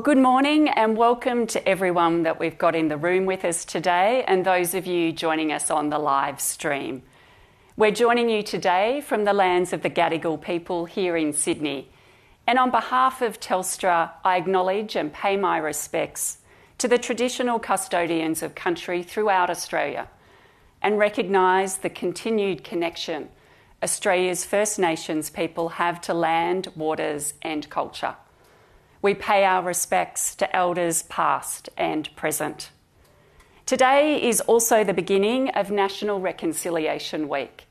Good morning and welcome to everyone that we've got in the room with us today, and those of you joining us on the live stream. We're joining you today from the lands of the and on behalf of Telstra, I acknowledge and pay my respects to the traditional custodians of country throughout Australia and recognise the continued connection Australia's First Nations people have to land, waters, and culture. We pay our respects to elders past and present. Today is also the beginning of National Reconciliation Week,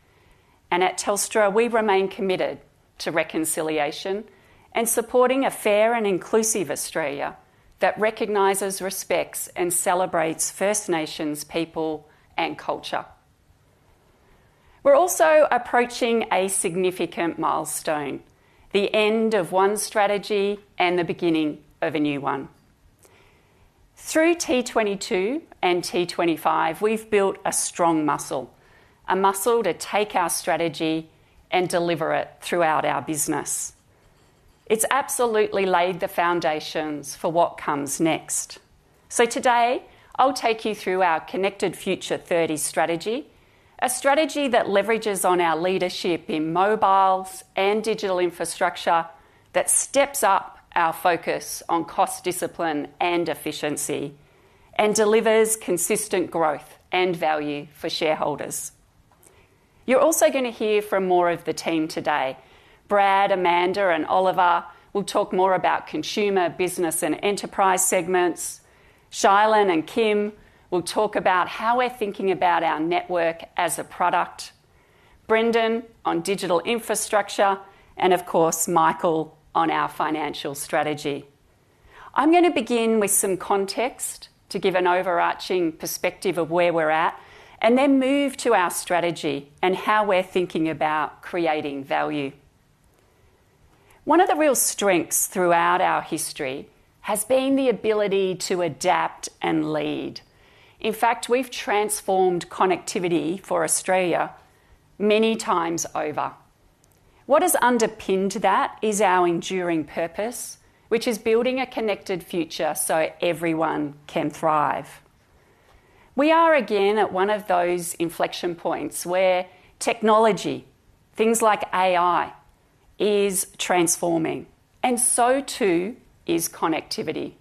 and at Telstra, we remain committed to reconciliation and supporting a fair and inclusive Australia that recognises, respects, and celebrates First Nations people and culture. We're also approaching a significant milestone: the end of one strategy and the beginning of a new one. Through T22 and T25, we've built a strong muscle, a muscle to take our strategy and deliver it throughout our business. It's absolutely laid the foundations for what comes next. Today, I'll take you through our Connected Future 30 strategy, a strategy that leverages on our leadership in mobiles and digital infrastructure, that steps up our focus on cost discipline and efficiency, and delivers consistent growth and value for shareholders. You're also going to hear from more of the team today. Brad, Amanda, and Oliver will talk more about consumer, business, and enterprise segments. Shailin and Kim will talk about how we're thinking about our network as a product, Brendon on digital infrastructure, and of course, Michael on our financial strategy. I'm going to begin with some context to give an overarching perspective of where we're at, and then move to our strategy and how we're thinking about creating value. One of the real strengths throughout our history has been the ability to adapt and lead. In fact, we've transformed connectivity for Australia many times over. What has underpinned that is our enduring purpose, which is building a connected future so everyone can thrive. We are again at one of those inflection points where technology, things like AI, is transforming, and so too is connectivity.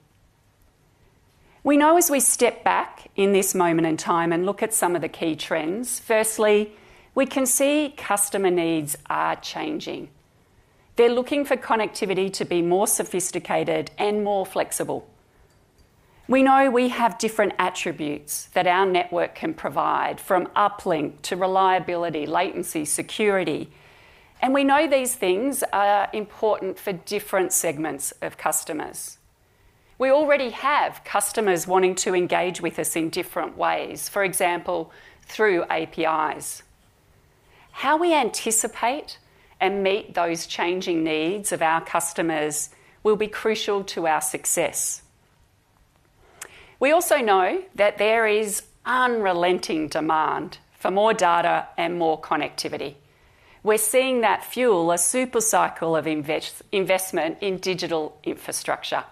We know as we step back in this moment in time and look at some of the key trends, firstly, we can see customer needs are changing. They're looking for connectivity to be more sophisticated and more flexible. We know we have different attributes that our network can provide, from uplink to reliability, latency, security, and we know these things are important for different segments of customers. We already have customers wanting to engage with us in different ways, for example, through APIs. How we anticipate and meet those changing needs of our customers will be crucial to our success. We also know that there is unrelenting demand for more data and more connectivity. We're seeing that fuel a super cycle of investment in digital infrastructure.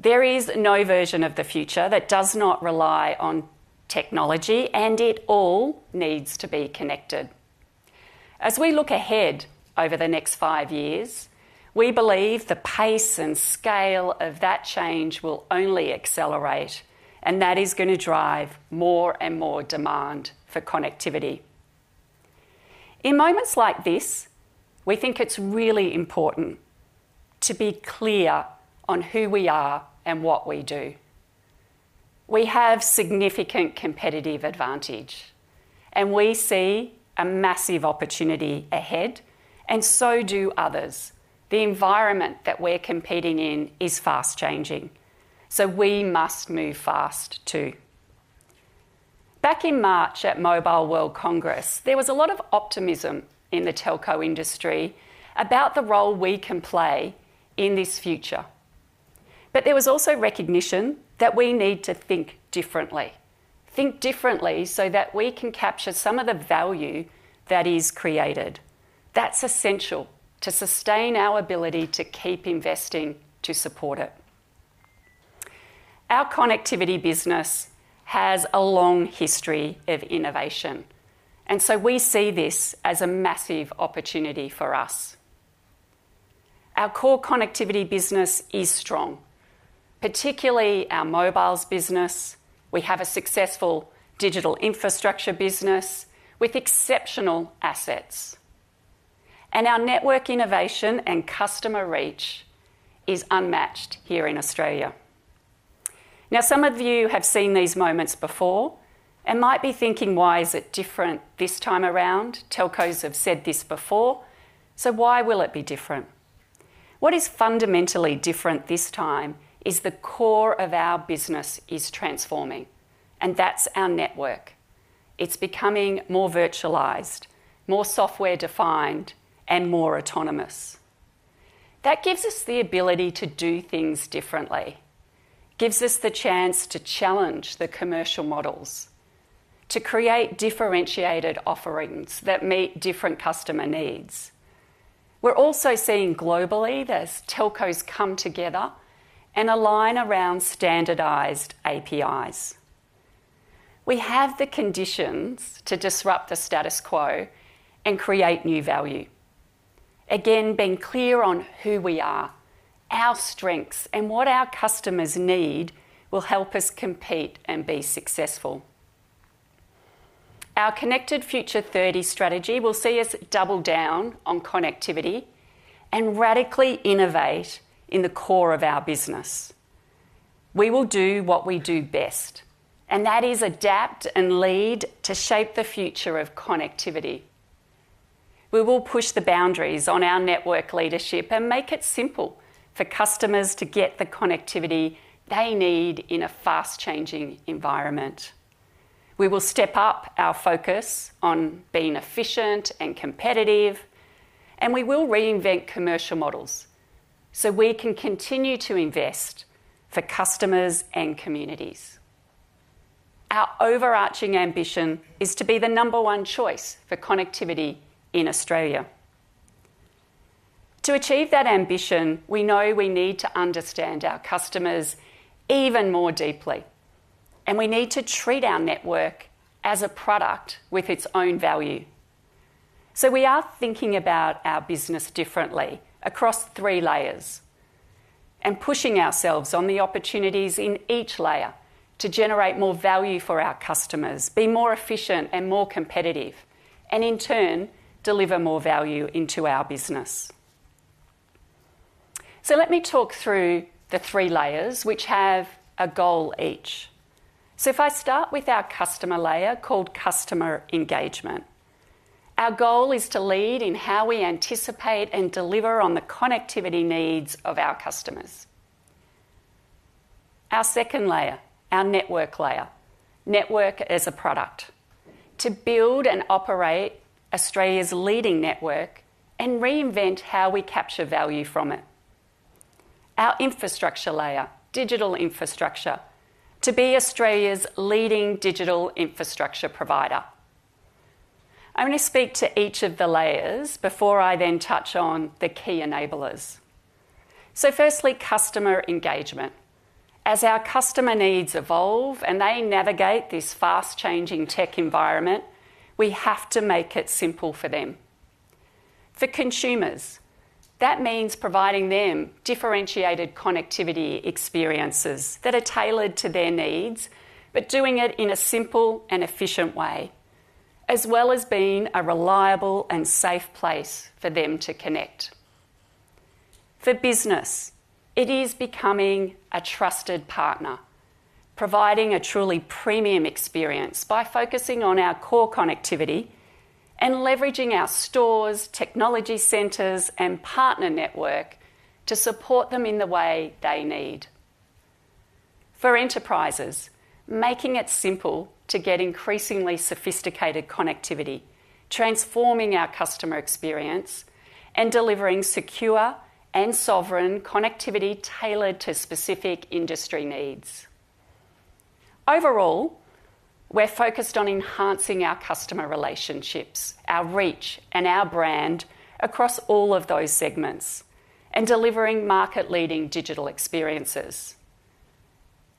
There is no version of the future that does not rely on technology, and it all needs to be connected. As we look ahead over the next five years, we believe the pace and scale of that change will only accelerate, and that is going to drive more and more demand for connectivity. In moments like this, we think it's really important to be clear on who we are and what we do. We have significant competitive advantage, and we see a massive opportunity ahead, and so do others. The environment that we're competing in is fast changing, so we must move fast too. Back in March at Mobile World Congress, there was a lot of optimism in the telco industry about the role we can play in this future. There was also recognition that we need to think differently, think differently so that we can capture some of the value that is created. That's essential to sustain our ability to keep investing to support it. Our connectivity business has a long history of innovation, and we see this as a massive opportunity for us. Our core connectivity business is strong, particularly our mobiles business. We have a successful digital infrastructure business with exceptional assets, and our network innovation and customer reach is unmatched here in Australia. Now, some of you have seen these moments before and might be thinking, "Why is it different this time around? Telcos have said this before, so why will it be different?" What is fundamentally different this time is the core of our business is transforming, and that's our network. It's becoming more virtualized, more software defined, and more autonomous. That gives us the ability to do things differently, gives us the chance to challenge the commercial models, to create differentiated offerings that meet different customer needs. We're also seeing globally as telcos come together and align around standardized APIs. We have the conditions to disrupt the status quo and create new value. Again, being clear on who we are, our strengths, and what our customers need will help us compete and be successful. Our Connected Future 30 strategy will see us double down on connectivity and radically innovate in the core of our business. We will do what we do best, and that is adapt and lead to shape the future of connectivity. We will push the boundaries on our network leadership and make it simple for customers to get the connectivity they need in a fast changing environment. We will step up our focus on being efficient and competitive, and we will reinvent commercial models so we can continue to invest for customers and communities. Our overarching ambition is to be the number one choice for connectivity in Australia. To achieve that ambition, we know we need to understand our customers even more deeply, and we need to treat our network as a product with its own value. We are thinking about our business differently across three layers and pushing ourselves on the opportunities in each layer to generate more value for our customers, be more efficient and more competitive, and in turn, deliver more value into our business. Let me talk through the three layers, which have a goal each. If I start with our customer layer called customer engagement, our goal is to lead in how we anticipate and deliver on the connectivity needs of our customers. Our second layer, our network layer, network as a product, to build and operate Australia's leading network and reinvent how we capture value from it. Our infrastructure layer, digital infrastructure, to be Australia's leading digital infrastructure provider. I'm going to speak to each of the layers before I then touch on the key enablers. Firstly, customer engagement. As our customer needs evolve and they navigate this fast changing tech environment, we have to make it simple for them. For consumers, that means providing them differentiated connectivity experiences that are tailored to their needs, but doing it in a simple and efficient way, as well as being a reliable and safe place for them to connect. For business, it is becoming a trusted partner, providing a truly premium experience by focusing on our core connectivity and leveraging our stores, technology centres, and partner network to support them in the way they need. For enterprises, making it simple to get increasingly sophisticated connectivity, transforming our customer experience, and delivering secure and sovereign connectivity tailored to specific industry needs. Overall, we're focused on enhancing our customer relationships, our reach, and our brand across all of those segments and delivering market leading digital experiences.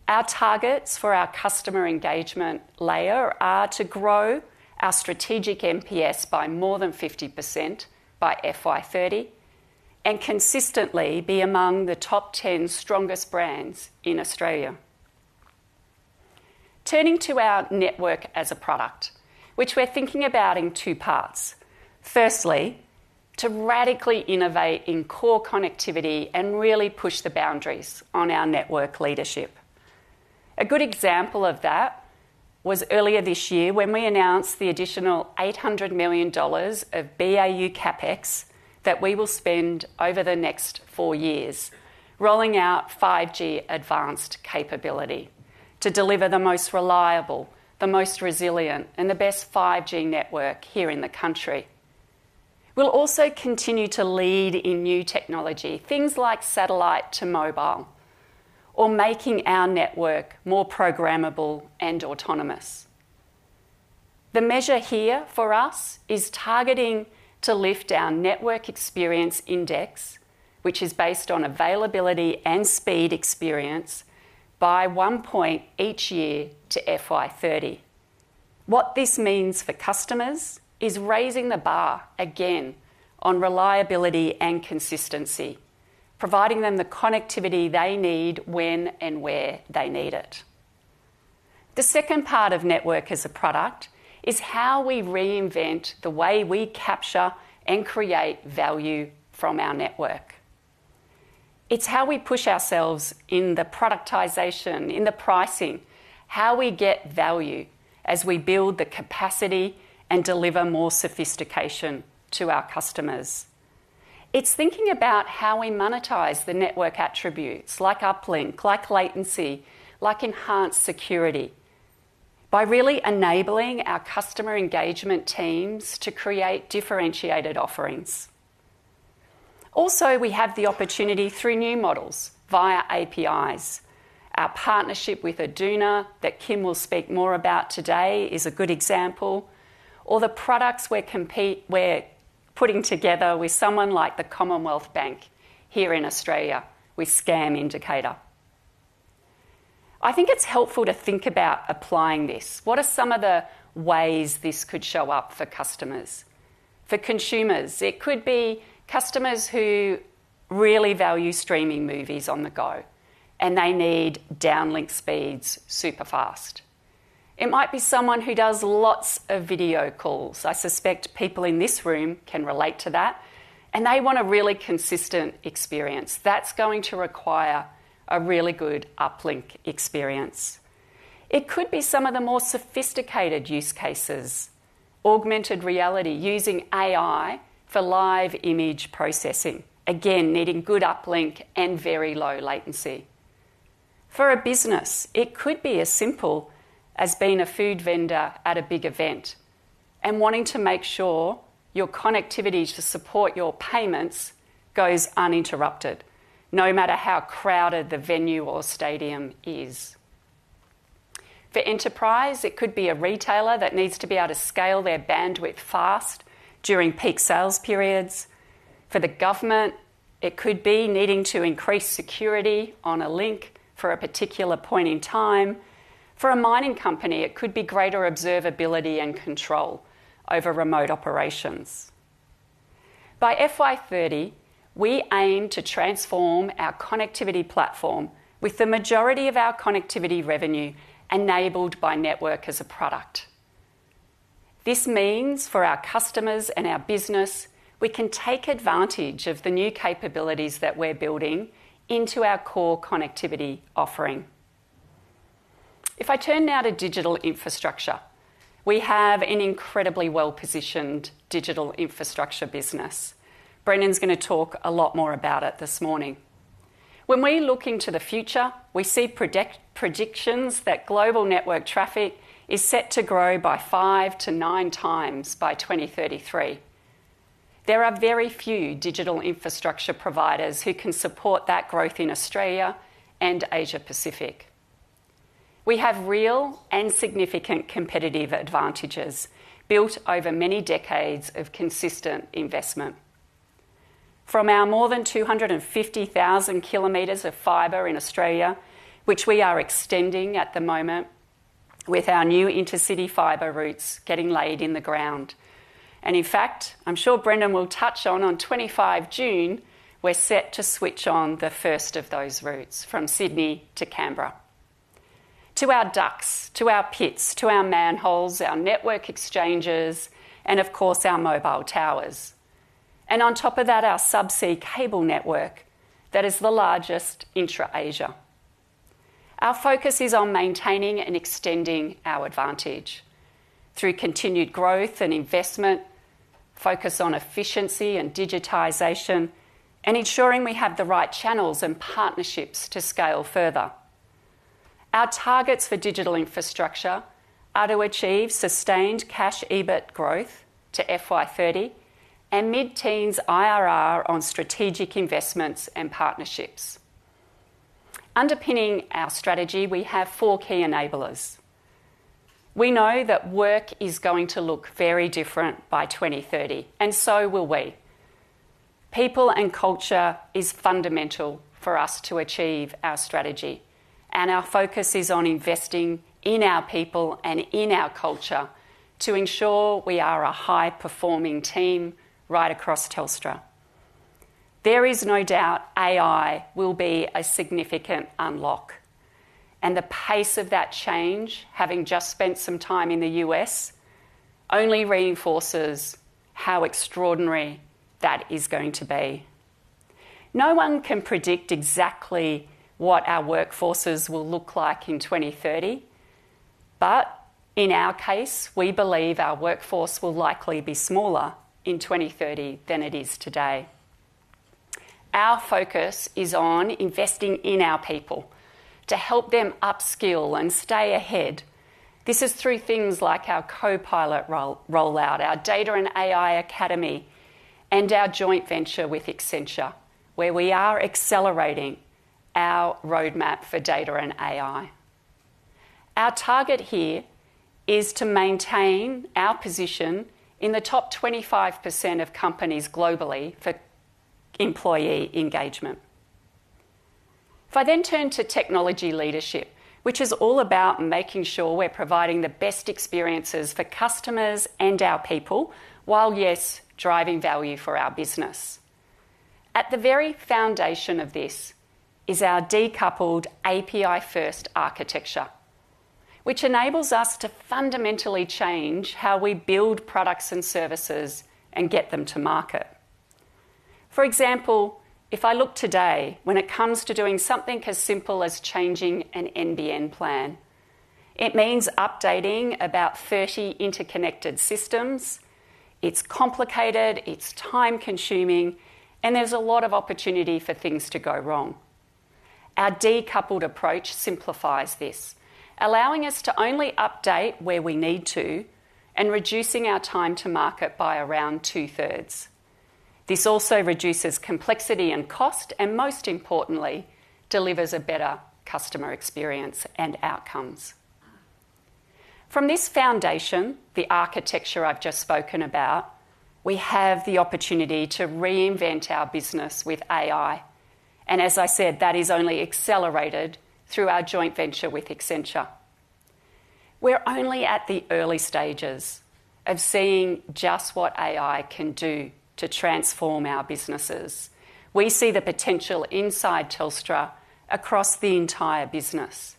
Our targets for our customer engagement layer are to grow our strategic MPS by more than 50% FY 2030 and consistently be among the top 10 strongest brands in Australia. Turning to our network as a product, which we're thinking about in two parts. Firstly, to radically innovate in core connectivity and really push the boundaries on our network leadership. A good example of that was earlier this year when we announced the additional 800 million dollars of BAU CapEx that we will spend over the next four years, rolling out 5G Advanced capability to deliver the most reliable, the most resilient, and the best 5G network here in the country. We'll also continue to lead in new technology, things like satellite to mobile, or making our network more programmable and autonomous. The measure here for us is targeting to lift our network experience index, which is based on availability and speed experience, by one point each year FY 2030. What this means for customers is raising the bar again on reliability and consistency, providing them the connectivity they need when and where they need it. The second part of network as a product is how we reinvent the way we capture and create value from our network. It's how we push ourselves in the productisation, in the pricing, how we get value as we build the capacity and deliver more sophistication to our customers. It's thinking about how we monetize the network attributes like uplink, like latency, like enhanced security, by really enabling our customer engagement teams to create differentiated offerings. Also, we have the opportunity through new models via APIs. Our partnership with Aduna that Kim will speak more about today is a good example, or the products we're putting together with someone like the Commonwealth Bank here in Australia with Scam Indicator. I think it's helpful to think about applying this. What are some of the ways this could show up for customers? For consumers, it could be customers who really value streaming movies on the go, and they need downlink speeds super fast. It might be someone who does lots of video calls. I suspect people in this room can relate to that, and they want a really consistent experience. That's going to require a really good uplink experience. It could be some of the more sophisticated use cases, augmented reality using AI for live image processing, again, needing good uplink and very low latency. For a business, it could be as simple as being a food vendor at a big event and wanting to make sure your connectivity to support your payments goes uninterrupted, no matter how crowded the venue or stadium is. For enterprise, it could be a retailer that needs to be able to scale their bandwidth fast during peak sales periods. For the government, it could be needing to increase security on a link for a particular point in time. For a mining company, it could be greater observability and control over remote operations. FY 2030, we aim to transform our connectivity platform with the majority of our connectivity revenue enabled by network as a product. This means for our customers and our business, we can take advantage of the new capabilities that we're building into our core connectivity offering. If I turn now to digital infrastructure, we have an incredibly well-positioned digital infrastructure business. Brendon is going to talk a lot more about it this morning. When we look into the future, we see predictions that global network traffic is set to grow by five to nine times by 2033. There are very few digital infrastructure providers who can support that growth in Australia and Asia-Pacific. We have real and significant competitive advantages built over many decades of consistent investment. From our more than 250,000 km of fiber in Australia, which we are extending at the moment with our new intercity fiber routes getting laid in the ground. In fact, I'm sure Brendon will touch on, on 25 June, we're set to switch on the first of those routes from Sydney to Canberra. To our ducts, to our pits, to our manholes, our network exchanges, and of course, our mobile towers. On top of that, our subsea cable network that is the largest in Asia-Pacific. Our focus is on maintaining and extending our advantage through continued growth and investment, focus on efficiency and digitization, and ensuring we have the right channels and partnerships to scale further. Our targets for digital infrastructure are to achieve sustained cash EBIT growth FY 2030 and mid-teens IRR on strategic investments and partnerships. Underpinning our strategy, we have four key enablers. We know that work is going to look very different by 2030, and so will we. People and culture is fundamental for us to achieve our strategy, and our focus is on investing in our people and in our culture to ensure we are a high-performing team right across Telstra. There is no doubt AI will be a significant unlock, and the pace of that change, having just spent some time in the U.S., only reinforces how extraordinary that is going to be. No one can predict exactly what our workforces will look like in 2030, but in our case, we believe our workforce will likely be smaller in 2030 than it is today. Our focus is on investing in our people to help them upskill and stay ahead. This is through things like our co-pilot rollout, our data and AI academy, and our joint venture with Accenture, where we are accelerating our roadmap for data and AI. Our target here is to maintain our position in the top 25% of companies globally for employee engagement. If I then turn to technology leadership, which is all about making sure we're providing the best experiences for customers and our people while, yes, driving value for our business. At the very foundation of this is our decoupled API-first architecture, which enables us to fundamentally change how we build products and services and get them to market. For example, if I look today, when it comes to doing something as simple as changing an NBN plan, it means updating about 30 interconnected systems. It's complicated, it's time-consuming, and there's a lot of opportunity for things to go wrong. Our decoupled approach simplifies this, allowing us to only update where we need to and reducing our time to market by around two-thirds. This also reduces complexity and cost, and most importantly, delivers a better customer experience and outcomes. From this foundation, the architecture I've just spoken about, we have the opportunity to reinvent our business with AI. As I said, that is only accelerated through our joint venture with Accenture. We're only at the early stages of seeing just what AI can do to transform our businesses. We see the potential inside Telstra across the entire business,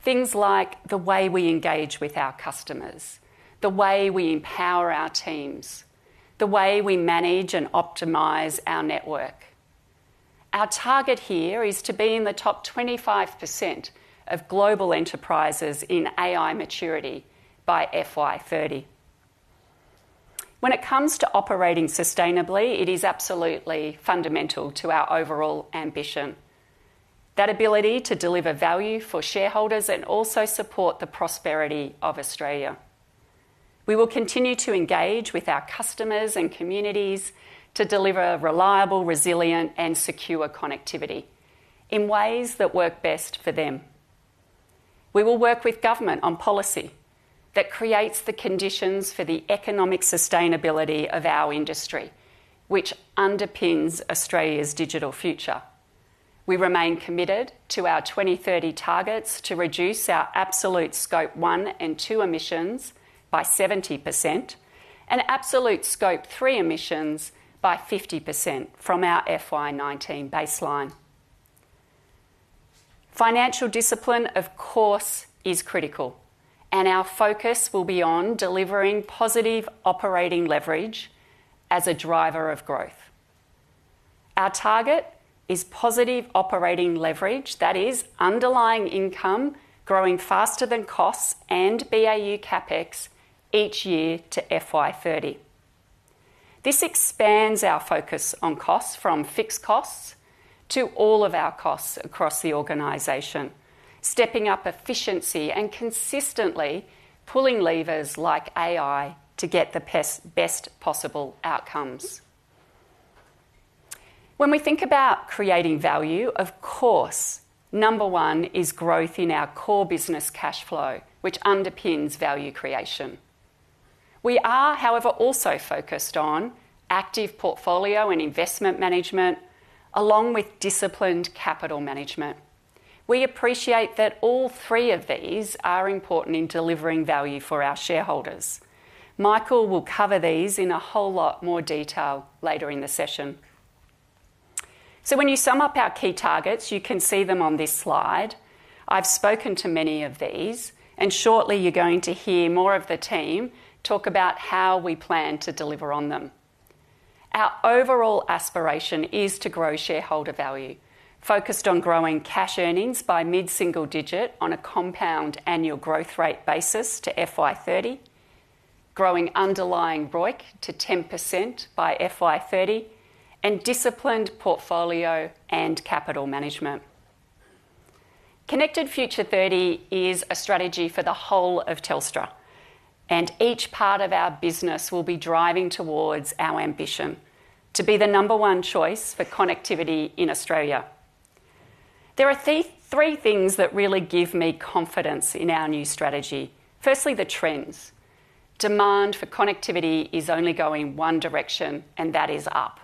things like the way we engage with our customers, the way we empower our teams, the way we manage and optimise our network. Our target here is to be in the top 25% of global enterprises in AI maturity FY 2030. When it comes to operating sustainably, it is absolutely fundamental to our overall ambition, that ability to deliver value for shareholders and also support the prosperity of Australia. We will continue to engage with our customers and communities to deliver reliable, resilient, and secure connectivity in ways that work best for them. We will work with government on policy that creates the conditions for the economic sustainability of our industry, which underpins Australia's digital future. We remain committed to our 2030 targets to reduce our absolute scope one and two emissions by 70% and absolute scope three emissions by 50% from our FY 2019 baseline. Financial discipline, of course, is critical, and our focus will be on delivering positive operating leverage as a driver of growth. Our target is positive operating leverage, that is, underlying income growing faster than costs and BAU CapEx each year to FY 2030. This expands our focus on costs from fixed costs to all of our costs across the organization, stepping up efficiency and consistently pulling levers like AI to get the best possible outcomes. When we think about creating value, of course, number one is growth in our core business cash flow, which underpins value creation. We are, however, also focused on active portfolio and investment management along with disciplined capital management. We appreciate that all three of these are important in delivering value for our shareholders. Michael will cover these in a whole lot more detail later in the session. When you sum up our key targets, you can see them on this slide. I've spoken to many of these, and shortly you're going to hear more of the team talk about how we plan to deliver on them. Our overall aspiration is to grow shareholder value, focused on growing cash earnings by mid-single digit on a compound annual growth rate basis FY 2030, growing underlying ROIC to 10% FY 2030, and disciplined portfolio and capital management. Connected Future 30 is a strategy for the whole of Telstra, and each part of our business will be driving towards our ambition to be the number one choice for connectivity in Australia. There are three things that really give me confidence in our new strategy. Firstly, the trends. Demand for connectivity is only going one direction, and that is up.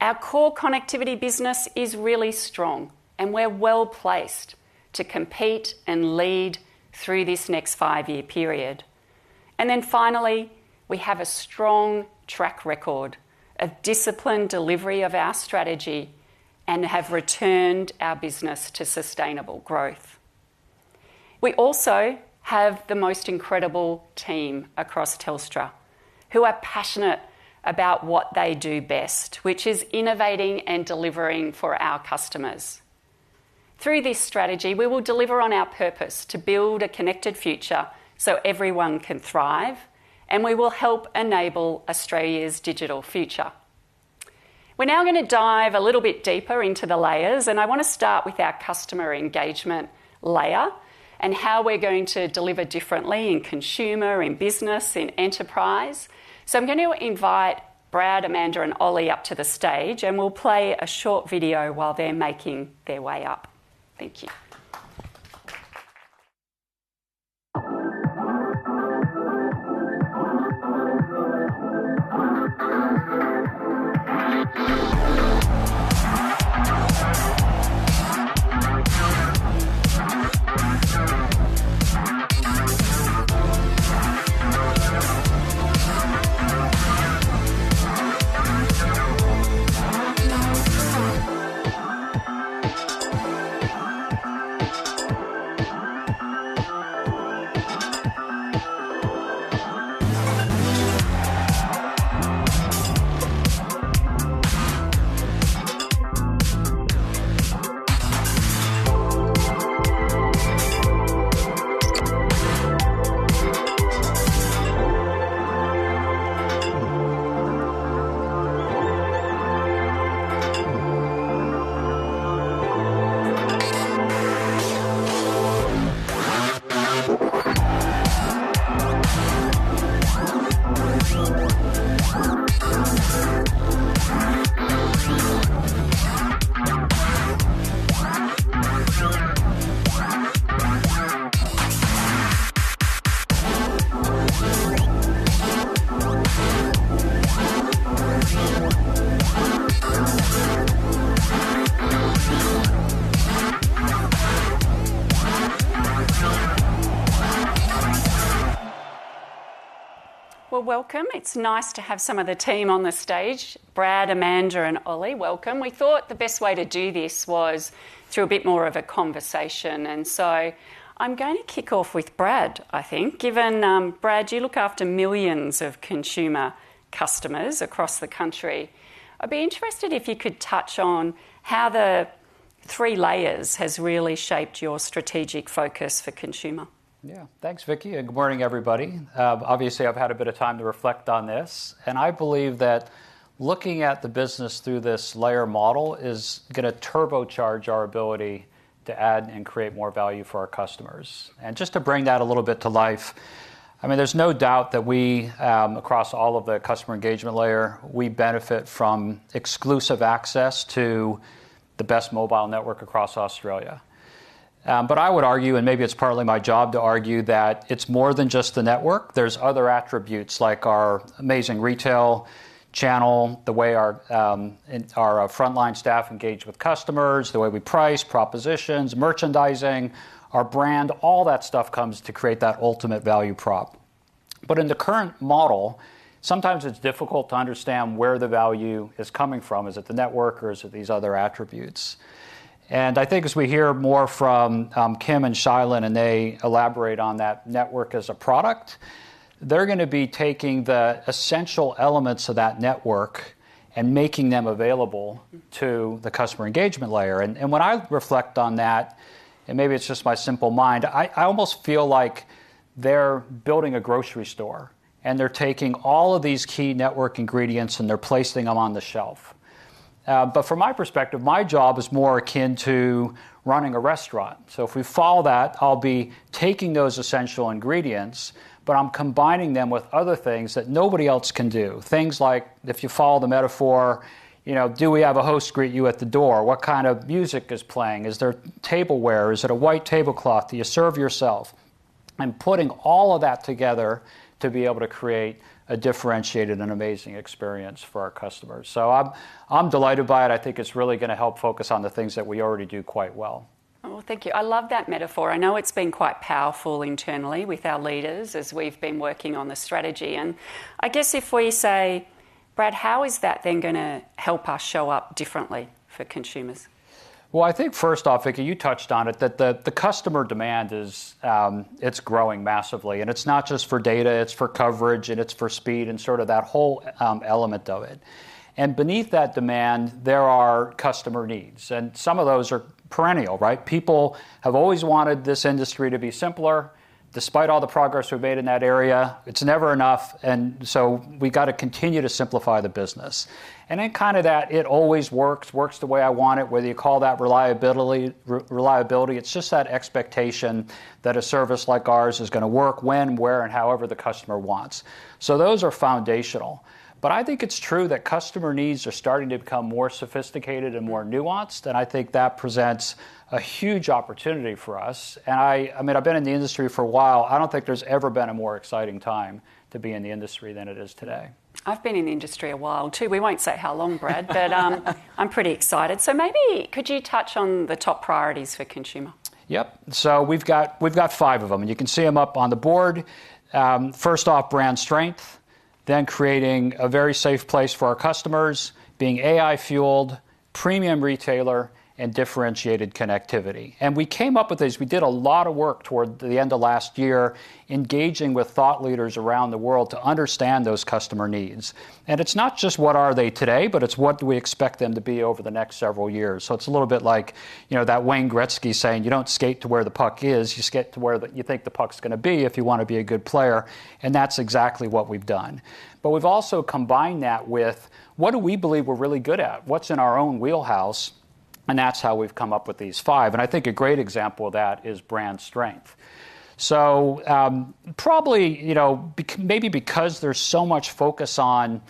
Our core connectivity business is really strong, and we're well placed to compete and lead through this next five-year period. Finally, we have a strong track record of disciplined delivery of our strategy and have returned our business to sustainable growth. We also have the most incredible team across Telstra who are passionate about what they do best, which is innovating and delivering for our customers. Through this strategy, we will deliver on our purpose to build a connected future so everyone can thrive, and we will help enable Australia's digital future. We're now going to dive a little bit deeper into the layers, and I want to start with our customer engagement layer and how we're going to deliver differently in consumer, in business, in enterprise. I'm going to invite Brad, Amanda, and Oli up to the stage, and we'll play a short video while they're making their way up. Thank you. It is nice to have some of the team on the stage. Brad, Amanda, and Oli, welcome. We thought the best way to do this was through a bit more of a conversation. I'm going to kick off with Brad, I think. Given Brad, you look after millions of consumer customers across the country. I'd be interested if you could touch on how the three layers has really shaped your strategic focus for consumer. Yeah, thanks, Vicki. And good morning, everybody. Obviously, I've had a bit of time to reflect on this, and I believe that looking at the business through this layer model is going to turbocharge our ability to add and create more value for our customers. Just to bring that a little bit to life, I mean, there's no doubt that we, across all of the customer engagement layer, we benefit from exclusive access to the best mobile network across Australia. I would argue, and maybe it's partly my job to argue, that it's more than just the network. are other attributes like our amazing retail channel, the way our frontline staff engage with customers, the way we price, propositions, merchandising, our brand, all that stuff comes to create that ultimate value prop. In the current model, sometimes it's difficult to understand where the value is coming from. Is it the network or is it these other attributes? I think as we hear more from Kim and Shailin, and they elaborate on that network as a product, they're going to be taking the essential elements of that network and making them available to the customer engagement layer. When I reflect on that, and maybe it's just my simple mind, I almost feel like they're building a grocery store and they're taking all of these key network ingredients and they're placing them on the shelf. From my perspective, my job is more akin to running a restaurant. If we follow that, I'll be taking those essential ingredients, but I'm combining them with other things that nobody else can do. Things like, if you follow the metaphor, do we have a host greet you at the door? What kind of music is playing? Is there tableware? Is it a white tablecloth? Do you serve yourself? Putting all of that together to be able to create a differentiated and amazing experience for our customers. I'm delighted by it. I think it's really going to help focus on the things that we already do quite well. Thank you. I love that metaphor. I know it's been quite powerful internally with our leaders as we've been working on the strategy. I guess if we say, Brad, how is that then going to help us show up differently for consumers? I think first off, Vicki, you touched on it, that the customer demand, it's growing massively. It's not just for data, it's for coverage, and it's for speed and sort of that whole element of it. Beneath that demand, there are customer needs. Some of those are perennial, right? People have always wanted this industry to be simpler. Despite all the progress we've made in that area, it's never enough. We've got to continue to simplify the business. Kind of that, it always works, works the way I want it, whether you call that reliability. It's just that expectation that a service like ours is going to work when, where, and however the customer wants. Those are foundational. I think it's true that customer needs are starting to become more sophisticated and more nuanced, and I think that presents a huge opportunity for us. I mean, I've been in the industry for a while. I don't think there's ever been a more exciting time to be in the industry than it is today. I've been in the industry a while too. We won't say how long, Brad, but I'm pretty excited. Maybe could you touch on the top priorities for consumer? Yep. We've got five of them, and you can see them up on the board. First off, brand strength, then creating a very safe place for our customers, being AI-fueled, premium retailer, and differentiated connectivity. We came up with these. We did a lot of work toward the end of last year engaging with thought leaders around the world to understand those customer needs. It is not just what are they today, but it is what do we expect them to be over the next several years. It is a little bit like that Wayne Gretzky saying, you do not skate to where the puck is, you skate to where you think the puck is going to be if you want to be a good player. That is exactly what we have done. We have also combined that with what do we believe we are really good at, what is in our own wheelhouse, and that is how we have come up with these five. I think a great example of that is brand strength. Probably maybe because there's so much focus on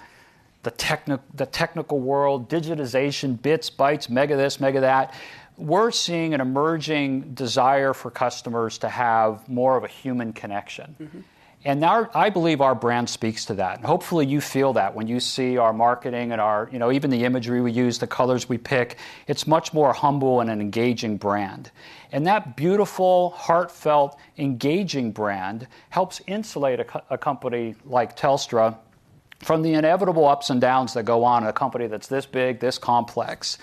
the technical world, digitization, bits, bytes, mega this, mega that, we're seeing an emerging desire for customers to have more of a human connection. I believe our brand speaks to that. Hopefully you feel that when you see our marketing and even the imagery we use, the colors we pick, it's much more humble and an engaging brand. That beautiful, heartfelt, engaging brand helps insulate a company like Telstra from the inevitable ups and downs that go on in a company that's this big, this complex.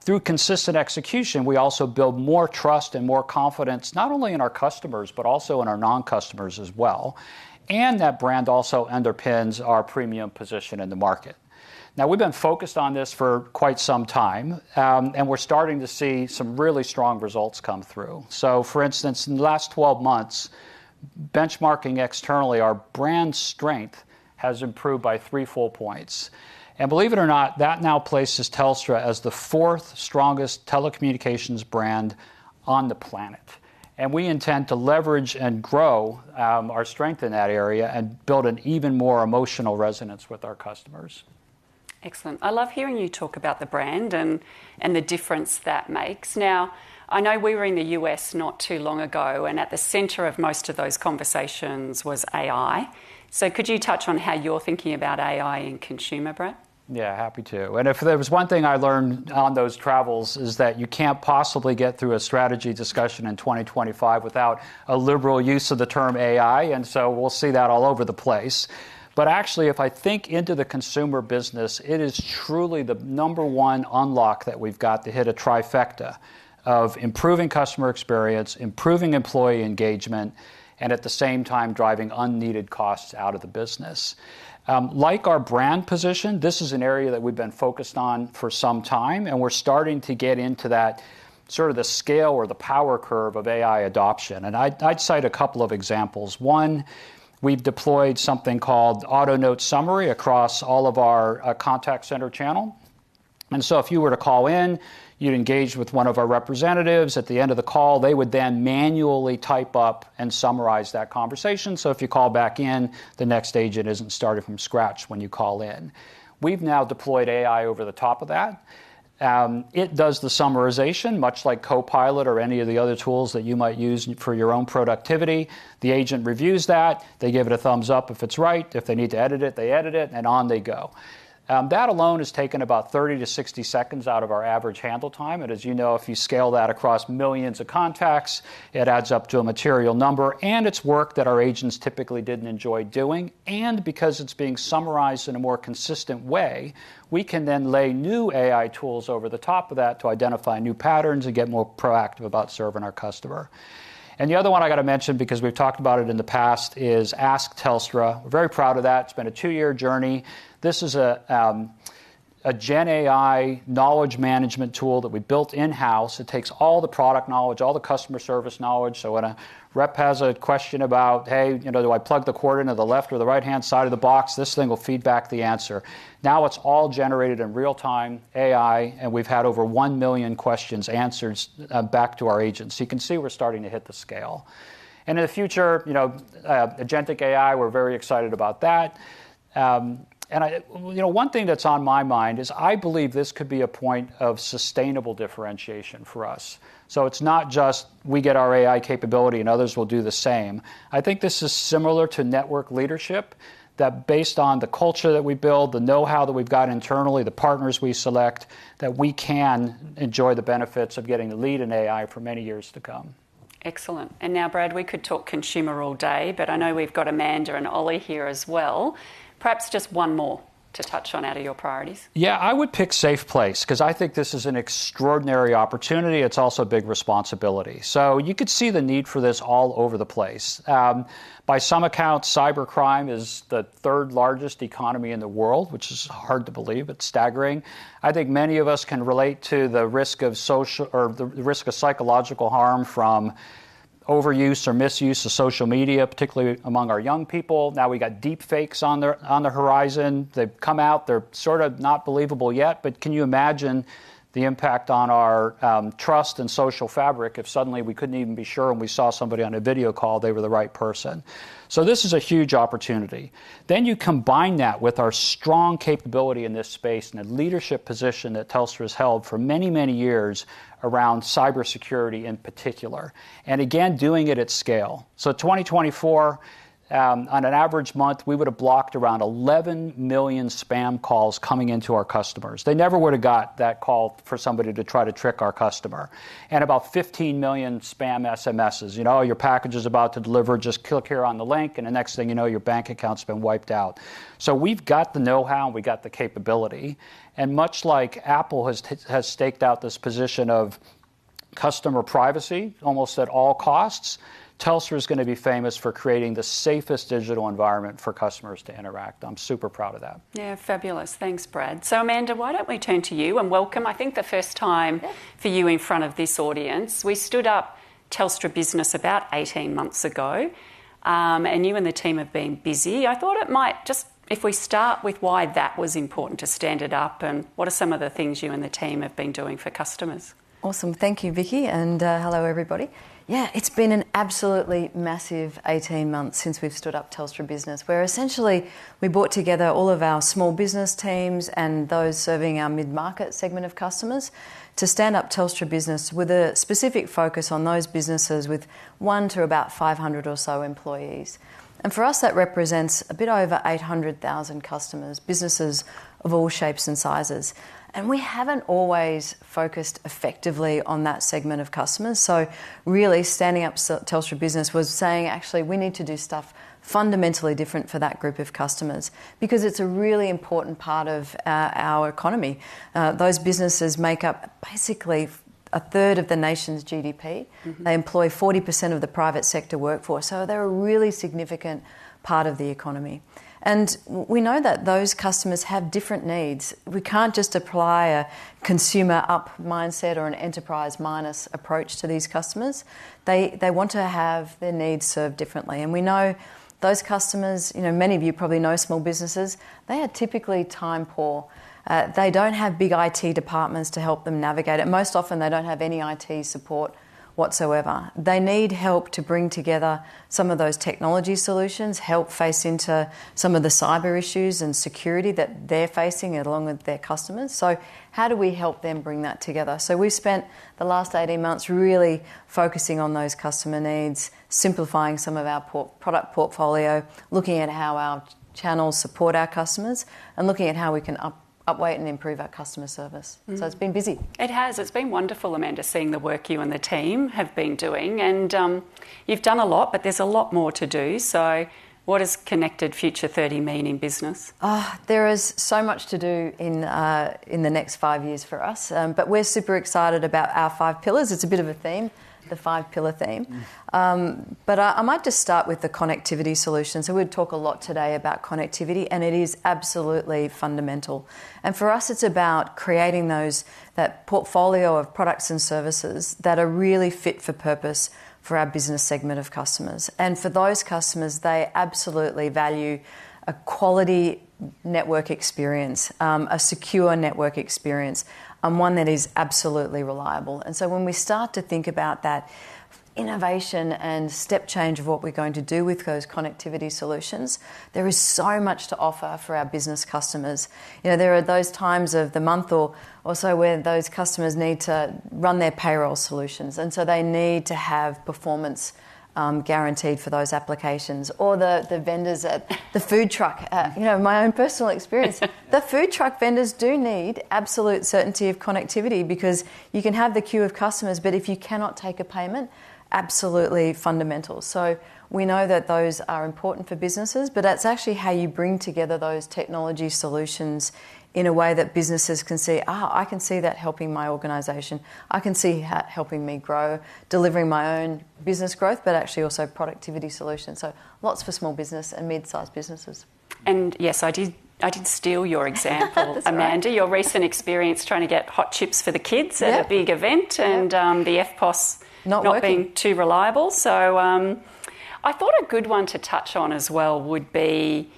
Through consistent execution, we also build more trust and more confidence, not only in our customers, but also in our non-customers as well. That brand also underpins our premium position in the market. Now, we've been focused on this for quite some time, and we're starting to see some really strong results come through. For instance, in the last 12 months, benchmarking externally, our brand strength has improved by three full points. Believe it or not, that now places Telstra as the fourth strongest telecommunications brand on the planet. We intend to leverage and grow our strength in that area and build an even more emotional resonance with our customers. Excellent. I love hearing you talk about the brand and the difference that makes. I know we were in the U.S. not too long ago, and at the center of most of those conversations was AI. Could you touch on how you're thinking about AI in consumer, Brad? Yeah, happy to. If there was one thing I learned on those travels, it is that you can't possibly get through a strategy discussion in 2025 without a liberal use of the term AI. We'll see that all over the place. Actually, if I think into the consumer business, it is truly the number one unlock that we've got to hit a trifecta of improving customer experience, improving employee engagement, and at the same time driving unneeded costs out of the business. Like our brand position, this is an area that we've been focused on for some time, and we're starting to get into that sort of the scale or the power curve of AI adoption. I'd cite a couple of examples. One, we've deployed something called AutoNote Summary across all of our contact center channel. If you were to call in, you'd engage with one of our representatives. At the end of the call, they would then manually type up and summarize that conversation. If you call back in, the next agent isn't started from scratch when you call in. We've now deployed AI over the top of that. It does the summarization, much like Copilot or any of the other tools that you might use for your own productivity. The agent reviews that. They give it a thumbs up if it's right. If they need to edit it, they edit it, and on they go. That alone has taken about 30 seconds-60 seconds out of our average handle time. As you know, if you scale that across millions of contacts, it adds up to a material number, and it's work that our agents typically didn't enjoy doing. Because it's being summarized in a more consistent way, we can then lay new AI tools over the top of that to identify new patterns and get more proactive about serving our customer. The other one I got to mention, because we've talked about it in the past, is Ask Telstra. We're very proud of that. It's been a two-year journey. This is a GenAI knowledge management tool that we built in-house. It takes all the product knowledge, all the customer service knowledge. When a rep has a question about, "Hey, do I plug the cord into the left or the right-hand side of the box?" this thing will feed back the answer. Now it's all generated in real-time AI, and we've had over one million questions answered back to our agents. You can see we're starting to hit the scale. In the future, agentic AI, we're very excited about that. One thing that's on my mind is I believe this could be a point of sustainable differentiation for us. It's not just we get our AI capability and others will do the same. I think this is similar to network leadership that based on the culture that we build, the know-how that we've got internally, the partners we select, we can enjoy the benefits of getting to lead in AI for many years to come. Excellent. Now, Brad, we could talk consumer all day, but I know we've got Amanda and Oli here as well. Perhaps just one more to touch on out of your priorities. Yeah, I would pick safe place because I think this is an extraordinary opportunity. It's also a big responsibility. You could see the need for this all over the place. By some accounts, cybercrime is the third largest economy in the world, which is hard to believe. It's staggering. I think many of us can relate to the risk of social or the risk of psychological harm from overuse or misuse of social media, particularly among our young people. Now we got deep fakes on the horizon. They've come out. They're sort of not believable yet, but can you imagine the impact on our trust and social fabric if suddenly we couldn't even be sure when we saw somebody on a video call, they were the right person? This is a huge opportunity. You combine that with our strong capability in this space and the leadership position that Telstra has held for many, many years around cybersecurity in particular, and again, doing it at scale. In 2024, on an average month, we would have blocked around 11 million spam calls coming into our customers. They never would have got that call for somebody to try to trick our customer. And about 15 million spam SMSs. Your package is about to deliver, just click here on the link, and the next thing you know, your bank account's been wiped out. We have the know-how and we have the capability. Much like Apple has staked out this position of customer privacy almost at all costs, Telstra is going to be famous for creating the safest digital environment for customers to interact. I'm super proud of that. Yeah, fabulous. Thanks, Brad. Amanda, why don't we turn to you and welcome, I think the first time for you in front of this audience. We stood up Telstra Business about 18 months ago, and you and the team have been busy. I thought it might just, if we start with why that was important to stand it up and what are some of the things you and the team have been doing for customers? Awesome. Thank you, Vicki. And hello, everybody. Yeah, it's been an absolutely massive 18 months since we've stood up Telstra Business, where essentially we brought together all of our small business teams and those serving our mid-market segment of customers to stand up Telstra Business with a specific focus on those businesses with one to about 500 or so employees. For us, that represents a bit over 800,000 customers, businesses of all shapes and sizes. We haven't always focused effectively on that segment of customers. Really standing up Telstra Business was saying, actually, we need to do stuff fundamentally different for that group of customers because it's a really important part of our economy. Those businesses make up basically a third of the nation's GDP. They employ 40% of the private sector workforce. They're a really significant part of the economy. We know that those customers have different needs. We can't just apply a consumer-up mindset or an enterprise-minus approach to these customers. They want to have their needs served differently. We know those customers, many of you probably know small businesses, they are typically time poor. They don't have big IT departments to help them navigate it. Most often, they don't have any IT support whatsoever. They need help to bring together some of those technology solutions, help face into some of the cyber issues and security that they're facing along with their customers. How do we help them bring that together? We have spent the last 18 months really focusing on those customer needs, simplifying some of our product portfolio, looking at how our channels support our customers, and looking at how we can update and improve our customer service. It has been busy. It has. It has been wonderful, Amanda, seeing the work you and the team have been doing. You have done a lot, but there is a lot more to do. What does Connected Future 30 mean in business? There is so much to do in the next five years for us, but we are super excited about our five pillars. It is a bit of a theme, the five-pillar theme. I might just start with the connectivity solution. We talk a lot today about connectivity, and it is absolutely fundamental. For us, it is about creating that portfolio of products and services that are really fit for purpose for our business segment of customers. For those customers, they absolutely value a quality network experience, a secure network experience, and one that is absolutely reliable. When we start to think about that innovation and step change of what we are going to do with those connectivity solutions, there is so much to offer for our business customers. There are those times of the month or so when those customers need to run their payroll solutions, and they need to have performance guaranteed for those applications. Or the vendors at the food truck, my own personal experience, the food truck vendors do need absolute certainty of connectivity because you can have the queue of customers, but if you cannot take a payment, absolutely fundamental. We know that those are important for businesses, but that's actually how you bring together those technology solutions in a way that businesses can see, I can see that helping my organization. I can see helping me grow, delivering my own business growth, but actually also productivity solutions. Lots for small business and mid-sized businesses. Yes, I did steal your example, Amanda, your recent experience trying to get hot chips for the kids at a big event and the EFTPOS not being too reliable. I thought a good one to touch on as well would be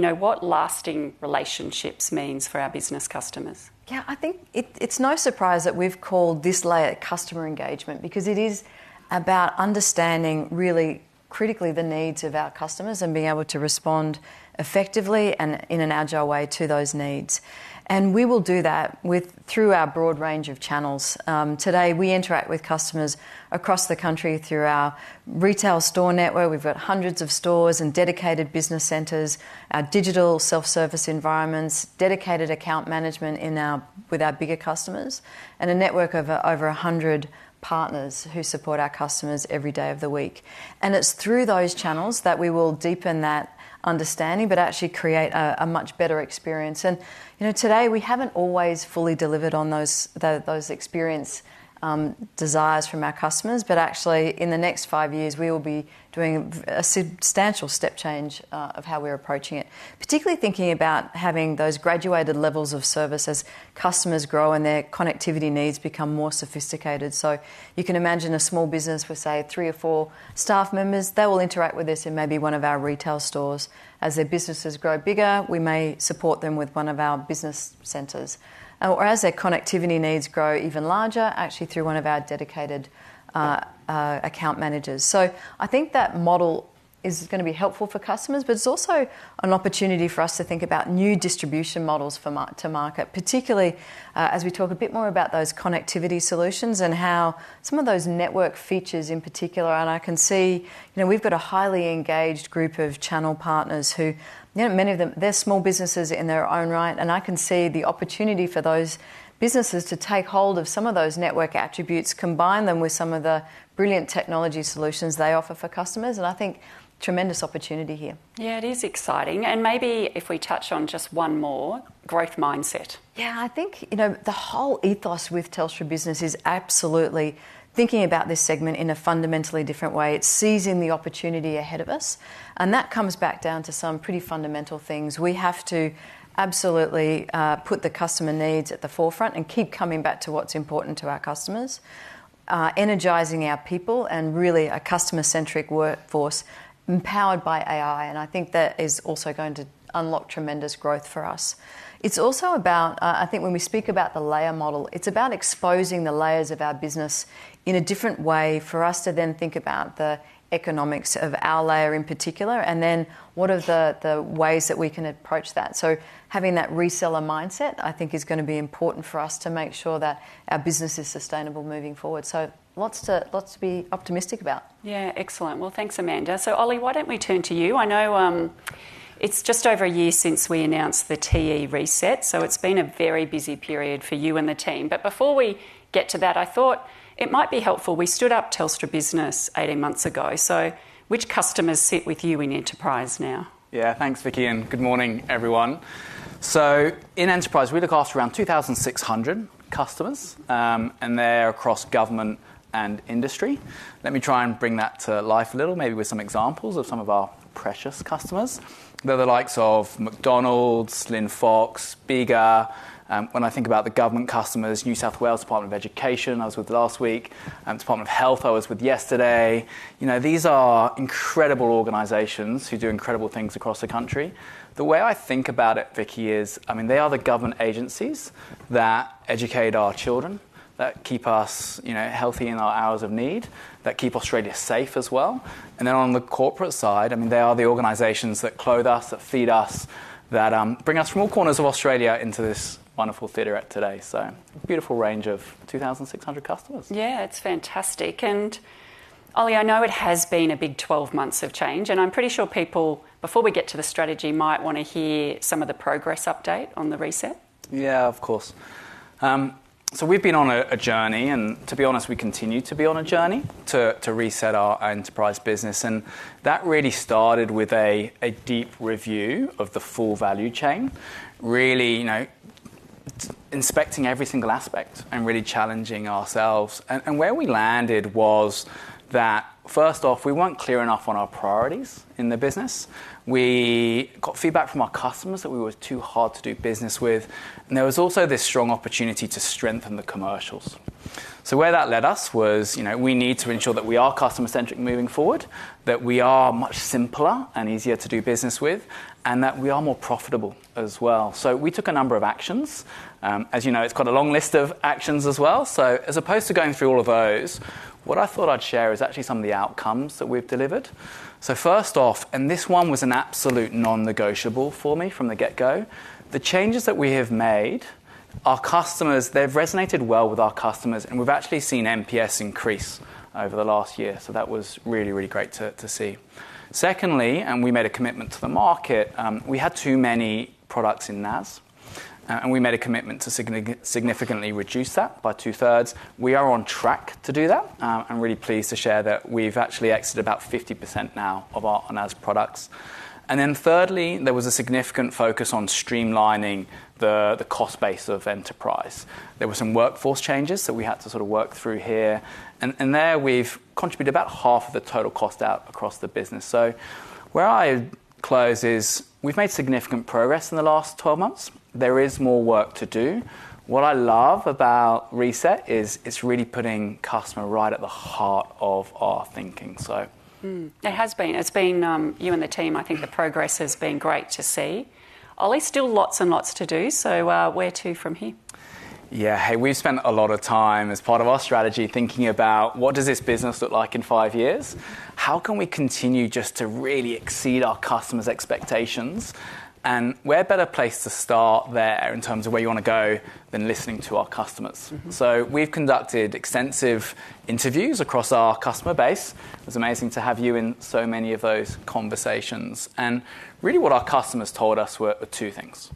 what lasting relationships means for our business customers. Yeah, I think it's no surprise that we've called this layer customer engagement because it is about understanding really critically the needs of our customers and being able to respond effectively and in an agile way to those needs. We will do that through our broad range of channels. Today, we interact with customers across the country through our retail store network. We've got hundreds of stores and dedicated business centers, our digital self-service environments, dedicated account management with our bigger customers, and a network of over 100 partners who support our customers every day of the week. It is through those channels that we will deepen that understanding, but actually create a much better experience. Today, we have not always fully delivered on those experience desires from our customers, but actually in the next five years, we will be doing a substantial step change of how we are approaching it, particularly thinking about having those graduated levels of service as customers grow and their connectivity needs become more sophisticated. You can imagine a small business with, say, three or four staff members. They will interact with us in maybe one of our retail stores. As their businesses grow bigger, we may support them with one of our business centers. Or as their connectivity needs grow even larger, actually through one of our dedicated account managers. I think that model is going to be helpful for customers, but it's also an opportunity for us to think about new distribution models to market, particularly as we talk a bit more about those connectivity solutions and how some of those network features in particular. I can see we've got a highly engaged group of channel partners who, many of them, they're small businesses in their own right. I can see the opportunity for those businesses to take hold of some of those network attributes, combine them with some of the brilliant technology solutions they offer for customers. I think tremendous opportunity here. Yeah, it is exciting. Maybe if we touch on just one more, growth mindset. I think the whole ethos with Telstra Business is absolutely thinking about this segment in a fundamentally different way. It's seizing the opportunity ahead of us. That comes back down to some pretty fundamental things. We have to absolutely put the customer needs at the forefront and keep coming back to what's important to our customers, energizing our people and really a customer-centric workforce empowered by AI. I think that is also going to unlock tremendous growth for us. It's also about, I think when we speak about the layer model, exposing the layers of our business in a different way for us to then think about the economics of our layer in particular, and then what are the ways that we can approach that. Having that reseller mindset, I think, is going to be important for us to make sure that our business is sustainable moving forward. Lots to be optimistic about. Excellent. Thanks, Amanda. Oli, why don't we turn to you? I know it's just over a year since we announced the TE reset. It has been a very busy period for you and the team. Before we get to that, I thought it might be helpful. We stood up Telstra Business 18 months ago. Which customers sit with you in enterprise now? Yeah, thanks, Vicki. Good morning, everyone. In enterprise, we look after around 2,600 customers, and they're across government and industry. Let me try and bring that to life a little, maybe with some examples of some of our precious customers. They're the likes of McDonald's, Linfox, Bega. When I think about the government customers, New South Wales Department of Education, I was with last week. Department of Health, I was with yesterday. These are incredible organizations who do incredible things across the country. The way I think about it, Vicki, is, I mean, they are the government agencies that educate our children, that keep us healthy in our hours of need, that keep Australia safe as well. Then on the corporate side, I mean, they are the organizations that clothe us, that feed us, that bring us from all corners of Australia into this wonderful theater at today. Beautiful range of 2,600 customers. Yeah, it's fantastic. Oli, I know it has been a big 12 months of change, and I'm pretty sure people, before we get to the strategy, might want to hear some of the progress update on the reset. Yeah, of course. We've been on a journey, and to be honest, we continue to be on a journey to reset our enterprise business. That really started with a deep review of the full value chain, really inspecting every single aspect and really challenging ourselves. Where we landed was that, first off, we were not clear enough on our priorities in the business. We got feedback from our customers that we were too hard to do business with. There was also this strong opportunity to strengthen the commercials. Where that led us was we need to ensure that we are customer-centric moving forward, that we are much simpler and easier to do business with, and that we are more profitable as well. We took a number of actions. As you know, it has a long list of actions as well. As opposed to going through all of those, what I thought I would share is actually some of the outcomes that we have delivered. First off, and this one was an absolute non-negotiable for me from the get-go, the changes that we have made, our customers, they've resonated well with our customers, and we've actually seen NPS increase over the last year. That was really, really great to see. Secondly, and we made a commitment to the market, we had too many products in NAS, and we made a commitment to significantly reduce that by two-thirds. We are on track to do that and really pleased to share that we've actually exited about 50% now of our NAS products. Thirdly, there was a significant focus on streamlining the cost base of enterprise. There were some workforce changes that we had to sort of work through here. There we've contributed about half of the total cost out across the business. Where I close is we've made significant progress in the last 12 months. There is more work to do. What I love about reset is it's really putting customer right at the heart of our thinking. It has been you and the team. I think the progress has been great to see. Oli, still lots and lots to do. Where to from here? Yeah, hey, we've spent a lot of time as part of our strategy thinking about what does this business look like in five years? How can we continue just to really exceed our customers' expectations? Where better place to start there in terms of where you want to go than listening to our customers? We've conducted extensive interviews across our customer base. It was amazing to have you in so many of those conversations. What our customers told us were two things.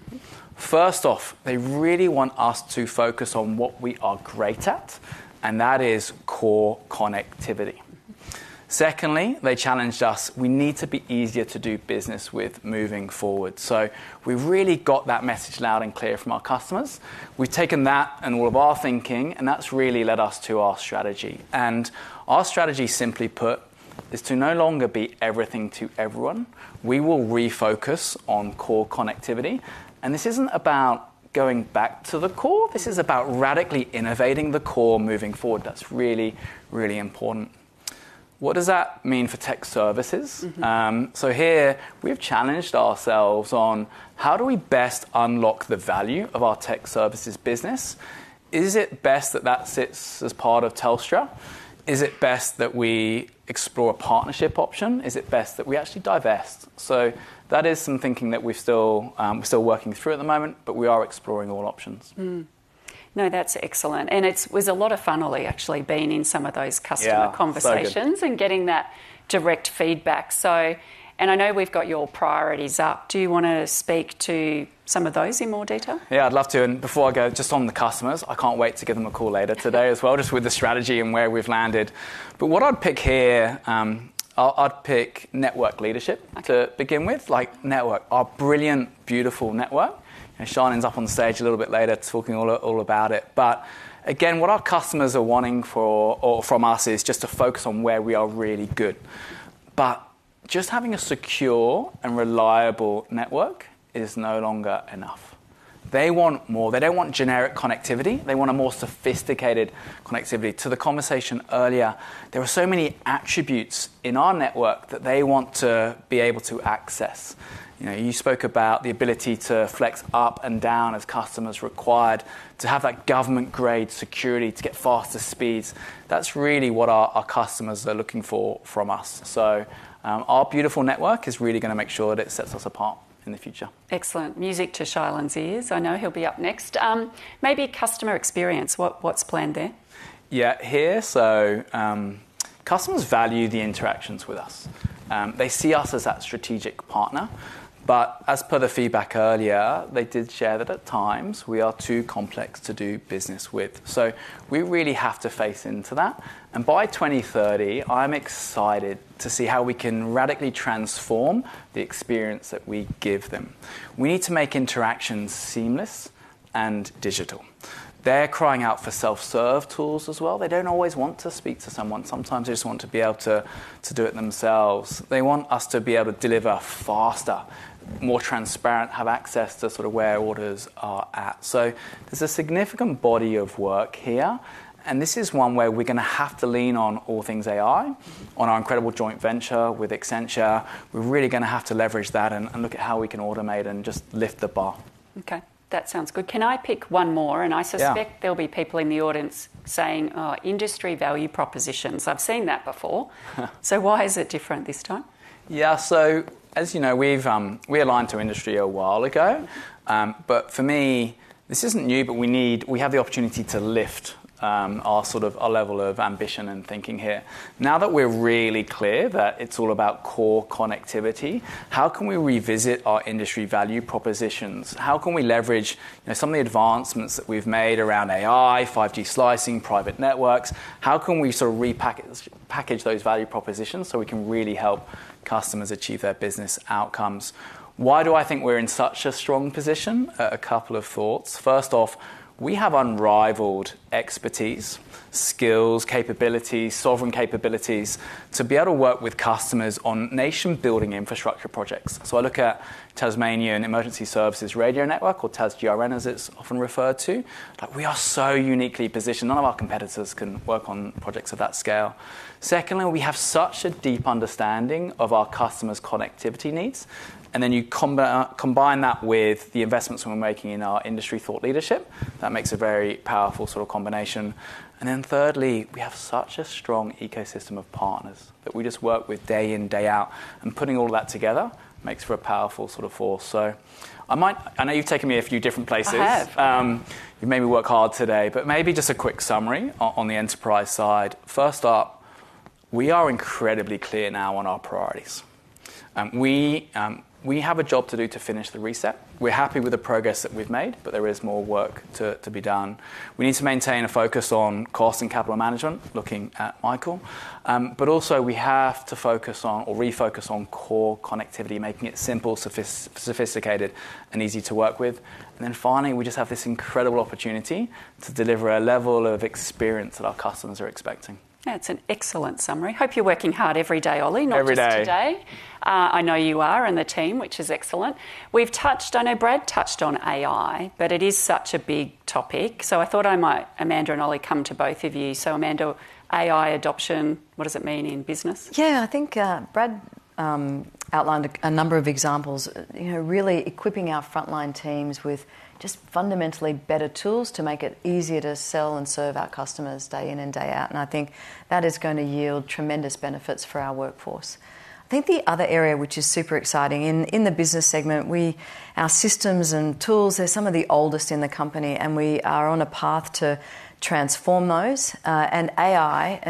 First off, they really want us to focus on what we are great at, and that is core connectivity. Secondly, they challenged us. We need to be easier to do business with moving forward. We have really got that message loud and clear from our customers. We have taken that and all of our thinking, and that has really led us to our strategy. Our strategy, simply put, is to no longer be everything to everyone. We will refocus on core connectivity. This is not about going back to the core. This is about radically innovating the core moving forward. That is really, really important. What does that mean for tech services? Here, we have challenged ourselves on how do we best unlock the value of our tech services business. Is it best that that sits as part of Telstra? Is it best that we explore a partnership option? Is it best that we actually divest? That is some thinking that we're still working through at the moment, but we are exploring all options. No, that's excellent. It was a lot of fun, Oli, actually being in some of those customer conversations and getting that direct feedback. I know we've got your priorities up. Do you want to speak to some of those in more detail? Yeah, I'd love to. Before I go, just on the customers, I can't wait to give them a call later today as well, just with the strategy and where we've landed. What I'd pick here, I'd pick network leadership to begin with, like network, our brilliant, beautiful network. Sean ends up on the stage a little bit later talking all about it. Again, what our customers are wanting from us is just to focus on where we are really good. Just having a secure and reliable network is no longer enough. They want more. They do not want generic connectivity. They want a more sophisticated connectivity. To the conversation earlier, there are so many attributes in our network that they want to be able to access. You spoke about the ability to flex up and down as customers require, to have that government-grade security, to get faster speeds. That is really what our customers are looking for from us. Our beautiful network is really going to make sure that it sets us apart in the future. Excellent. Music to Shailin's ears. I know he will be up next. Maybe customer experience, what is planned there? Here, customers value the interactions with us. They see us as that strategic partner. As per the feedback earlier, they did share that at times we are too complex to do business with. We really have to face into that. By 2030, I'm excited to see how we can radically transform the experience that we give them. We need to make interactions seamless and digital. They're crying out for self-serve tools as well. They do not always want to speak to someone. Sometimes they just want to be able to do it themselves. They want us to be able to deliver faster, more transparent, have access to sort of where orders are at. There is a significant body of work here. This is one where we're going to have to lean on all things AI, on our incredible joint venture with Accenture. We're really going to have to leverage that and look at how we can automate and just lift the bar. Okay, that sounds good. Can I pick one more? I suspect there'll be people in the audience saying industry value propositions. I've seen that before. Why is it different this time? Yeah, as you know, we aligned to industry a while ago. For me, this isn't new, but we have the opportunity to lift our level of ambition and thinking here. Now that we're really clear that it's all about core connectivity, how can we revisit our industry value propositions? How can we leverage some of the advancements that we've made around AI, 5G slicing, private networks? How can we sort of repackage those value propositions so we can really help customers achieve their business outcomes? Why do I think we're in such a strong position? A couple of thoughts. First off, we have unrivaled expertise, skills, capabilities, sovereign capabilities to be able to work with customers on nation-building infrastructure projects. I look at Tasmanian Emergency Services Radio Network, or TasGRN as it's often referred to. We are so uniquely positioned. None of our competitors can work on projects of that scale. Secondly, we have such a deep understanding of our customers' connectivity needs. You combine that with the investments we're making in our industry thought leadership. That makes a very powerful sort of combination. Thirdly, we have such a strong ecosystem of partners that we just work with day in, day out. Putting all of that together makes for a powerful sort of force. I know you've taken me a few different places. I have. You made me work hard today. Maybe just a quick summary on the enterprise side. First up, we are incredibly clear now on our priorities. We have a job to do to finish the reset. We're happy with the progress that we've made, but there is more work to be done. We need to maintain a focus on cost and capital management, looking at Michael. We also have to focus on or refocus on core connectivity, making it simple, sophisticated, and easy to work with. Finally, we just have this incredible opportunity to deliver a level of experience that our customers are expecting. That's an excellent summary. Hope you're working hard every day, Oli, not just today. Every day. I know you are and the team, which is excellent. We've touched, I know Brad touched on AI, but it is such a big topic. I thought I might, Amanda and Oli, come to both of you. Amanda, AI adoption, what does it mean in business? Yeah, I think Brad outlined a number of examples, really equipping our frontline teams with just fundamentally better tools to make it easier to sell and serve our customers day in and day out. I think that is going to yield tremendous benefits for our workforce. I think the other area, which is super exciting in the business segment, our systems and tools, they're some of the oldest in the company, and we are on a path to transform those. AI,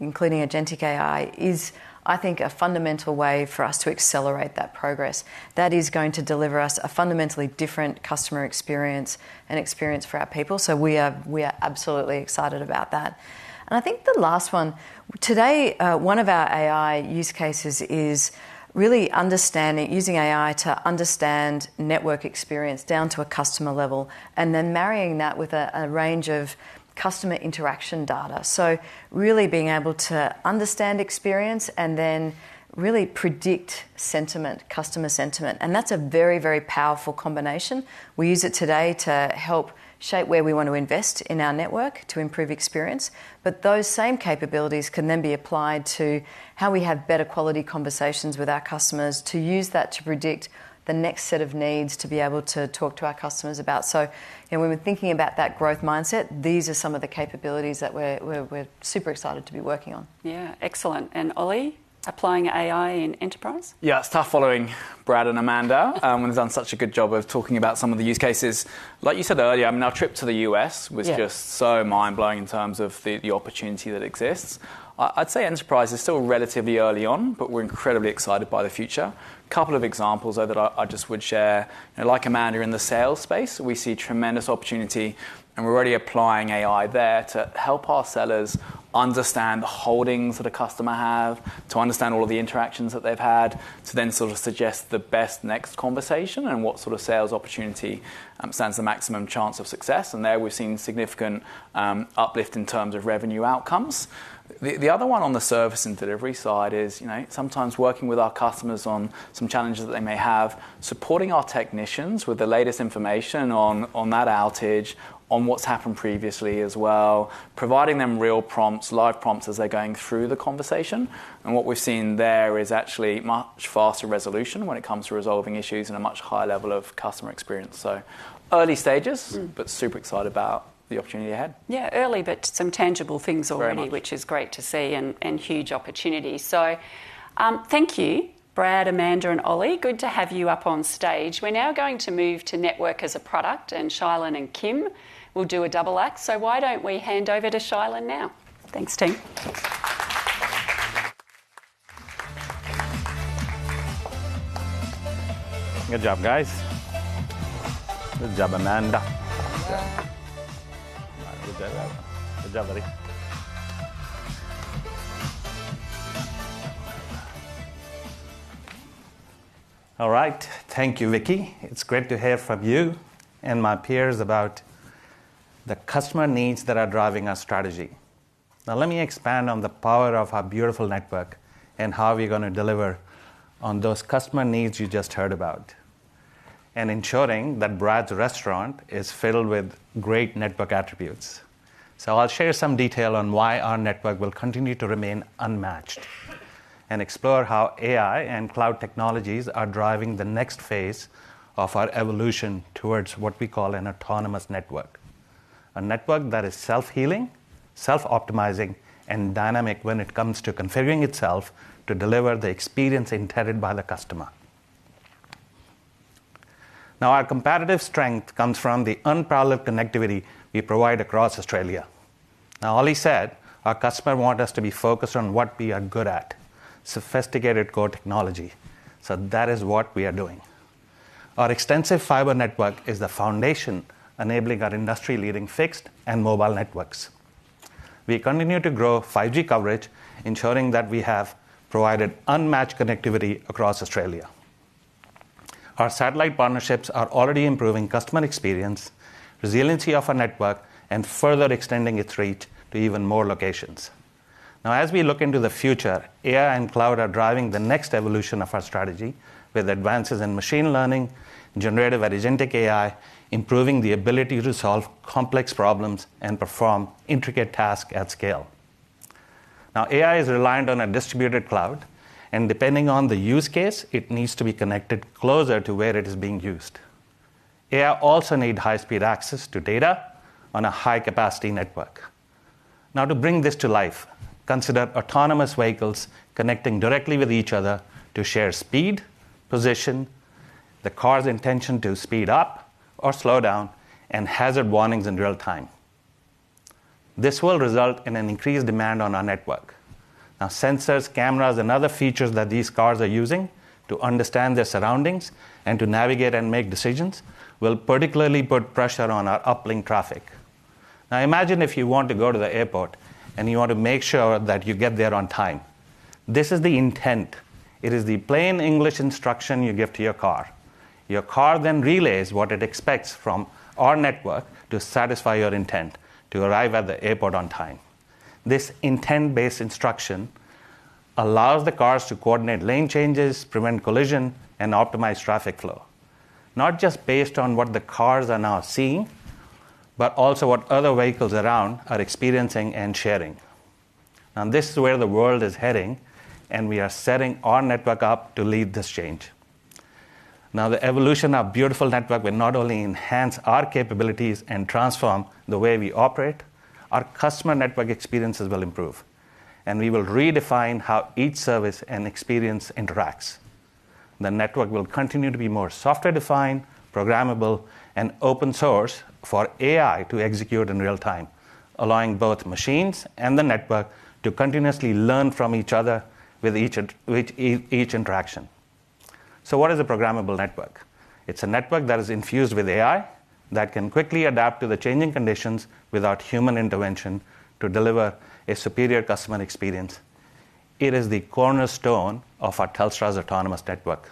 including agentic AI, is, I think, a fundamental way for us to accelerate that progress. That is going to deliver us a fundamentally different customer experience and experience for our people. We are absolutely excited about that. I think the last one, today, one of our AI use cases is really using AI to understand network experience down to a customer level and then marrying that with a range of customer interaction data. Really being able to understand experience and then really predict sentiment, customer sentiment. That's a very, very powerful combination. We use it today to help shape where we want to invest in our network to improve experience. Those same capabilities can then be applied to how we have better quality conversations with our customers to use that to predict the next set of needs to be able to talk to our customers about. When we're thinking about that growth mindset, these are some of the capabilities that we're super excited to be working on. Yeah, excellent. Oli, applying AI in enterprise? Yeah, it's tough following Brad and Amanda when they've done such a good job of talking about some of the use cases. Like you said earlier, I mean, our trip to the U.S. was just so mind-blowing in terms of the opportunity that exists. I'd say enterprise is still relatively early on, but we're incredibly excited by the future. A couple of examples that I just would share. Like Amanda, in the sales space, we see tremendous opportunity, and we're already applying AI there to help our sellers understand the holdings that a customer has, to understand all of the interactions that they've had, to then sort of suggest the best next conversation and what sort of sales opportunity stands the maximum chance of success. There we've seen significant uplift in terms of revenue outcomes. The other one on the service and delivery side is sometimes working with our customers on some challenges that they may have, supporting our technicians with the latest information on that outage, on what's happened previously as well, providing them real prompts, live prompts as they're going through the conversation. What we've seen there is actually much faster resolution when it comes to resolving issues and a much higher level of customer experience. Early stages, but super excited about the opportunity ahead. Yeah, early, but some tangible things already, which is great to see and huge opportunity. Thank you, Brad, Amanda, and Oli. Good to have you up on stage. We're now going to move to network as a product, and Shailin and Kim will do a double act. Why don't we hand over to Shailin now? Thanks, team. Good job, guys. Good job, Amanda. Good job, buddy. All right, thank you, Vicki. It's great to hear from you and my peers about the customer needs that are driving our strategy. Now, let me expand on the power of our beautiful network and how we're going to deliver on those customer needs you just heard about, and ensuring that Brad's restaurant is filled with great network attributes. I'll share some detail on why our network will continue to remain unmatched and explore how AI and cloud technologies are driving the next phase of our evolution towards what we call an autonomous network, a network that is self-healing, self-optimizing, and dynamic when it comes to configuring itself to deliver the experience intended by the customer. Our competitive strength comes from the unparalleled connectivity we provide across Australia. Now, Oli said our customers want us to be focused on what we are good at, sophisticated core technology. That is what we are doing. Our extensive fiber network is the foundation enabling our industry-leading fixed and mobile networks. We continue to grow 5G coverage, ensuring that we have provided unmatched connectivity across Australia. Our satellite partnerships are already improving customer experience, resiliency of our network, and further extending its reach to even more locations. As we look into the future, AI and cloud are driving the next evolution of our strategy with advances in machine learning, generative agentic AI, improving the ability to solve complex problems and perform intricate tasks at scale. AI is reliant on a distributed cloud, and depending on the use case, it needs to be connected closer to where it is being used. AI also needs high-speed access to data on a high-capacity network. Now, to bring this to life, consider autonomous vehicles connecting directly with each other to share speed, position, the car's intention to speed up or slow down, and hazard warnings in real time. This will result in an increased demand on our network. Now, sensors, cameras, and other features that these cars are using to understand their surroundings and to navigate and make decisions will particularly put pressure on our uplink traffic. Now, imagine if you want to go to the airport and you want to make sure that you get there on time. This is the intent. It is the plain English instruction you give to your car. Your car then relays what it expects from our network to satisfy your intent to arrive at the airport on time. This intent-based instruction allows the cars to coordinate lane changes, prevent collision, and optimize traffic flow, not just based on what the cars are now seeing, but also what other vehicles around are experiencing and sharing. Now, this is where the world is heading, and we are setting our network up to lead this change. The evolution of our beautiful network will not only enhance our capabilities and transform the way we operate, our customer network experiences will improve, and we will redefine how each service and experience interacts. The network will continue to be more software-defined, programmable, and open-source for AI to execute in real time, allowing both machines and the network to continuously learn from each other with each interaction. What is a programmable network? It's a network that is infused with AI that can quickly adapt to the changing conditions without human intervention to deliver a superior customer experience. It is the cornerstone of our Telstra's autonomous network.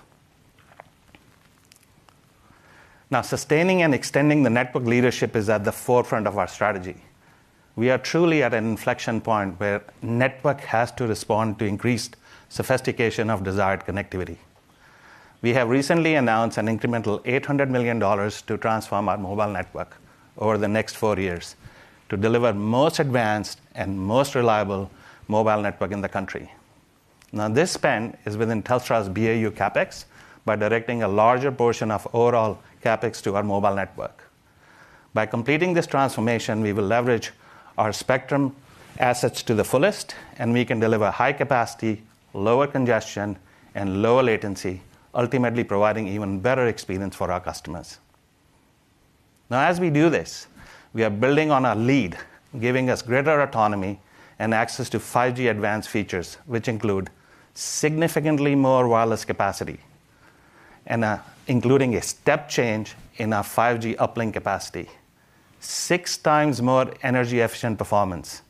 Now, sustaining and extending the network leadership is at the forefront of our strategy. We are truly at an inflection point where the network has to respond to increased sophistication of desired connectivity. We have recently announced an incremental 800 million dollars to transform our mobile network over the next four years to deliver the most advanced and most reliable mobile network in the country. Now, this spend is within Telstra's BAU CapEx by directing a larger portion of overall CapEx to our mobile network. By completing this transformation, we will leverage our spectrum assets to the fullest, and we can deliver high capacity, lower congestion, and lower latency, ultimately providing an even better experience for our customers. As we do this, we are building on our lead, giving us greater autonomy and access to 5G Advanced features, which include significantly more wireless capacity, including a step change in our 5G uplink capacity, six times more energy-efficient performance,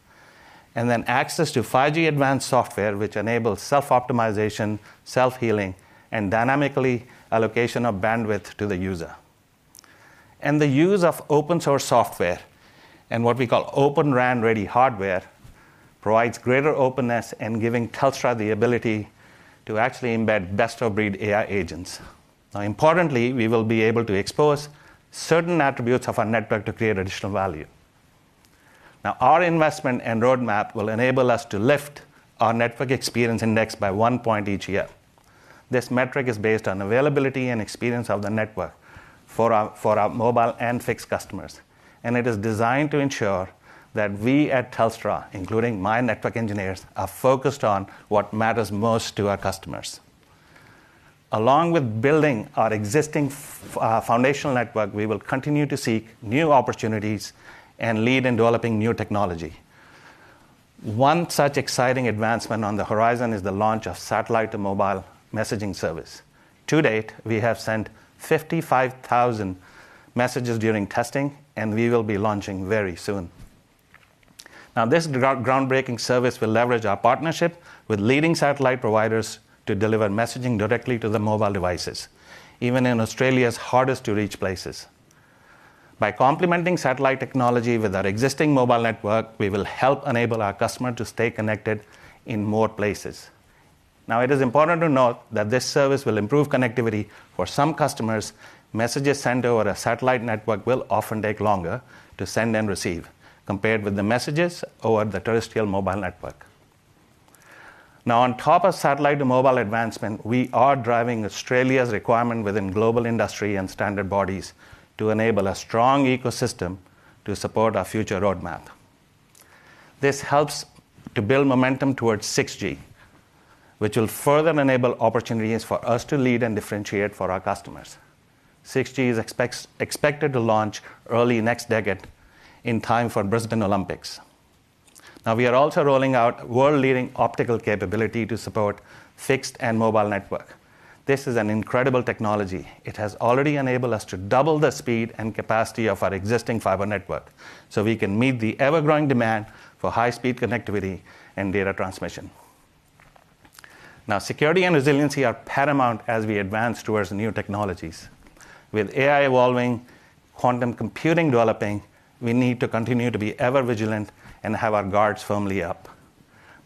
and access to 5G Advanced software, which enables self-optimization, self-healing, and dynamic allocation of bandwidth to the user. The use of open-source software and what we call open RAN-ready hardware provides greater openness and gives Telstra the ability to actually embed best-of-breed AI agents. Importantly, we will be able to expose certain attributes of our network to create additional value. Now, our investment and roadmap will enable us to lift our network experience index by one point each year. This metric is based on availability and experience of the network for our mobile and fixed customers. It is designed to ensure that we at Telstra, including my network engineers, are focused on what matters most to our customers. Along with building our existing foundational network, we will continue to seek new opportunities and lead in developing new technology. One such exciting advancement on the horizon is the launch of satellite to mobile messaging service. To date, we have sent 55,000 messages during testing, and we will be launching very soon. This groundbreaking service will leverage our partnership with leading satellite providers to deliver messaging directly to the mobile devices, even in Australia's hardest-to-reach places. By complementing satellite technology with our existing mobile network, we will help enable our customers to stay connected in more places. Now, it is important to note that this service will improve connectivity for some customers. Messages sent over a satellite network will often take longer to send and receive compared with the messages over the terrestrial mobile network. Now, on top of satellite to mobile advancement, we are driving Australia's requirement within global industry and standard bodies to enable a strong ecosystem to support our future roadmap. This helps to build momentum towards 6G, which will further enable opportunities for us to lead and differentiate for our customers. 6G is expected to launch early next decade in time for the Brisbane Olympics. Now, we are also rolling out world-leading optical capability to support fixed and mobile network. This is an incredible technology. It has already enabled us to double the speed and capacity of our existing fiber network so we can meet the ever-growing demand for high-speed connectivity and data transmission. Now, security and resiliency are paramount as we advance towards new technologies. With AI evolving, quantum computing developing, we need to continue to be ever vigilant and have our guards firmly up.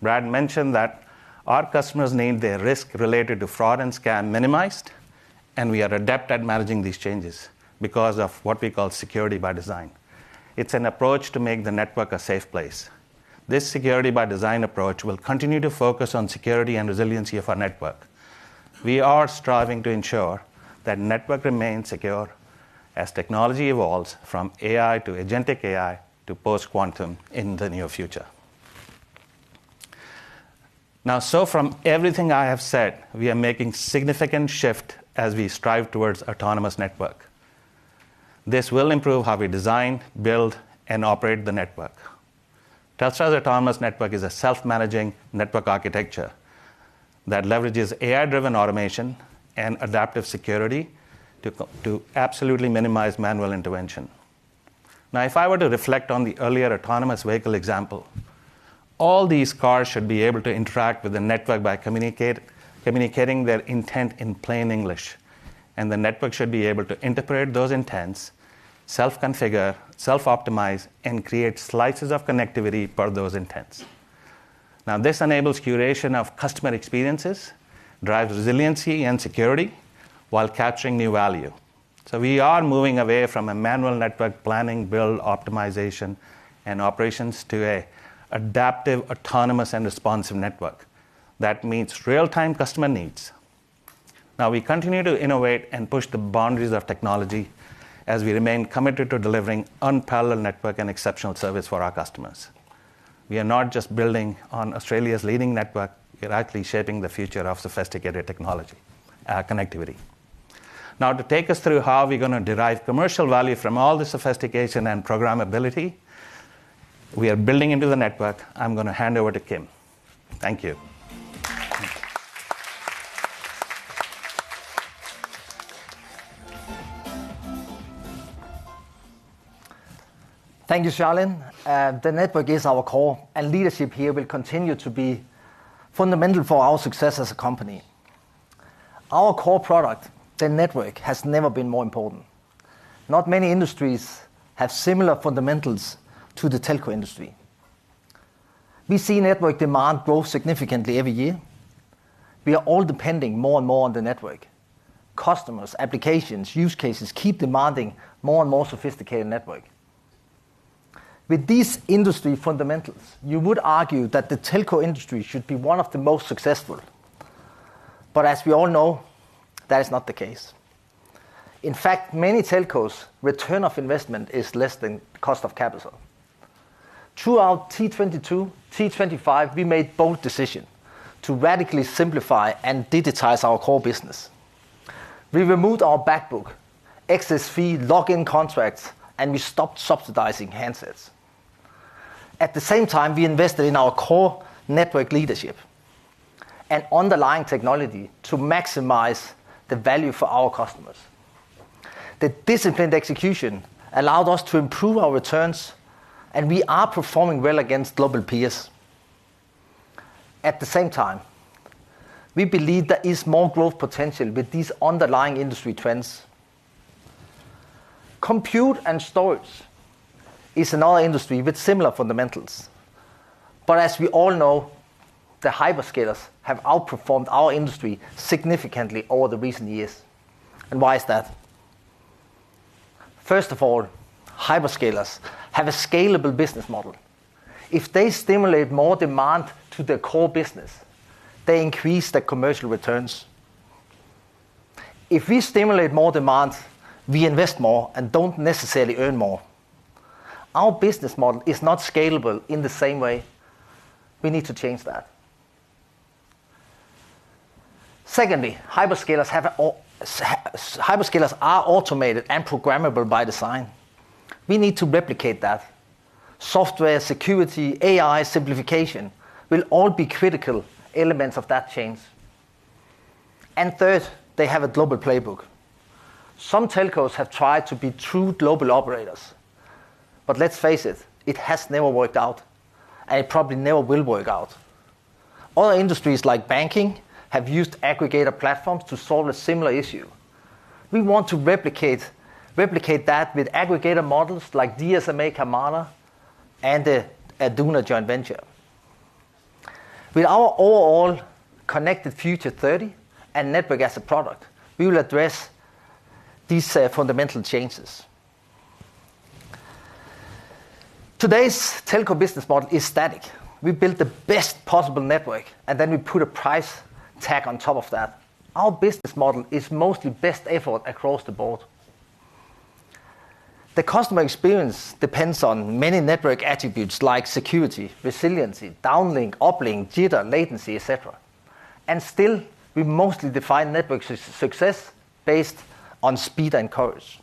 Brad mentioned that our customers need their risk related to fraud and scam minimized, and we are adept at managing these changes because of what we call security by design. It is an approach to make the network a safe place. This security by design approach will continue to focus on security and resiliency of our network. We are striving to ensure that the network remains secure as technology evolves from AI to agentic AI to post-quantum in the near future. Now, so from everything I have said, we are making a significant shift as we strive towards an autonomous network. This will improve how we design, build, and operate the network. Telstra's autonomous network is a self-managing network architecture that leverages AI-driven automation and adaptive security to absolutely minimize manual intervention. Now, if I were to reflect on the earlier autonomous vehicle example, all these cars should be able to interact with the network by communicating their intent in plain English, and the network should be able to interpret those intents, self-configure, self-optimize, and create slices of connectivity per those intents. Now, this enables curation of customer experiences, drives resiliency and security while capturing new value. We are moving away from manual network planning, build, optimization, and operations to an adaptive, autonomous, and responsive network. That meets real-time customer needs. Now, we continue to innovate and push the boundaries of technology as we remain committed to delivering unparalleled network and exceptional service for our customers. We are not just building on Australia's leading network; we are actually shaping the future of sophisticated connectivity. Now, to take us through how we're going to derive commercial value from all this sophistication and programmability we are building into the network, I'm going to hand over to Kim. Thank you. Thank you, Shailin. The network is our core, and leadership here will continue to be fundamental for our success as a company. Our core product, the network, has never been more important. Not many industries have similar fundamentals to the telco industry. We see network demand grow significantly every year. We are all depending more and more on the network. Customers, applications, use cases keep demanding more and more sophisticated networks. With these industry fundamentals, you would argue that the telco industry should be one of the most successful. As we all know, that is not the case. In fact, many telcos' return on investment is less than the cost of capital. Throughout T22, T25, we made a bold decision to radically simplify and digitize our core business. We removed our backbook, excess fee, login contracts, and we stopped subsidizing handsets. At the same time, we invested in our core network leadership and underlying technology to maximize the value for our customers. The disciplined execution allowed us to improve our returns, and we are performing well against global peers. At the same time, we believe there is more growth potential with these underlying industry trends. Compute and storage is another industry with similar fundamentals. As we all know, the hyperscalers have outperformed our industry significantly over the recent years. Why is that? First of all, hyperscalers have a scalable business model. If they stimulate more demand to their core business, they increase their commercial returns. If we stimulate more demand, we invest more and do not necessarily earn more. Our business model is not scalable in the same way. We need to change that. Secondly, hyperscalers are automated and programmable by design. We need to replicate that. Software, security, AI, simplification will all be critical elements of that change. Third, they have a global playbook. Some telcos have tried to be true global operators, but let's face it, it has never worked out, and it probably never will work out. Other industries like banking have used aggregator platforms to solve a similar issue. We want to replicate that with aggregator models like GSMA CAMARA and Aduna Joint Venture. With our overall Connected Future 30 and network as a product, we will address these fundamental changes. Today's telco business model is static. We build the best possible network, and then we put a price tag on top of that. Our business model is mostly best effort across the board. The customer experience depends on many network attributes like security, resiliency, downlink, uplink, jitter, latency, etc. Still, we mostly define network success based on speed and coverage.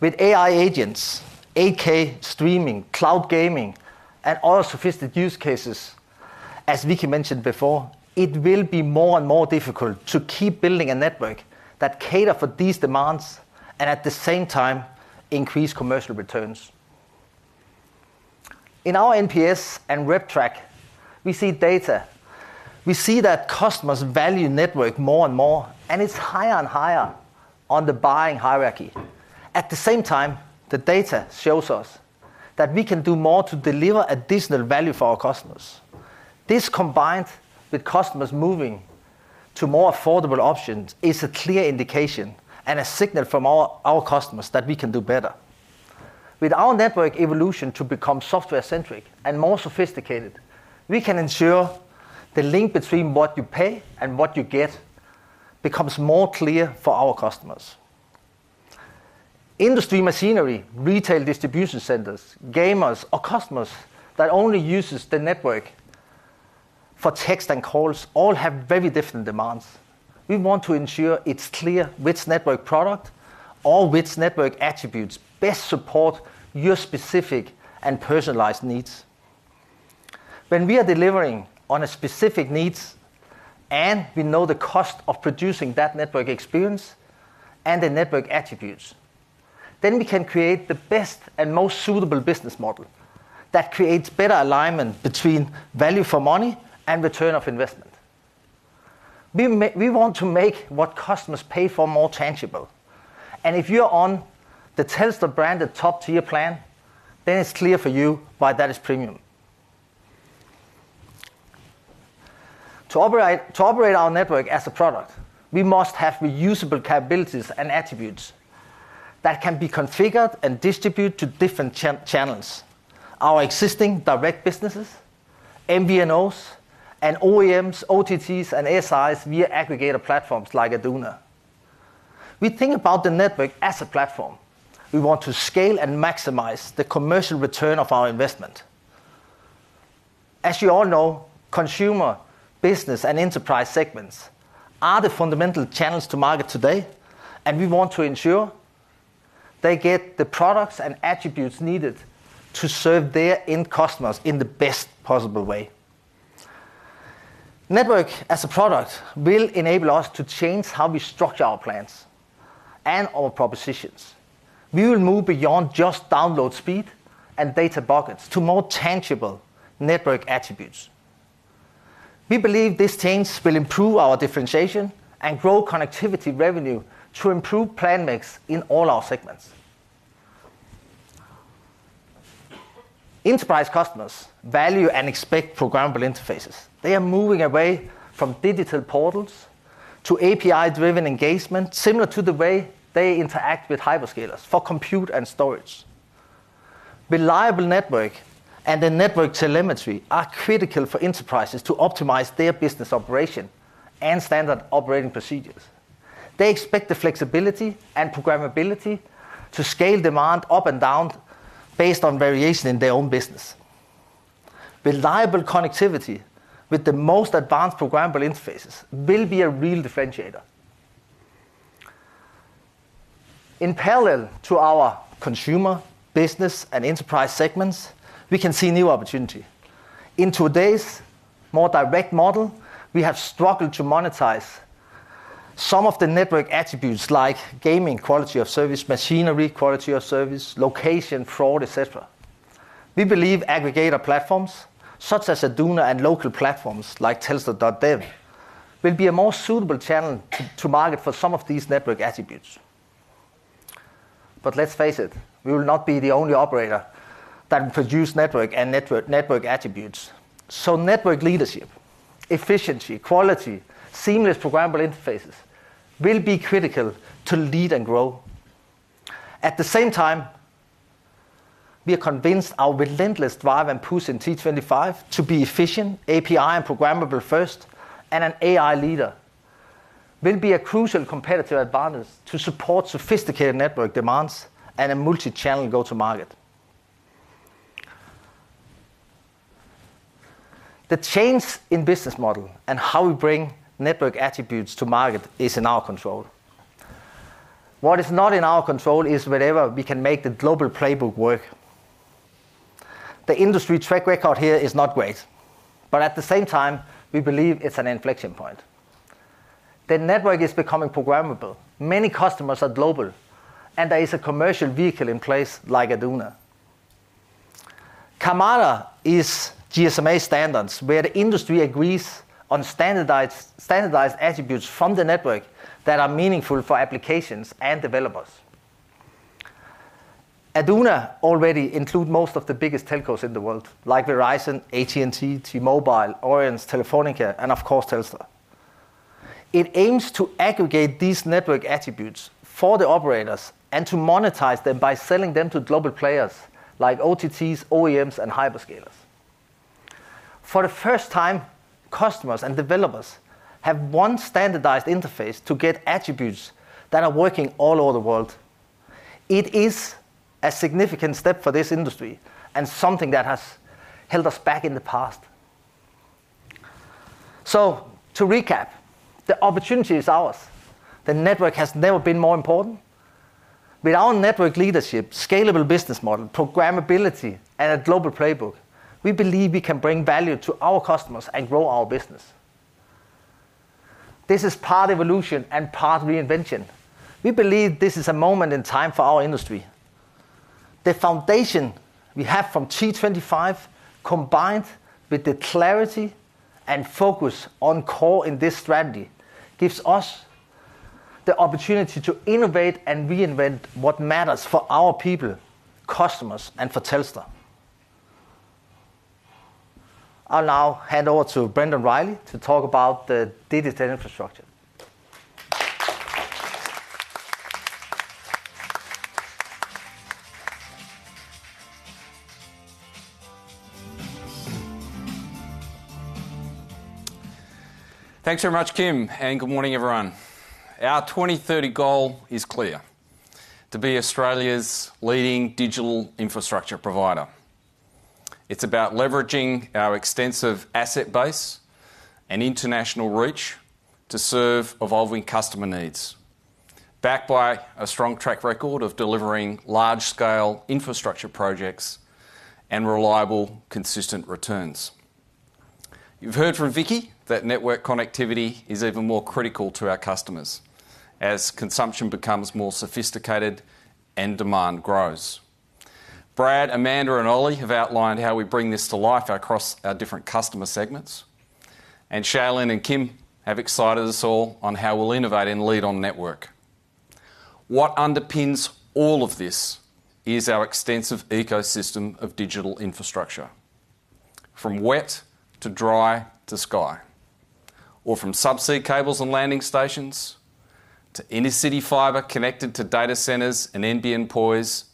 With AI agents, 8K streaming, cloud gaming, and other sophisticated use cases, as Vicki mentioned before, it will be more and more difficult to keep building a network that caters for these demands and at the same time increases commercial returns. In our NPS and RepTrack, we see data. We see that customers value network more and more, and it is higher and higher on the buying hierarchy. At the same time, the data shows us that we can do more to deliver additional value for our customers. This, combined with customers moving to more affordable options, is a clear indication and a signal from our customers that we can do better. With our network evolution to become software-centric and more sophisticated, we can ensure the link between what you pay and what you get becomes more clear for our customers. Industry machinery, retail distribution centers, gamers, or customers that only use the network for text and calls all have very different demands. We want to ensure it's clear which network product or which network attributes best support your specific and personalized needs. When we are delivering on specific needs and we know the cost of producing that network experience and the network attributes, we can create the best and most suitable business model that creates better alignment between value for money and return on investment. We want to make what customers pay for more tangible. If you are on the Telstra-branded top-tier plan, it is clear for you why that is premium. To operate our network as a product, we must have reusable capabilities and attributes that can be configured and distributed to different channels: our existing direct businesses, MVNOs, OEMs, OTTs, and SIs via aggregator platforms like Aduna. We think about the network as a platform. We want to scale and maximize the commercial return of our investment. As you all know, consumer, business, and enterprise segments are the fundamental channels to market today, and we want to ensure they get the products and attributes needed to serve their end customers in the best possible way. Network as a product will enable us to change how we structure our plans and our propositions. We will move beyond just download speed and data buckets to more tangible network attributes. We believe this change will improve our differentiation and grow connectivity revenue to improve plan mix in all our segments. Enterprise customers value and expect programmable interfaces. They are moving away from digital portals to API-driven engagement similar to the way they interact with hyperscalers for compute and storage. Reliable network and the network telemetry are critical for enterprises to optimize their business operation and standard operating procedures. They expect the flexibility and programmability to scale demand up and down based on variation in their own business. Reliable connectivity with the most advanced programmable interfaces will be a real differentiator. In parallel to our consumer, business, and enterprise segments, we can see new opportunity. In today's more direct model, we have struggled to monetize some of the network attributes like gaming, quality of service machinery, quality of service location, fraud, etc. We believe aggregator platforms such as Aduna and local platforms like telstra.dev will be a more suitable channel to market for some of these network attributes. Let's face it, we will not be the only operator that will produce network and network attributes. Network leadership, efficiency, quality, seamless programmable interfaces will be critical to lead and grow. At the same time, we are convinced our relentless drive and push in T25 to be efficient, API and programmable first, and an AI leader will be a crucial competitive advantage to support sophisticated network demands and a multi-channel go-to-market. The change in business model and how we bring network attributes to market is in our control. What is not in our control is whether we can make the global playbook work. The industry track record here is not great, but at the same time, we believe it's an inflection point. The network is becoming programmable. Many customers are global, and there is a commercial vehicle in place like Aduna. CAMARA is GSMA standards where the industry agrees on standardized attributes from the network that are meaningful for applications and developers. Aduna already includes most of the biggest telcos in the world, like Verizon, AT&T, T-Mobile, Deutsche Telecom, Telefónica, and of course, Telstra. It aims to aggregate these network attributes for the operators and to monetize them by selling them to global players like OTTs, OEMs, and hyperscalers. For the first time, customers and developers have one standardized interface to get attributes that are working all over the world. It is a significant step for this industry and something that has held us back in the past. To recap, the opportunity is ours. The network has never been more important. With our network leadership, scalable business model, programmability, and a global playbook, we believe we can bring value to our customers and grow our business. This is part evolution and part reinvention. We believe this is a moment in time for our industry. The foundation we have from T25, combined with the clarity and focus on core in this strategy, gives us the opportunity to innovate and reinvent what matters for our people, customers, and for Telstra. I'll now hand over to Brendan Riley to talk about the digital infrastructure. Thanks very much, Kim, and good morning, everyone. Our 2030 goal is clear: to be Australia's leading digital infrastructure provider. It's about leveraging our extensive asset base and international reach to serve evolving customer needs, backed by a strong track record of delivering large-scale infrastructure projects and reliable, consistent returns. You've heard from Vicki that network connectivity is even more critical to our customers as consumption becomes more sophisticated and demand grows. Brad, Amanda, and Oli have outlined how we bring this to life across our different customer segments, and Shailin and Kim have excited us all on how we'll innovate and lead on network. What underpins all of this is our extensive ecosystem of digital infrastructure, from wet to dry to sky, or from subsea cables and landing stations to intercity fiber connected to data centers and NBN pools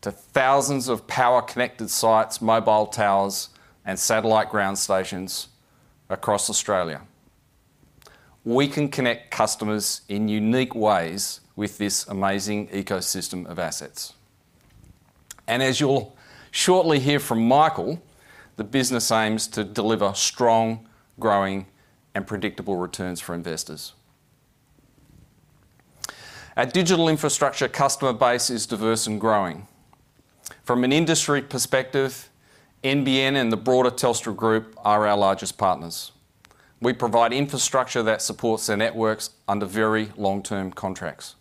to thousands of power-connected sites, mobile towers, and satellite ground stations across Australia. We can connect customers in unique ways with this amazing ecosystem of assets. As you'll shortly hear from Michael, the business aims to deliver strong, growing, and predictable returns for investors. Our digital infrastructure customer base is diverse and growing. From an industry perspective, NBN and the broader Telstra Group are our largest partners. We provide infrastructure that supports their networks under very long-term contracts.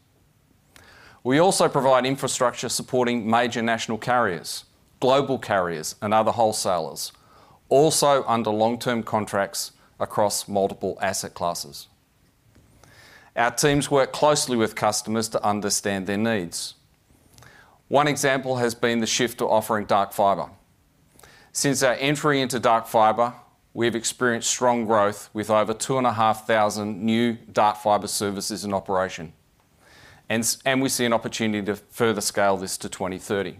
We also provide infrastructure supporting major national carriers, global carriers, and other wholesalers, also under long-term contracts across multiple asset classes. Our teams work closely with customers to understand their needs. One example has been the shift to offering dark fiber. Since our entry into dark fiber, we've experienced strong growth with over 2,500 new dark fiber services in operation, and we see an opportunity to further scale this to 2030.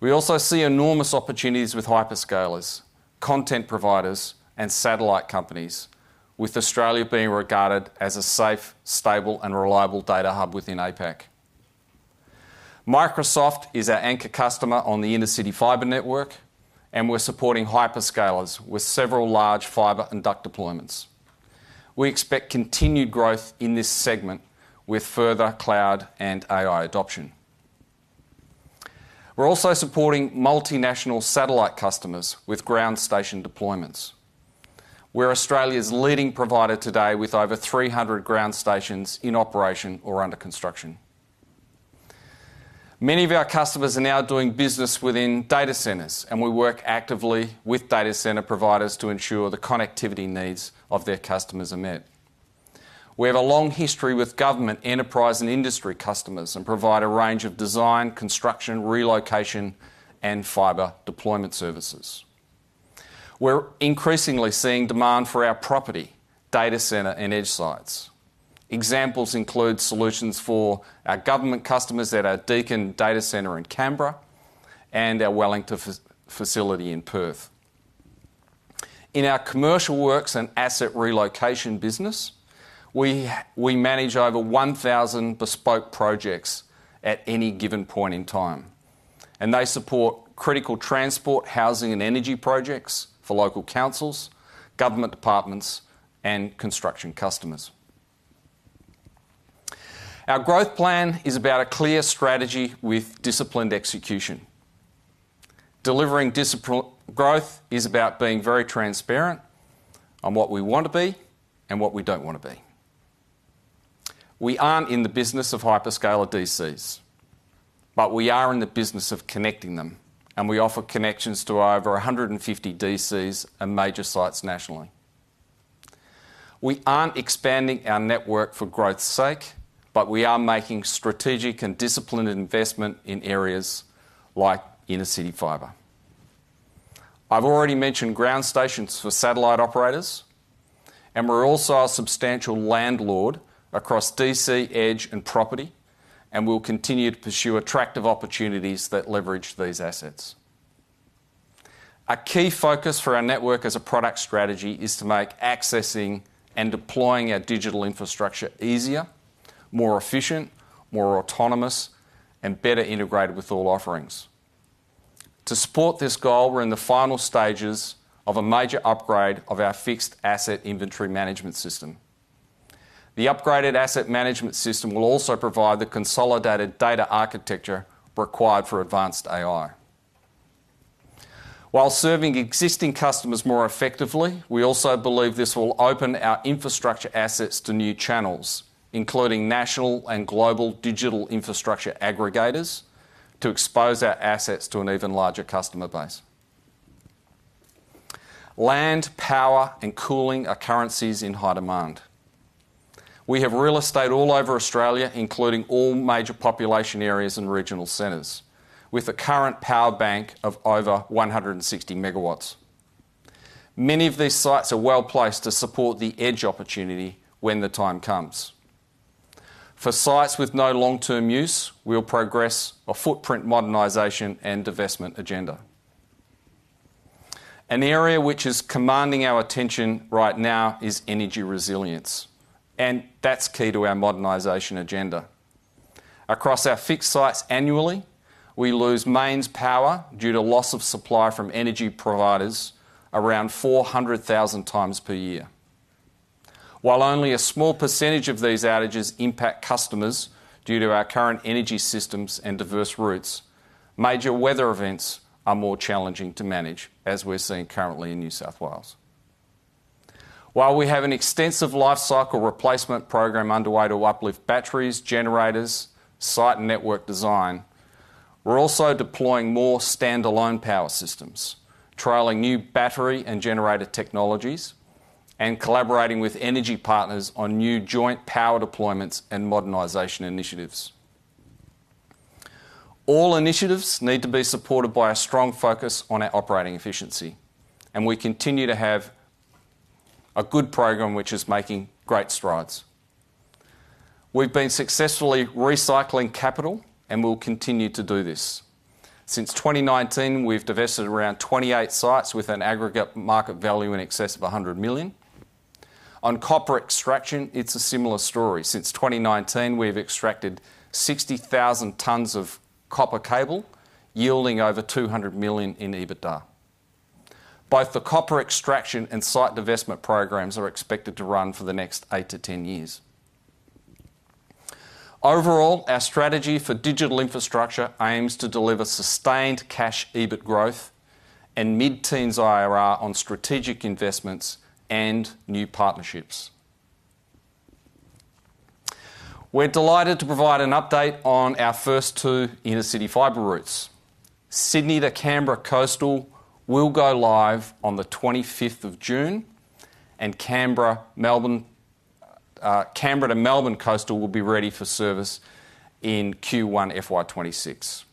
We also see enormous opportunities with hyperscalers, content providers, and satellite companies, with Australia being regarded as a safe, stable, and reliable data hub within APAC. Microsoft is our anchor customer on the intercity fiber network, and we're supporting hyperscalers with several large fiber and duct deployments. We expect continued growth in this segment with further cloud and AI adoption. We're also supporting multinational satellite customers with ground station deployments. We're Australia's leading provider today with over 300 ground stations in operation or under construction. Many of our customers are now doing business within data centers, and we work actively with data center providers to ensure the connectivity needs of their customers are met. We have a long history with government, enterprise, and industry customers and provide a range of design, construction, relocation, and fiber deployment services. We're increasingly seeing demand for our property data center and edge sites. Examples include solutions for our government customers at our Deakin Data Centre in Canberra and our Wellington facility in Perth. In our commercial works and asset relocation business, we manage over 1,000 bespoke projects at any given point in time, and they support critical transport, housing, and energy projects for local councils, government departments, and construction customers. Our growth plan is about a clear strategy with disciplined execution. Delivering disciplined growth is about being very transparent on what we want to be and what we do not want to be. We are not in the business of hyperscaler DCs, but we are in the business of connecting them, and we offer connections to over 150 DCs and major sites nationally. We are not expanding our network for growth's sake, but we are making strategic and disciplined investment in areas like intercity fiber. I have already mentioned ground stations for satellite operators, and we are also a substantial landlord across DC, edge, and property, and we will continue to pursue attractive opportunities that leverage these assets. A key focus for our network as a product strategy is to make accessing and deploying our digital infrastructure easier, more efficient, more autonomous, and better integrated with all offerings. To support this goal, we're in the final stages of a major upgrade of our fixed asset inventory management system. The upgraded asset management system will also provide the consolidated data architecture required for advanced AI. While serving existing customers more effectively, we also believe this will open our infrastructure assets to new channels, including national and global digital infrastructure aggregators, to expose our assets to an even larger customer base. Land, power, and cooling are currencies in high demand. We have real estate all over Australia, including all major population areas and regional centers, with a current power bank of over 160 megawatts. Many of these sites are well placed to support the edge opportunity when the time comes. For sites with no long-term use, we'll progress a footprint modernization and divestment agenda. An area which is commanding our attention right now is energy resilience, and that's key to our modernization agenda. Across our fixed sites annually, we lose mains power due to loss of supply from energy providers around 400,000 times per year. While only a small percentage of these outages impact customers due to our current energy systems and diverse routes, major weather events are more challenging to manage, as we're seeing currently in New South Wales. While we have an extensive life cycle replacement program underway to uplift batteries, generators, site network design, we're also deploying more standalone power systems, trialing new battery and generator technologies, and collaborating with energy partners on new joint power deployments and modernization initiatives. All initiatives need to be supported by a strong focus on our operating efficiency, and we continue to have a good program which is making great strides. We've been successfully recycling capital, and we'll continue to do this. Since 2019, we've divested around 28 sites with an aggregate market value in excess of 100 million. On copper extraction, it's a similar story. Since 2019, we've extracted 60,000 tons of copper cable, yielding over 200 million in EBITDA. Both the copper extraction and site divestment programs are expected to run for the next 8 years-10 years. Overall, our strategy for digital infrastructure aims to deliver sustained cash EBIT growth and mid-teens IRR on strategic investments and new partnerships. We're delighted to provide an update on our first two intercity fiber routes. Sydney, the Canberra coastal, will go live on the 25th of June, and Canberra to Melbourne coastal will be ready for service in Q1 FY 2026.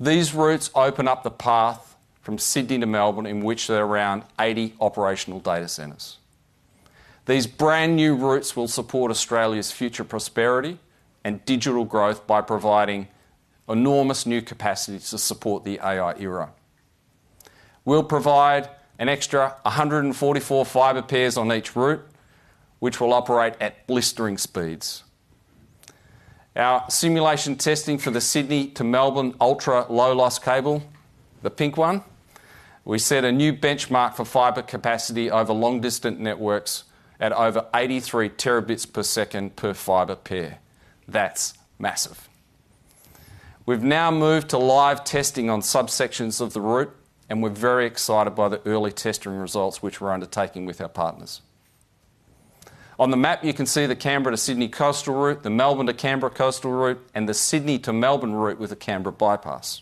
These routes open up the path from Sydney to Melbourne, in which there are around 80 operational data centers. These brand new routes will support Australia's future prosperity and digital growth by providing enormous new capacity to support the AI era. We'll provide an extra 144 fiber pairs on each route, which will operate at blistering speeds. Our simulation testing for the Sydney to Melbourne ultra low loss cable, the pink one, we set a new benchmark for fiber capacity over long-distant networks at over 83 terabits per second per fiber pair. That's massive. We've now moved to live testing on subsections of the route, and we're very excited by the early testing results which we're undertaking with our partners. On the map, you can see the Canberra to Sydney coastal route, the Melbourne to Canberra coastal route, and the Sydney to Melbourne route with the Canberra bypass.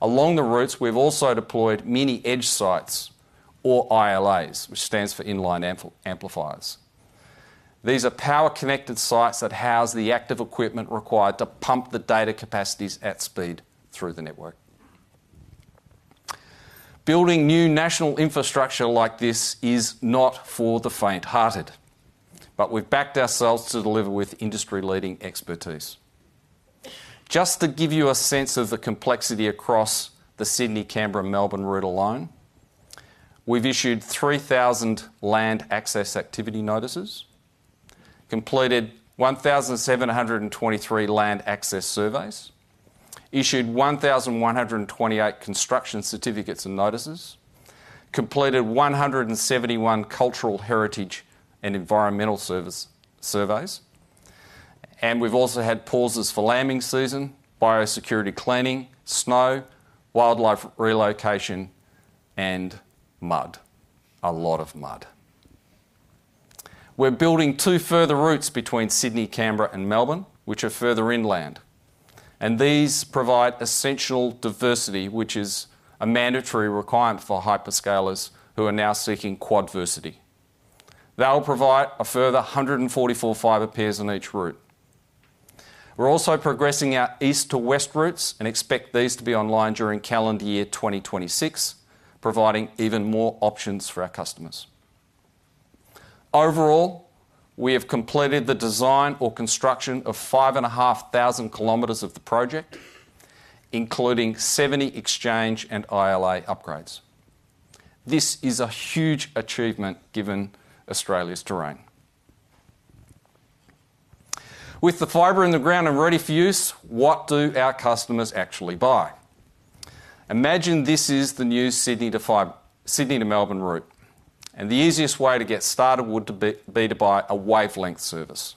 Along the routes, we've also deployed mini edge sites, or ILAs, which stands for inline amplifiers. These are power-connected sites that house the active equipment required to pump the data capacities at speed through the network. Building new national infrastructure like this is not for the faint-hearted, but we've backed ourselves to deliver with industry-leading expertise. Just to give you a sense of the complexity across the Sydney-Canberra-Melbourne route alone, we've issued 3,000 land access activity notices, completed 1,723 land access surveys, issued 1,128 construction certificates and notices, completed 171 cultural heritage and environmental surveys, and we've also had pauses for lambing season, biosecurity cleaning, snow, wildlife relocation, and mud. A lot of mud. We're building two further routes between Sydney, Canberra, and Melbourne, which are further inland, and these provide essential diversity, which is a mandatory requirement for hyperscalers who are now seeking quadversity. They'll provide a further 144 fiber pairs on each route. We're also progressing our east to west routes and expect these to be online during calendar year 2026, providing even more options for our customers. Overall, we have completed the design or construction of 5,500 km of the project, including 70 exchange and ILA upgrades. This is a huge achievement given Australia's terrain. With the fiber in the ground and ready for use, what do our customers actually buy? Imagine this is the new Sydney to Melbourne route, and the easiest way to get started would be to buy a Wavelength Service.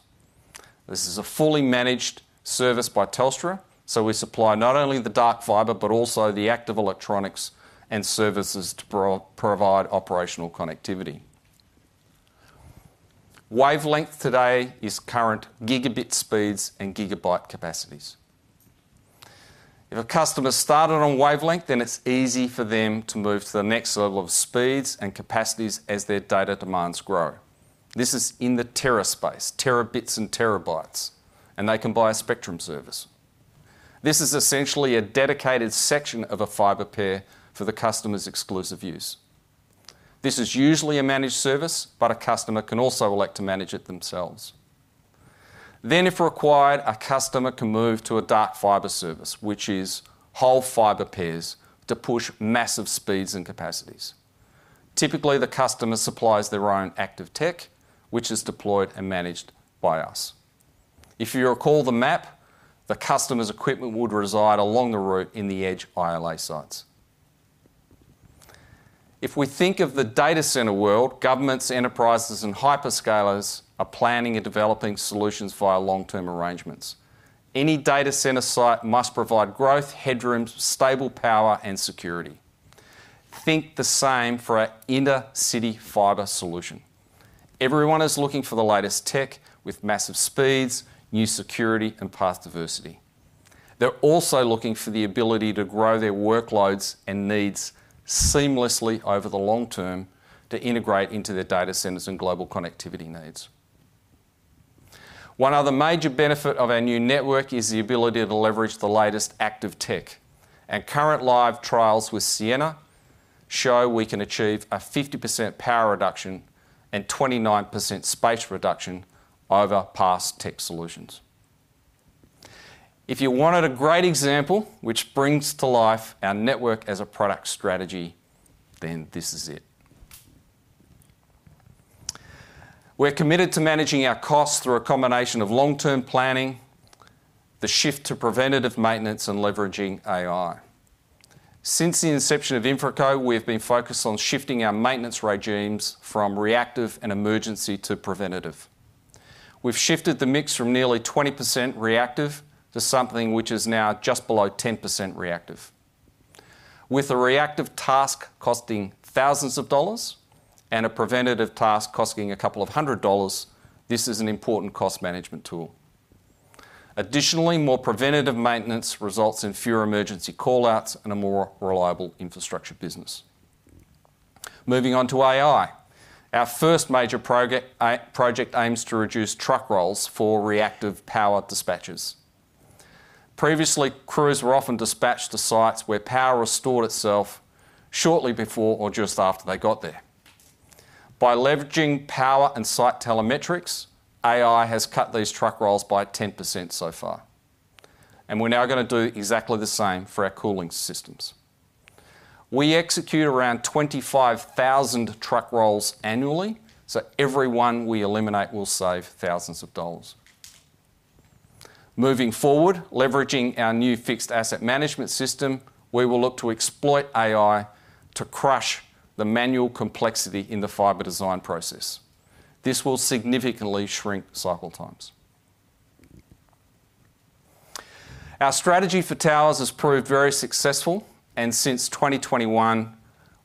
This is a fully managed service by Telstra, so we supply not only the dark fiber, but also the active electronics and services to provide operational connectivity. Wavelength today is current gigabit speeds and gigabyte capacities. If a customer started on wavelength, then it's easy for them to move to the next level of speeds and capacities as their data demands grow. This is in the tera space, terabits and terabytes, and they can buy a spectrum service. This is essentially a dedicated section of a fiber pair for the customer's exclusive use. This is usually a managed service, but a customer can also elect to manage it themselves. If required, a customer can move to a dark fiber service, which is whole fiber pairs to push massive speeds and capacities. Typically, the customer supplies their own active tech, which is deployed and managed by us. If you recall the map, the customer's equipment would reside along the route in the edge ILA sites. If we think of the data center world, governments, enterprises, and hyperscalers are planning and developing solutions via long-term arrangements. Any data center site must provide growth, headroom, stable power, and security. Think the same for our intercity fiber solution. Everyone is looking for the latest tech with massive speeds, new security, and path diversity. They're also looking for the ability to grow their workloads and needs seamlessly over the long term to integrate into their data centers and global connectivity needs. One other major benefit of our new network is the ability to leverage the latest active tech, and current live trials with Sienna show we can achieve a 50% power reduction and 29% space reduction over past tech solutions. If you wanted a great example which brings to life our network as a product strategy, then this is it. We're committed to managing our costs through a combination of long-term planning, the shift to preventative maintenance, and leveraging AI. Since the inception of InfraCo, we've been focused on shifting our maintenance regimes from reactive and emergency to preventative. We've shifted the mix from nearly 20% reactive to something which is now just below 10% reactive. With a reactive task costing thousands of dollars and a preventative task costing a couple of hundred dollars, this is an important cost management tool. Additionally, more preventative maintenance results in fewer emergency callouts and a more reliable infrastructure business. Moving on to AI, our first major project aims to reduce truck rolls for reactive power dispatchers. Previously, crews were often dispatched to sites where power restored itself shortly before or just after they got there. By leveraging power and site telemetrics, AI has cut these truck rolls by 10% so far, and we're now going to do exactly the same for our cooling systems. We execute around 25,000 truck rolls annually, so every one we eliminate will save thousands of dollars. Moving forward, leveraging our new fixed asset management system, we will look to exploit AI to crush the manual complexity in the fiber design process. This will significantly shrink cycle times. Our strategy for towers has proved very successful, and since 2021,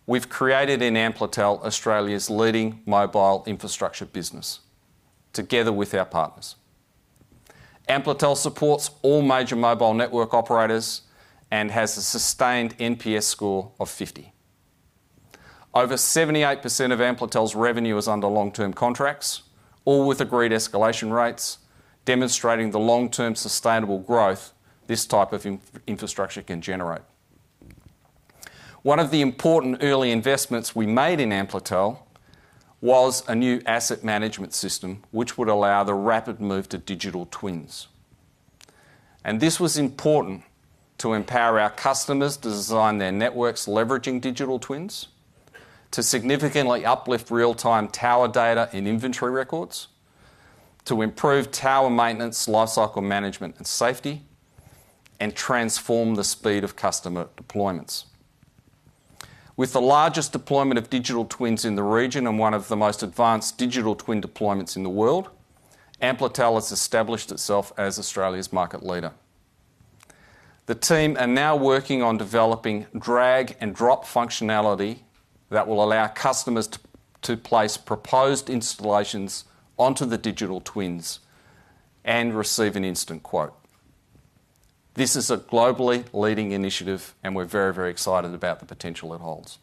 we've created Amplitel, Australia's leading mobile infrastructure business, together with our partners. Amplitel supports all major mobile network operators and has a sustained NPS score of 50. Over 78% of Amplitel's revenue is under long-term contracts, all with agreed escalation rates, demonstrating the long-term sustainable growth this type of infrastructure can generate. One of the important early investments we made in Amplitel was a new asset management system which would allow the rapid move to digital twins. This was important to empower our customers to design their networks leveraging digital twins, to significantly uplift real-time tower data and inventory records, to improve tower maintenance, life cycle management, and safety, and transform the speed of customer deployments. With the largest deployment of digital twins in the region and one of the most advanced digital twin deployments in the world, Amplitel has established itself as Australia's market leader. The team are now working on developing drag and drop functionality that will allow customers to place proposed installations onto the digital twins and receive an instant quote. This is a globally leading initiative, and we're very, very excited about the potential it holds.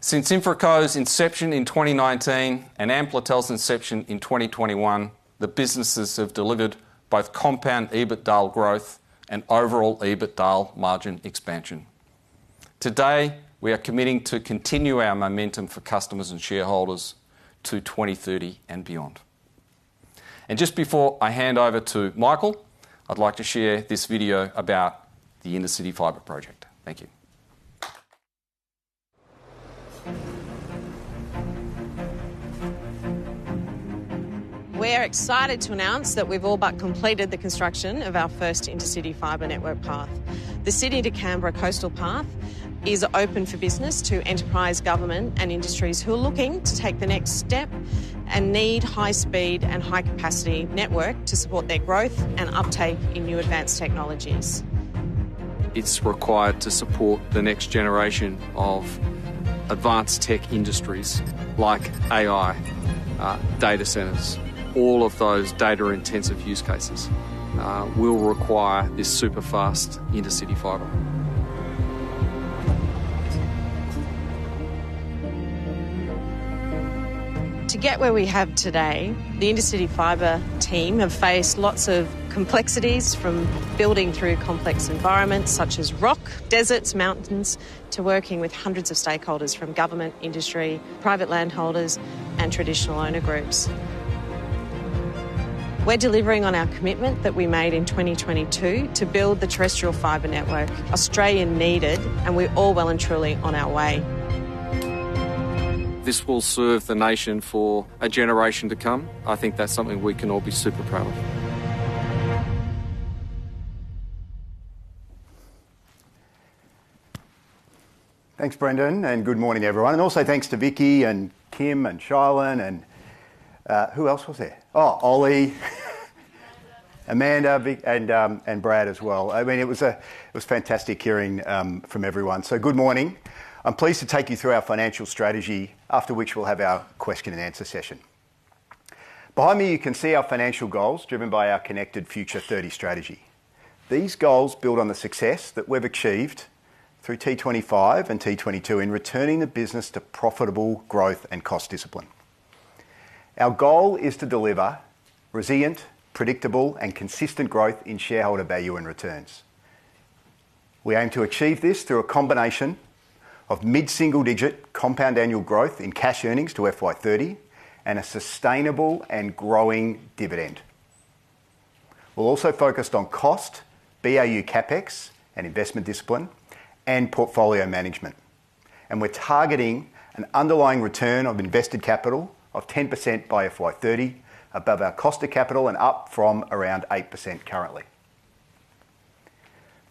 Since InfraCo's inception in 2019 and Amplitel's inception in 2021, the businesses have delivered both compound EBITDA growth and overall EBITDA margin expansion. Today, we are committing to continue our momentum for customers and shareholders to 2030 and beyond. Just before I hand over to Michael, I'd like to share this video about the intercity fiber project. Thank you. We're excited to announce that we've all but completed the construction of our first intercity fiber network path. The Sydney to Canberra coastal path is open for business to enterprise, government, and industries who are looking to take the next step and need high-speed and high-capacity network to support their growth and uptake in new advanced technologies. It's required to support the next generation of advanced tech industries like AI, data centers, all of those data-intensive use cases will require this super-fast intercity fiber. To get where we have today, the intercity fiber team have faced lots of complexities from building through complex environments such as rock, deserts, mountains, to working with hundreds of stakeholders from government, industry, private landholders, and traditional owner groups. We're delivering on our commitment that we made in 2022 to build the terrestrial fiber network Australia needed, and we're all well and truly on our way. This will serve the nation for a generation to come. I think that's something we can all be super proud of. Thanks, Brendan, and good morning, everyone. Also thanks to Vicki and Kim and Shailin, and who else was there? Oh, Oli, Amanda, and Brad as well. I mean, it was fantastic hearing from everyone. Good morning. I'm pleased to take you through our financial strategy, after which we'll have our question and answer session. Behind me, you can see our financial goals driven by our Connected Future 30 strategy. These goals build on the success that we've achieved through T25 and T22 in returning the business to profitable growth and cost discipline. Our goal is to deliver resilient, predictable, and consistent growth in shareholder value and returns. We aim to achieve this through a combination of mid-single-digit compound annual growth in cash earnings FY 2030 and a sustainable and growing dividend. We'll also focus on cost, BAU CapEx, and investment discipline, and portfolio management. We are targeting an underlying return of invested capital of 10% FY 2030 above our cost of capital and up from around 8% currently.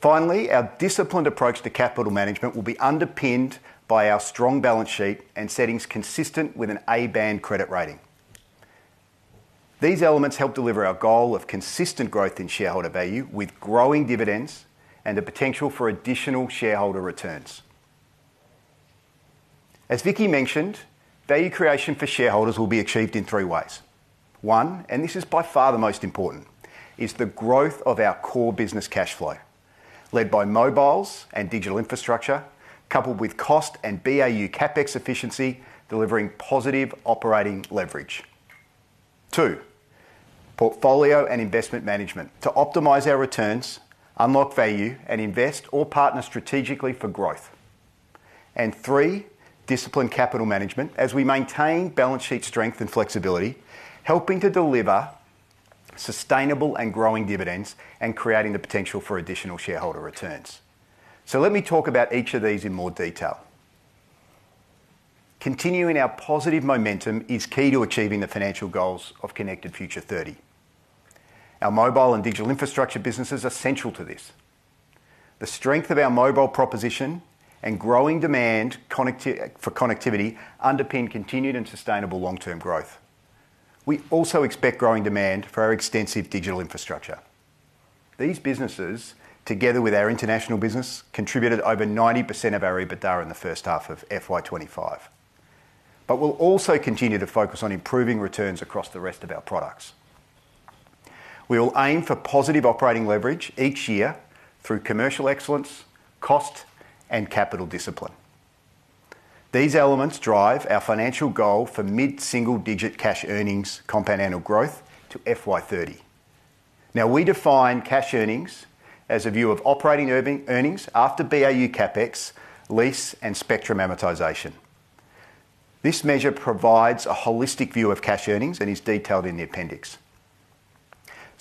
Finally, our disciplined approach to capital management will be underpinned by our strong balance sheet and settings consistent with an A-band credit rating. These elements help deliver our goal of consistent growth in shareholder value with growing dividends and the potential for additional shareholder returns. As Vicki mentioned, value creation for shareholders will be achieved in three ways. One, and this is by far the most important, is the growth of our core business cash flow, led by mobiles and digital infrastructure, coupled with cost and BAU CapEx efficiency delivering positive operating leverage. Two, portfolio and investment management to optimize our returns, unlock value, and invest or partner strategically for growth. Three, disciplined capital management as we maintain balance sheet strength and flexibility, helping to deliver sustainable and growing dividends and creating the potential for additional shareholder returns. Let me talk about each of these in more detail. Continuing our positive momentum is key to achieving the financial goals of Connected Future 30. Our mobile and digital infrastructure businesses are central to this. The strength of our mobile proposition and growing demand for connectivity underpin continued and sustainable long-term growth. We also expect growing demand for our extensive digital infrastructure. These businesses, together with our international business, contributed over 90% of our EBITDA in the first half of FY 2025. We will also continue to focus on improving returns across the rest of our products. We will aim for positive operating leverage each year through commercial excellence, cost, and capital discipline. These elements drive our financial goal for mid-single-digit cash earnings compound annual growth FY 2030. Now, we define cash earnings as a view of operating earnings after BAU CapEx, lease, and spectrum amortization. This measure provides a holistic view of cash earnings and is detailed in the appendix.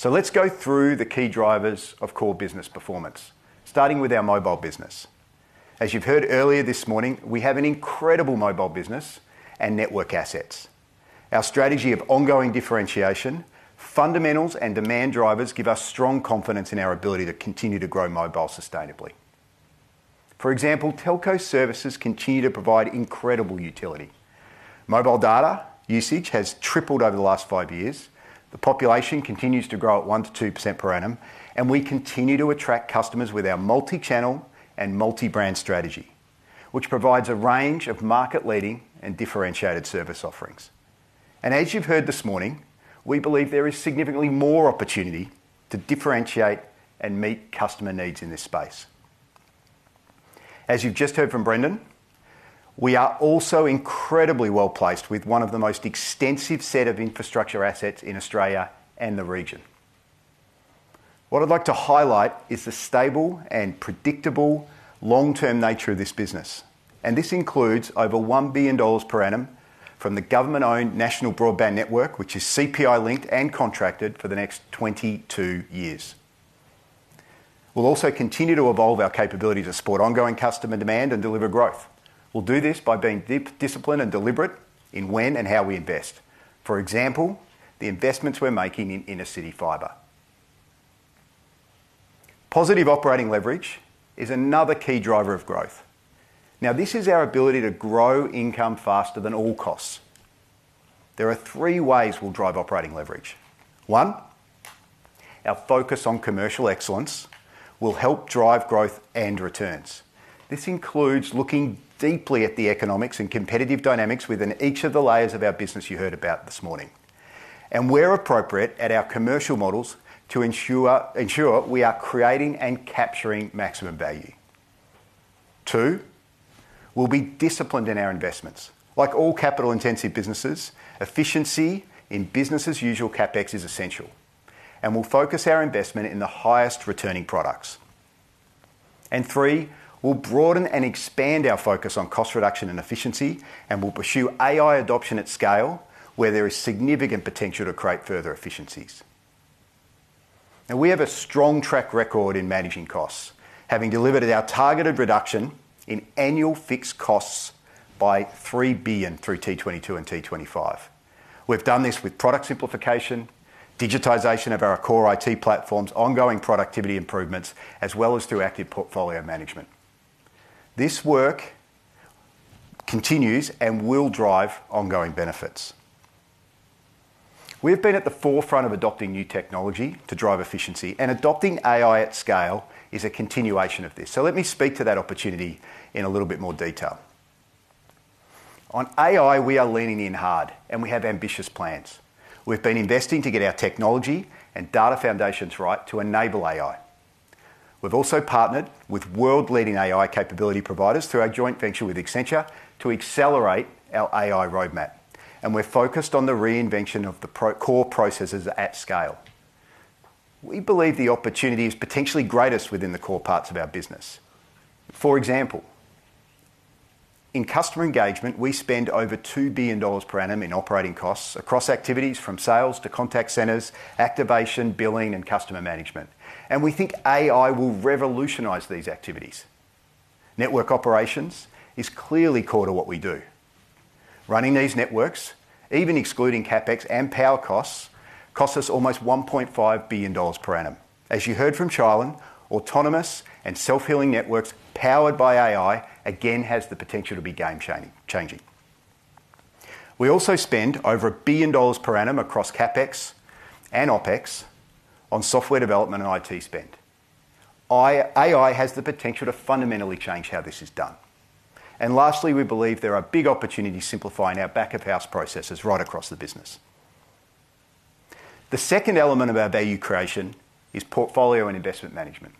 Let's go through the key drivers of core business performance, starting with our mobile business. As you've heard earlier this morning, we have an incredible mobile business and network assets. Our strategy of ongoing differentiation, fundamentals, and demand drivers give us strong confidence in our ability to continue to grow mobile sustainably. For example, telco services continue to provide incredible utility. Mobile data usage has tripled over the last five years. The population continues to grow at 1%-2% per annum, and we continue to attract customers with our multi-channel and multi-brand strategy, which provides a range of market-leading and differentiated service offerings. As you've heard this morning, we believe there is significantly more opportunity to differentiate and meet customer needs in this space. As you've just heard from Brendan, we are also incredibly well placed with one of the most extensive sets of infrastructure assets in Australia and the region. What I'd like to highlight is the stable and predictable long-term nature of this business, and this includes over $1 billion per annum from the government-owned National Broadband Network, which is CPI-linked and contracted for the next 22 years. We'll also continue to evolve our capabilities to support ongoing customer demand and deliver growth. We'll do this by being disciplined and deliberate in when and how we invest. For example, the investments we're making in intercity fiber. Positive operating leverage is another key driver of growth. Now, this is our ability to grow income faster than all costs. There are three ways we'll drive operating leverage. One, our focus on commercial excellence will help drive growth and returns. This includes looking deeply at the economics and competitive dynamics within each of the layers of our business you heard about this morning, and where appropriate at our commercial models to ensure we are creating and capturing maximum value. Two, we'll be disciplined in our investments. Like all capital-intensive businesses, efficiency in business as usual CapEx is essential, and we'll focus our investment in the highest returning products. Three, we'll broaden and expand our focus on cost reduction and efficiency, and we'll pursue AI adoption at scale where there is significant potential to create further efficiencies. Now, we have a strong track record in managing costs, having delivered our targeted reduction in annual fixed costs by $3 billion through T22 and T25. We've done this with product simplification, digitization of our core IT platforms, ongoing productivity improvements, as well as through active portfolio management. This work continues and will drive ongoing benefits. We have been at the forefront of adopting new technology to drive efficiency, and adopting AI at scale is a continuation of this. Let me speak to that opportunity in a little bit more detail. On AI, we are leaning in hard, and we have ambitious plans. We've been investing to get our technology and data foundations right to enable AI. We've also partnered with world-leading AI capability providers through our joint venture with Accenture to accelerate our AI roadmap, and we're focused on the reinvention of the core processes at scale. We believe the opportunity is potentially greatest within the core parts of our business. For example, in customer engagement, we spend over $2 billion per annum in operating costs across activities from sales to contact centers, activation, billing, and customer management. We think AI will revolutionize these activities. Network operations is clearly core to what we do. Running these networks, even excluding CapEx and power costs, costs us almost $1.5 billion per annum. As you heard from Shailin, autonomous and self-healing networks powered by AI again have the potential to be game-changing. We also spend over $1 billion per annum across CapEx and OpEx on software development and IT spend. AI has the potential to fundamentally change how this is done. Lastly, we believe there are big opportunities simplifying our back-of-house processes right across the business. The second element of our value creation is portfolio and investment management.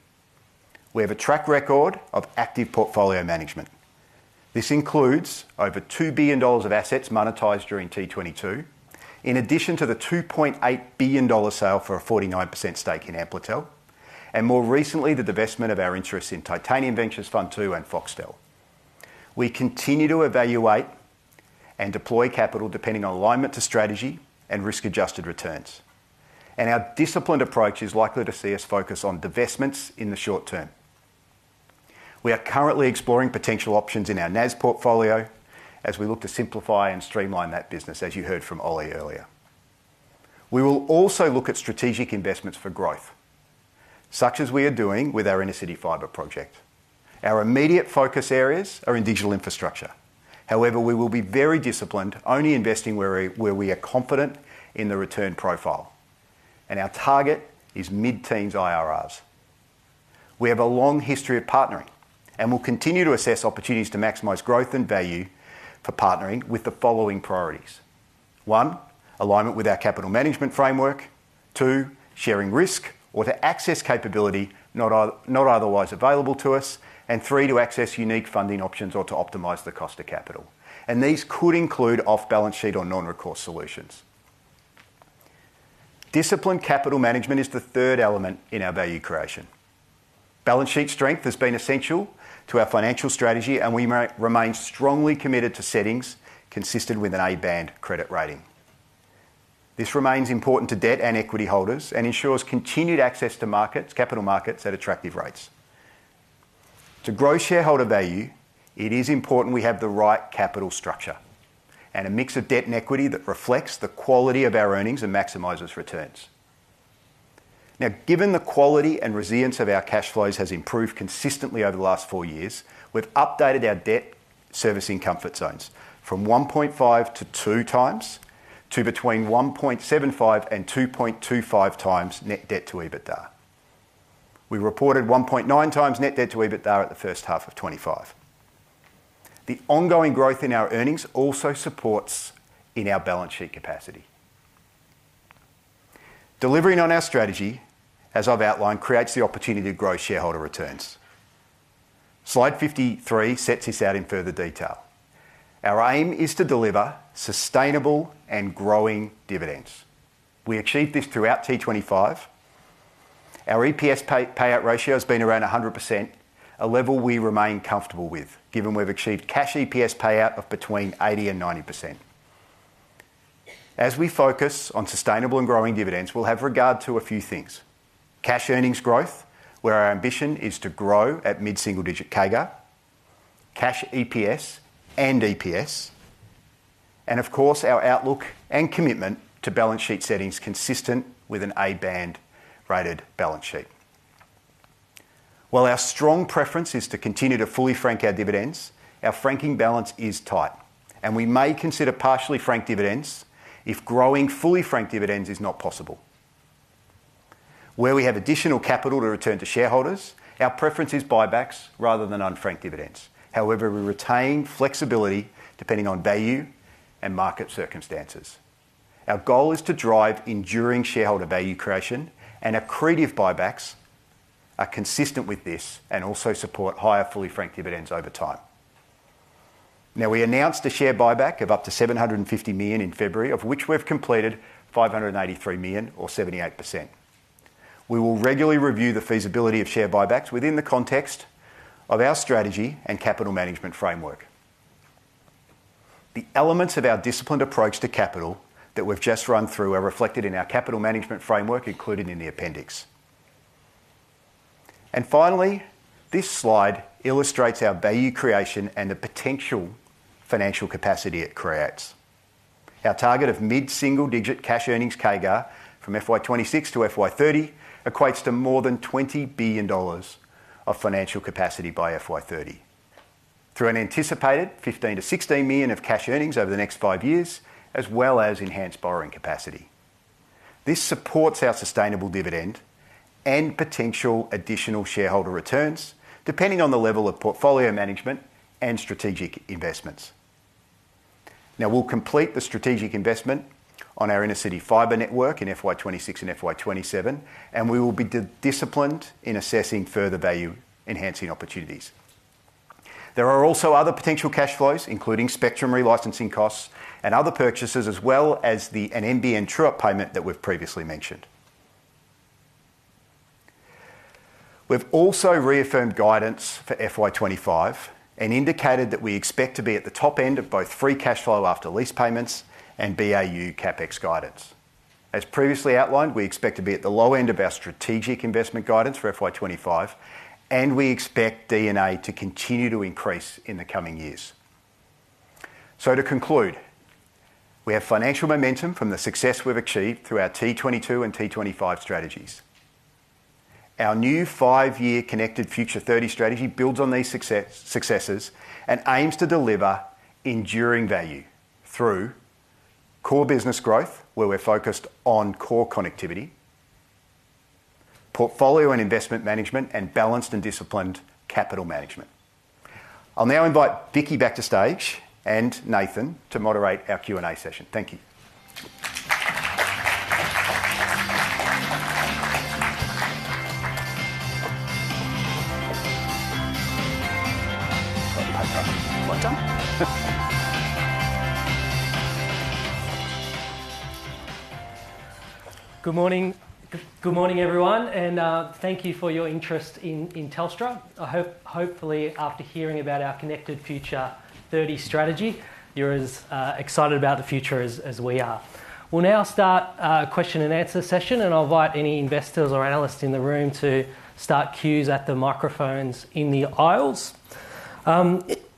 We have a track record of active portfolio management. This includes over $2 billion of assets monetized during T22, in addition to the $2.8 billion sale for a 49% stake in Amplitel, and more recently, the divestment of our interests in Titanium Ventures Fund II and Foxtel. We continue to evaluate and deploy capital depending on alignment to strategy and risk-adjusted returns. Our disciplined approach is likely to see us focus on divestments in the short term. We are currently exploring potential options in our NAS portfolio as we look to simplify and streamline that business, as you heard from Oli earlier. We will also look at strategic investments for growth, such as we are doing with our intercity fiber project. Our immediate focus areas are in digital infrastructure. However, we will be very disciplined, only investing where we are confident in the return profile. Our target is mid-teens IRRs. We have a long history of partnering and will continue to assess opportunities to maximize growth and value for partnering with the following priorities: one, alignment with our capital management framework; two, sharing risk or to access capability not otherwise available to us; and three, to access unique funding options or to optimize the cost of capital. These could include off-balance sheet or non-recourse solutions. Disciplined capital management is the third element in our value creation. Balance sheet strength has been essential to our financial strategy, and we remain strongly committed to settings consistent with an A-band credit rating. This remains important to debt and equity holders and ensures continued access to capital markets at attractive rates. To grow shareholder value, it is important we have the right capital structure and a mix of debt and equity that reflects the quality of our earnings and maximizes returns. Now, given the quality and resilience of our cash flows has improved consistently over the last four years, we've updated our debt service income foot zones from 1.5x-2x to between 1.75x-2.25x net debt to EBITDA. We reported 1.9 times net debt to EBITDA at the first half of 2025. The ongoing growth in our earnings also supports our balance sheet capacity. Delivering on our strategy, as I've outlined, creates the opportunity to grow shareholder returns. Slide 53 sets this out in further detail. Our aim is to deliver sustainable and growing dividends. We achieved this throughout T25. Our EPS payout ratio has been around 100%, a level we remain comfortable with, given we've achieved cash EPS payout of between 80% and 90%. As we focus on sustainable and growing dividends, we'll have regard to a few things: cash earnings growth, where our ambition is to grow at mid-single-digit CAGR; cash EPS and EPS; and, of course, our outlook and commitment to balance sheet settings consistent with an A-band rated balance sheet. While our strong preference is to continue to fully frank our dividends, our franking balance is tight, and we may consider partially franked dividends if growing fully franked dividends is not possible. Where we have additional capital to return to shareholders, our preference is buybacks rather than unfranked dividends. However, we retain flexibility depending on value and market circumstances. Our goal is to drive enduring shareholder value creation, and accretive buybacks are consistent with this and also support higher fully franked dividends over time. Now, we announced a share buyback of up to $750 million in February, of which we've completed $583 million, or 78%. We will regularly review the feasibility of share buybacks within the context of our strategy and capital management framework. The elements of our disciplined approach to capital that we've just run through are reflected in our capital management framework included in the appendix. Finally, this slide illustrates our value creation and the potential financial capacity it creates. Our target of mid-single-digit cash earnings CAGR from FY 2026 FY 2030 equates to more than $20 billion of financial capacity FY 2030, through an anticipated $15 billion-$16 billion of cash earnings over the next five years, as well as enhanced borrowing capacity. This supports our sustainable dividend and potential additional shareholder returns, depending on the level of portfolio management and strategic investments. Now, we'll complete the strategic investment on our intercity fiber network in FY 2026 and FY 2027, and we will be disciplined in assessing further value-enhancing opportunities. There are also other potential cash flows, including spectrum relicensing costs and other purchases, as well as the NBN true-up payment that we've previously mentioned. We've also reaffirmed guidance for FY 2025 and indicated that we expect to be at the top end of both free cash flow after lease payments and BAU CapEx guidance. As previously outlined, we expect to be at the low end of our strategic investment guidance for FY 2025, and we expect D&A to continue to increase in the coming years. To conclude, we have financial momentum from the success we've achieved through our T22 and T25 strategies. Our new five-year Connected Future 30 strategy builds on these successes and aims to deliver enduring value through core business growth, where we're focused on core connectivity, portfolio and investment management, and balanced and disciplined capital management. I'll now invite Vicki back to stage and Nathan to moderate our Q&A session. Thank you. Good morning. Good morning, everyone, and thank you for your interest in Telstra. I hope, hopefully, after hearing about our Connected Future 30 strategy, you're as excited about the future as we are. We'll now start a question-and-answer session, and I'll invite any investors or analysts in the room to start cues at the microphones in the aisles.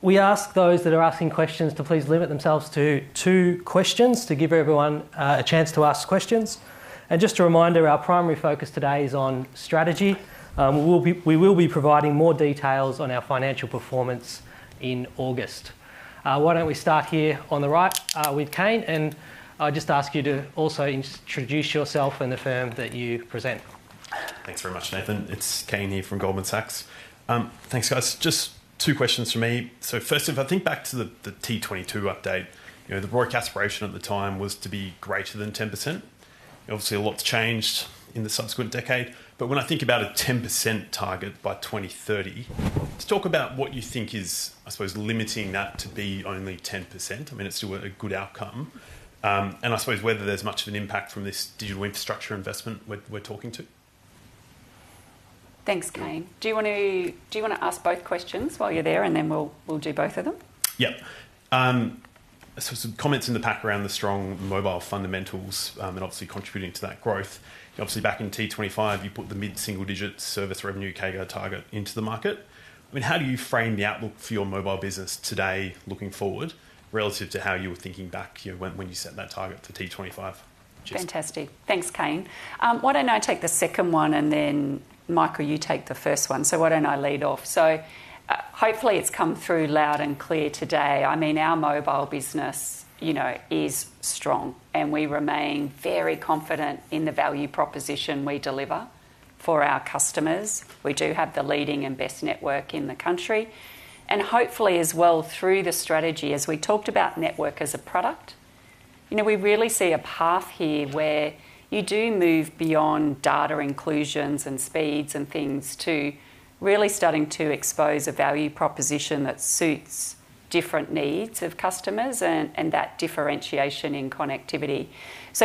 We ask those that are asking questions to please limit themselves to two questions to give everyone a chance to ask questions. Just a reminder, our primary focus today is on strategy. We will be providing more details on our financial performance in August. Why don't we start here on the right with Kane? I'll just ask you to also introduce yourself and the firm that you present. Thanks very much, Nathan. It's Kane here from Goldman Sachs. Thanks, guys. Just two questions for me. First, if I think back to the T22 update, the broadcast ration at the time was to be greater than 10%. Obviously, a lot's changed in the subsequent decade. When I think about a 10% target by 2030, let's talk about what you think is, I suppose, limiting that to be only 10%. I mean, it's still a good outcome. I suppose whether there's much of an impact from this digital infrastructure investment we're talking to. Thanks, Kane. Do you want to ask both questions while you're there, and then we'll do both of them? Yep. Some comments in the pack around the strong mobile fundamentals and obviously contributing to that growth. Obviously, back in T25, you put the mid-single-digit service revenue CAGR target into the market. I mean, how do you frame the outlook for your mobile business today looking forward relative to how you were thinking back when you set that target for T25? Fantastic. Thanks, Kane. Why don't I take the second one, and then Michael, you take the first one? Why don't I lead off? Hopefully, it's come through loud and clear today. I mean, our mobile business is strong, and we remain very confident in the value proposition we deliver for our customers. We do have the leading and best network in the country. Hopefully, as well, through the strategy, as we talked about network as a product, we really see a path here where you do move beyond data inclusions and speeds and things to really starting to expose a value proposition that suits different needs of customers and that differentiation in connectivity.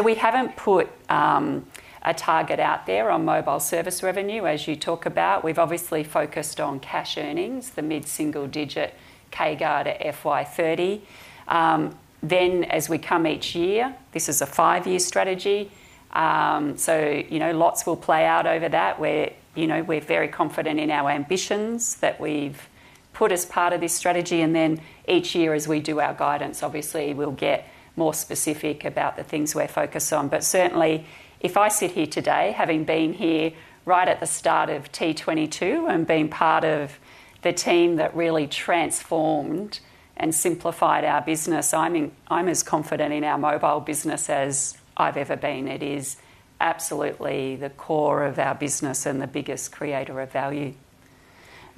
We have not put a target out there on mobile service revenue, as you talk about. We have obviously focused on cash earnings, the mid-single-digit CAGR FY 2030. As we come each year, this is a five-year strategy. Lots will play out over that where we are very confident in our ambitions that we have put as part of this strategy. Each year, as we do our guidance, obviously, we will get more specific about the things we are focused on. Certainly, if I sit here today, having been here right at the start of T22 and being part of the team that really transformed and simplified our business, I'm as confident in our mobile business as I've ever been. It is absolutely the core of our business and the biggest creator of value.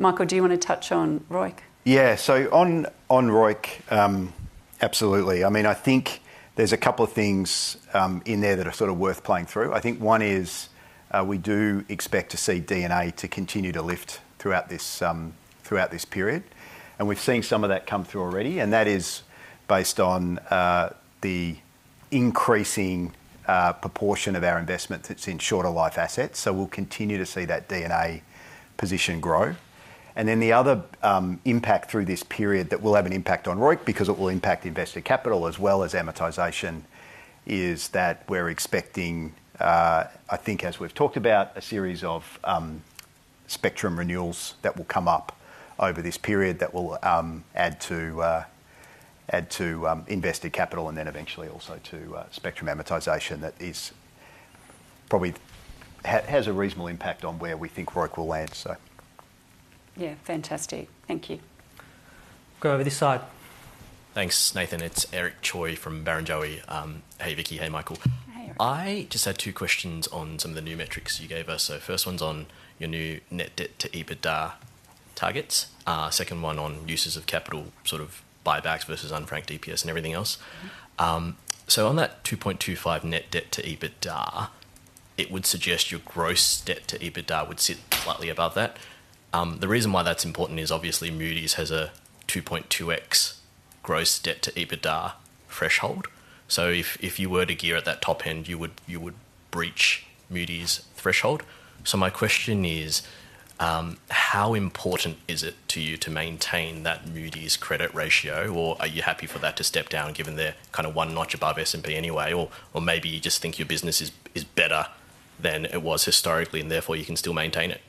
Michael, do you want to touch on ROIC? Yeah. On ROIC, absolutely. I mean, I think there's a couple of things in there that are sort of worth playing through. I think one is we do expect to see D&A continue to lift throughout this period. We've seen some of that come through already. That is based on the increasing proportion of our investment that's in shorter-life assets. We'll continue to see that D&A position grow. Then the other impact through this period that will have an impact on ROIC because it will impact investor capital as well as amortization is that we're expecting, I think, as we've talked about, a series of spectrum renewals that will come up over this period that will add to investor capital and then eventually also to spectrum amortization that probably has a reasonable impact on where we think ROIC will land. Yeah. Fantastic. Thank you. Go over this side. Thanks, Nathan. It's Eric Choi from Barrenjoey. Hey, Vicki. Hey, Michael. Hey, Eric. I just had two questions on some of the new metrics you gave us. First one's on your new net debt to EBITDA targets. Second one on uses of capital, sort of buybacks versus unfranked EPS and everything else. On that 2.25 net debt to EBITDA, it would suggest your gross debt to EBITDA would sit slightly above that. The reason why that's important is, obviously, Moody's has a 2.2x gross debt to EBITDA threshold. If you were to gear at that top end, you would breach Moody's threshold. My question is, how important is it to you to maintain that Moody's credit ratio, or are you happy for that to step down given they're kind of one notch above S&P anyway, or maybe you just think your business is better than it was historically and therefore you can still maintain it?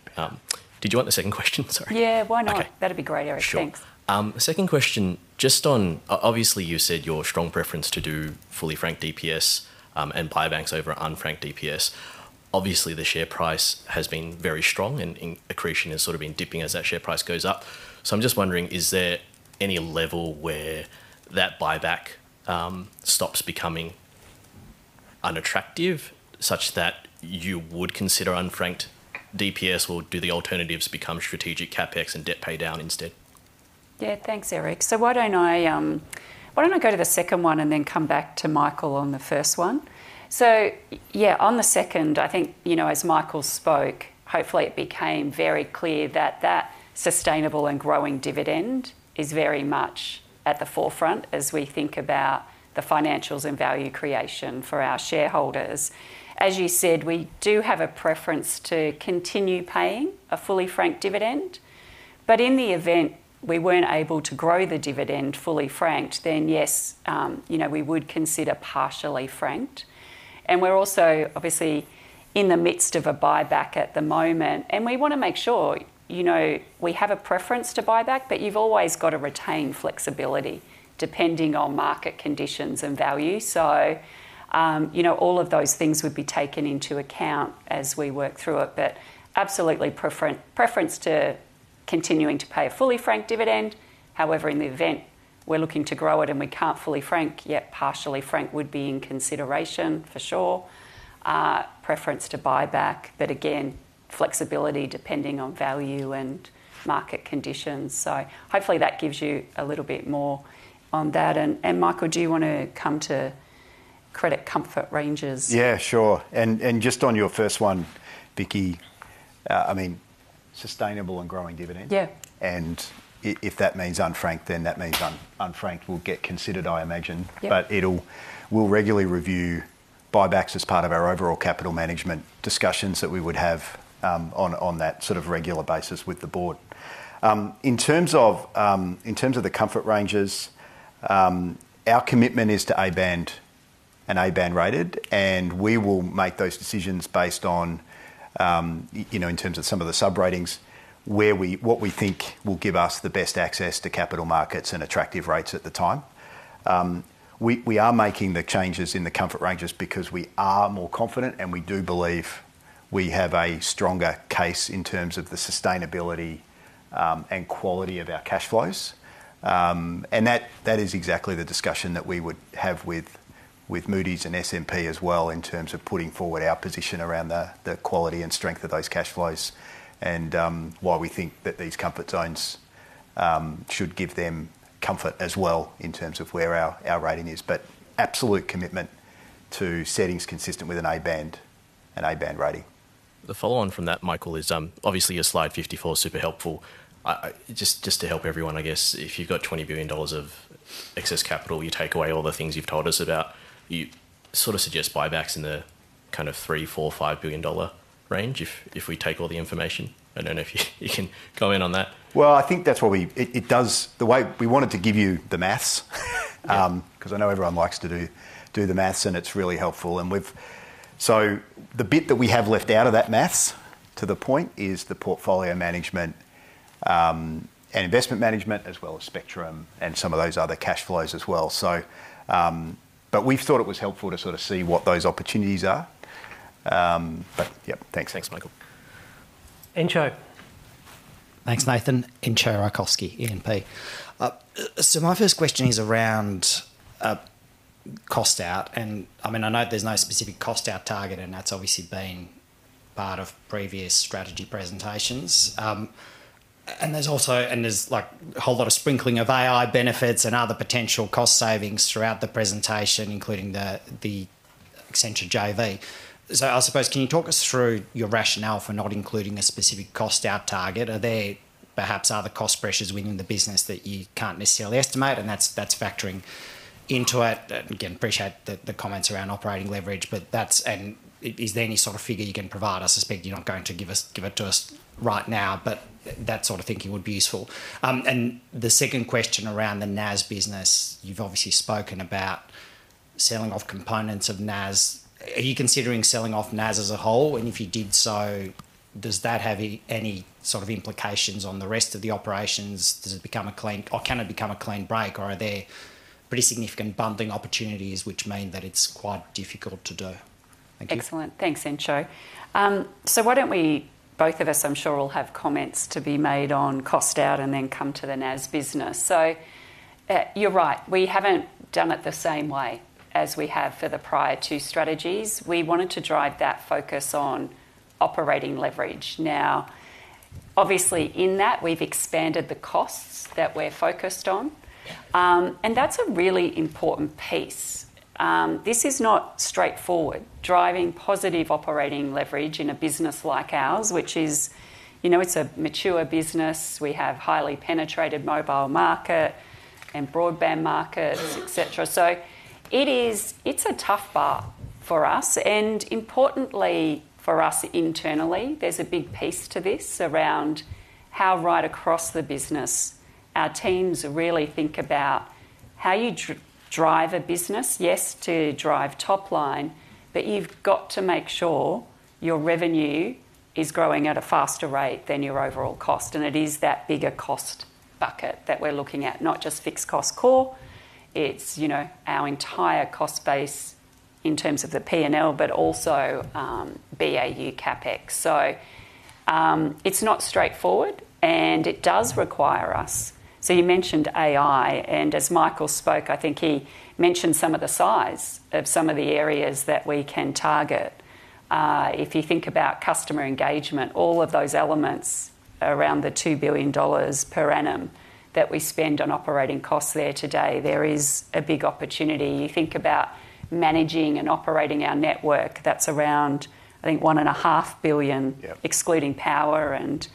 Did you want the second question? Sorry. Yeah. Why not? That'd be great, Eric. Thanks. Sure. Second question, just on, obviously, you said your strong preference to do fully franked EPS and buybacks over unfranked EPS. Obviously, the share price has been very strong, and accretion has sort of been dipping as that share price goes up. I'm just wondering, is there any level where that buyback stops becoming unattractive such that you would consider unfranked EPS, or do the alternatives become strategic CapEx and debt pay down instead? Yeah. Thanks, Eric. Why don't I go to the second one and then come back to Michael on the first one? On the second, I think, as Michael spoke, hopefully, it became very clear that that sustainable and growing dividend is very much at the forefront as we think about the financials and value creation for our shareholders. As you said, we do have a preference to continue paying a fully franked dividend. In the event we weren't able to grow the dividend fully franked, then yes, we would consider partially franked. We're also, obviously, in the midst of a buyback at the moment, and we want to make sure we have a preference to buyback, but you've always got to retain flexibility depending on market conditions and value. All of those things would be taken into account as we work through it. Absolutely, preference to continuing to pay a fully franked dividend. However, in the event we're looking to grow it and we can't fully frank yet, partially franked would be in consideration for sure. Preference to buyback, but again, flexibility depending on value and market conditions. Hopefully, that gives you a little bit more on that. Michael, do you want to come to credit comfort ranges? Yeah, sure. Just on your first one, Vicki, I mean. Sustainable and growing dividend. If that means unfranked, then that means unfranked will get considered, I imagine. We'll regularly review buybacks as part of our overall capital management discussions that we would have on that sort of regular basis with the board. In terms of the comfort ranges, our commitment is to A-band and A-band rated, and we will make those decisions based on, in terms of some of the sub-ratings, what we think will give us the best access to capital markets and attractive rates at the time. We are making the changes in the comfort ranges because we are more confident, and we do believe we have a stronger case in terms of the sustainability and quality of our cash flows. That is exactly the discussion that we would have with Moody's and S&P as well in terms of putting forward our position around the quality and strength of those cash flows and why we think that these comfort zones should give them comfort as well in terms of where our rating is. Absolute commitment to settings consistent with an A-band rating. The follow-on from that, Michael, is obviously your slide 54, super helpful. Just to help everyone, I guess, if you've got $20 billion of excess capital, you take away all the things you've told us about, you sort of suggest buybacks in the kind of $3 billion-$4 billion-$5 billion range if we take all the information. I don't know if you can comment on that. I think that's what we the way we wanted to give you the maths because I know everyone likes to do the maths, and it's really helpful. The bit that we have left out of that maths, to the point, is the portfolio management and investment management as well as spectrum and some of those other cash flows as well. We thought it was helpful to sort of see what those opportunities are. Yep, thanks. Thanks, Michael. Entcho. Thanks, Nathan. Entcho Raykovski, E&P. My first question is around cost out. I mean, I know there's no specific cost out target, and that's obviously been part of previous strategy presentations. There's also a whole lot of sprinkling of AI benefits and other potential cost savings throughout the presentation, including the Accenture JV. I suppose, can you talk us through your rationale for not including a specific cost out target? Are there perhaps other cost pressures within the business that you can't necessarily estimate? That's factoring into it. Again, appreciate the comments around operating leverage. Is there any sort of figure you can provide? I suspect you're not going to give it to us right now, but that sort of thinking would be useful. The second question around the NAS business, you've obviously spoken about selling off components of NAS. Are you considering selling off NAS as a whole? If you did so, does that have any sort of implications on the rest of the operations? Does it become a clean or can it become a clean break, or are there pretty significant bundling opportunities which mean that it's quite difficult to do? Thank you. Excellent. Thanks, Entcho. Why do not we both of us, I am sure we will have comments to be made on cost out and then come to the NAS business. You are right. We have not done it the same way as we have for the prior two strategies. We wanted to drive that focus on operating leverage. Now, obviously, in that, we have expanded the costs that we are focused on. That is a really important piece. This is not straightforward. Driving positive operating leverage in a business like ours, which is a mature business. We have highly penetrated mobile market and broadband markets, etc. It is a tough bar for us. Importantly for us internally, there's a big piece to this around how right across the business our teams really think about how you drive a business, yes, to drive top line, but you've got to make sure your revenue is growing at a faster rate than your overall cost. It is that bigger cost bucket that we're looking at, not just fixed cost core. It's our entire cost base in terms of the P&L, but also BAU CapEx. It's not straightforward, and it does require us. You mentioned AI. As Michael spoke, I think he mentioned some of the size of some of the areas that we can target. If you think about customer engagement, all of those elements around the $2 billion per annum that we spend on operating costs there today, there is a big opportunity. You think about managing and operating our network, that's around, I think, $1.5 billion, excluding power and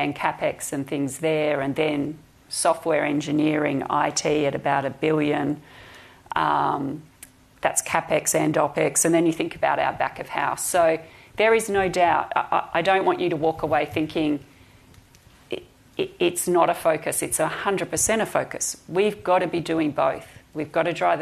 CapEx and things there. And then software engineering, IT at about $1 billion. That's CapEx and OpEx. And then you think about our back of house. There is no doubt. I don't want you to walk away thinking it's not a focus. It's 100% a focus. We've got to be doing both. We've got to drive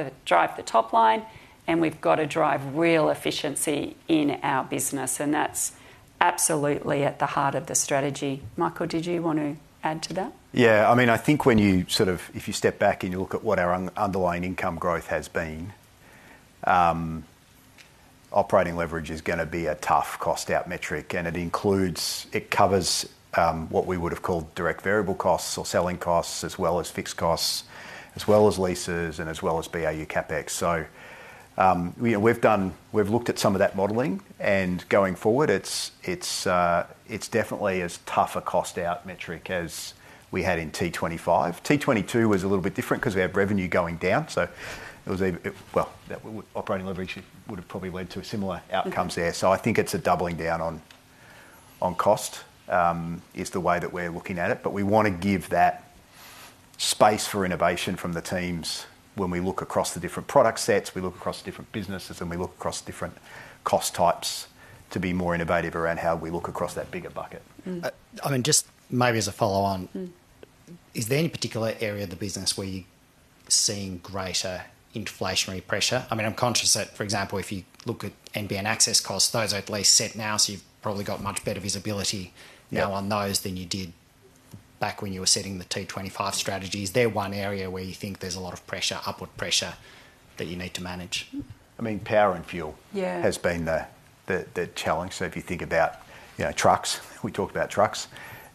the top line, and we've got to drive real efficiency in our business. That's absolutely at the heart of the strategy. Michael, did you want to add to that? Yeah. I mean, I think when you sort of if you step back and you look at what our underlying income growth has been, operating leverage is going to be a tough cost out metric. It covers what we would have called direct variable costs or selling costs as well as fixed costs, as well as leases, and as well as BAU CapEx. We have looked at some of that modeling. Going forward, it is definitely as tough a cost out metric as we had in T25. T22 was a little bit different because we had revenue going down. Operating leverage would have probably led to similar outcomes there. I think it is a doubling down on cost, is the way that we are looking at it. We want to give that space for innovation from the teams when we look across the different product sets, we look across different businesses, and we look across different cost types to be more innovative around how we look across that bigger bucket. I mean, just maybe as a follow-on, is there any particular area of the business where you're seeing greater inflationary pressure? I mean, I'm conscious that, for example, if you look at NBN access costs, those are at least set now, so you've probably got much better visibility now on those than you did back when you were setting the T25 strategies. Is there one area where you think there's a lot of pressure, upward pressure, that you need to manage? I mean, power and fuel has been the challenge. If you think about trucks, we talked about trucks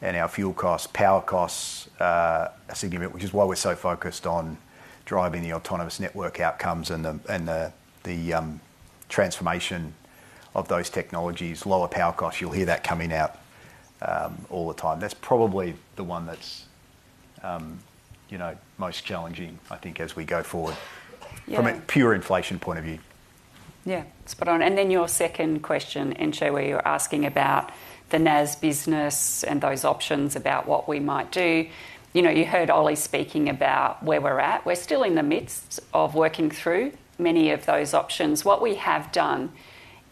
and our fuel costs, power costs are significant, which is why we're so focused on driving the autonomous network outcomes and the transformation of those technologies. Lower power costs, you'll hear that coming out all the time. That's probably the one that's most challenging, I think, as we go forward from a pure inflation point of view. Yeah. Spot on. Your second question, Entcho, where you're asking about the NAS business and those options about what we might do. You heard Oli speaking about where we're at. We're still in the midst of working through many of those options. What we have done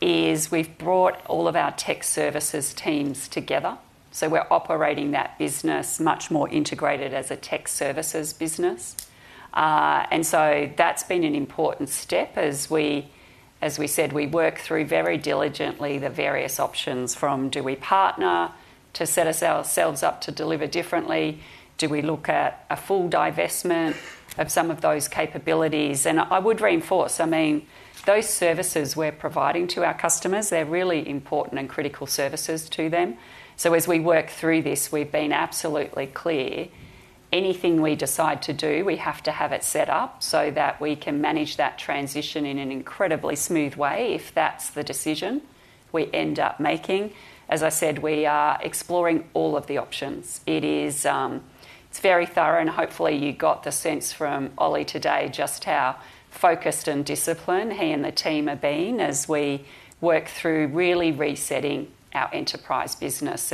is we've brought all of our tech services teams together. We're operating that business much more integrated as a tech services business. That's been an important step. As we said, we work through very diligently the various options from do we partner to set ourselves up to deliver differently? Do we look at a full divestment of some of those capabilities? I would reinforce, I mean, those services we're providing to our customers, they're really important and critical services to them. As we work through this, we've been absolutely clear. Anything we decide to do, we have to have it set up so that we can manage that transition in an incredibly smooth way if that's the decision we end up making. As I said, we are exploring all of the options. It's very thorough, and hopefully, you got the sense from Oli today just how focused and disciplined he and the team have been as we work through really resetting our enterprise business.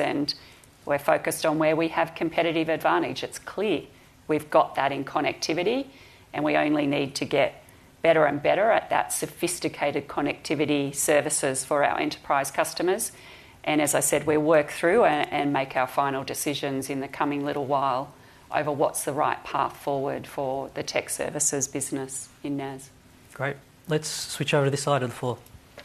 We're focused on where we have competitive advantage. It's clear we've got that in connectivity, and we only need to get better and better at that sophisticated connectivity services for our enterprise customers. As I said, we work through and make our final decisions in the coming little while over what's the right path forward for the tech services business in NAS. Great. Let's switch over to this side of the floor.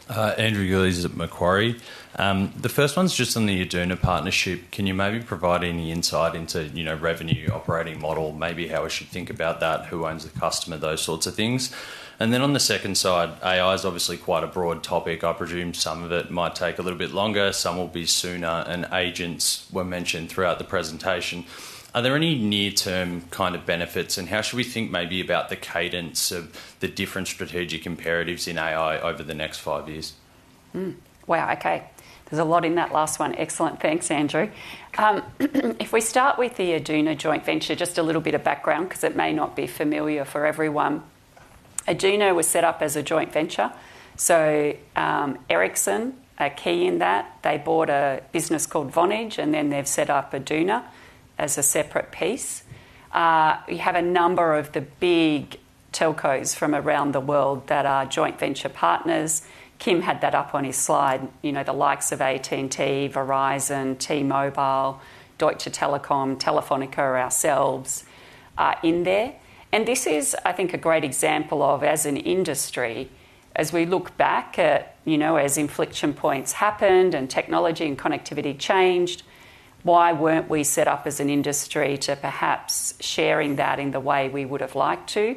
Andrew Gully's at Macquarie. The first one's just on the Aduna partnership. Can you maybe provide any insight into revenue, operating model, maybe how we should think about that, who owns the customer, those sorts of things? On the second side, AI is obviously quite a broad topic. I presume some of it might take a little bit longer. Some will be sooner. Agents were mentioned throughout the presentation. Are there any near-term kind of benefits, and how should we think maybe about the cadence of the different strategic imperatives in AI over the next five years? Wow, okay. There's a lot in that last one. Excellent. Thanks, Andrew. If we start with the Aduna joint venture, just a little bit of background because it may not be familiar for everyone. Aduna was set up as a joint venture. Ericsson are key in that. They bought a business called Vonage, and then they've set up Aduna as a separate piece. You have a number of the big telcos from around the world that are joint venture partners. Kim had that up on his slide, the likes of AT&T, Verizon, T-Mobile, Deutsche Telekom, Telefónica, ourselves in there. This is, I think, a great example of, as an industry, as we look back at as inflection points happened and technology and connectivity changed, why weren't we set up as an industry to perhaps share in that in the way we would have liked to?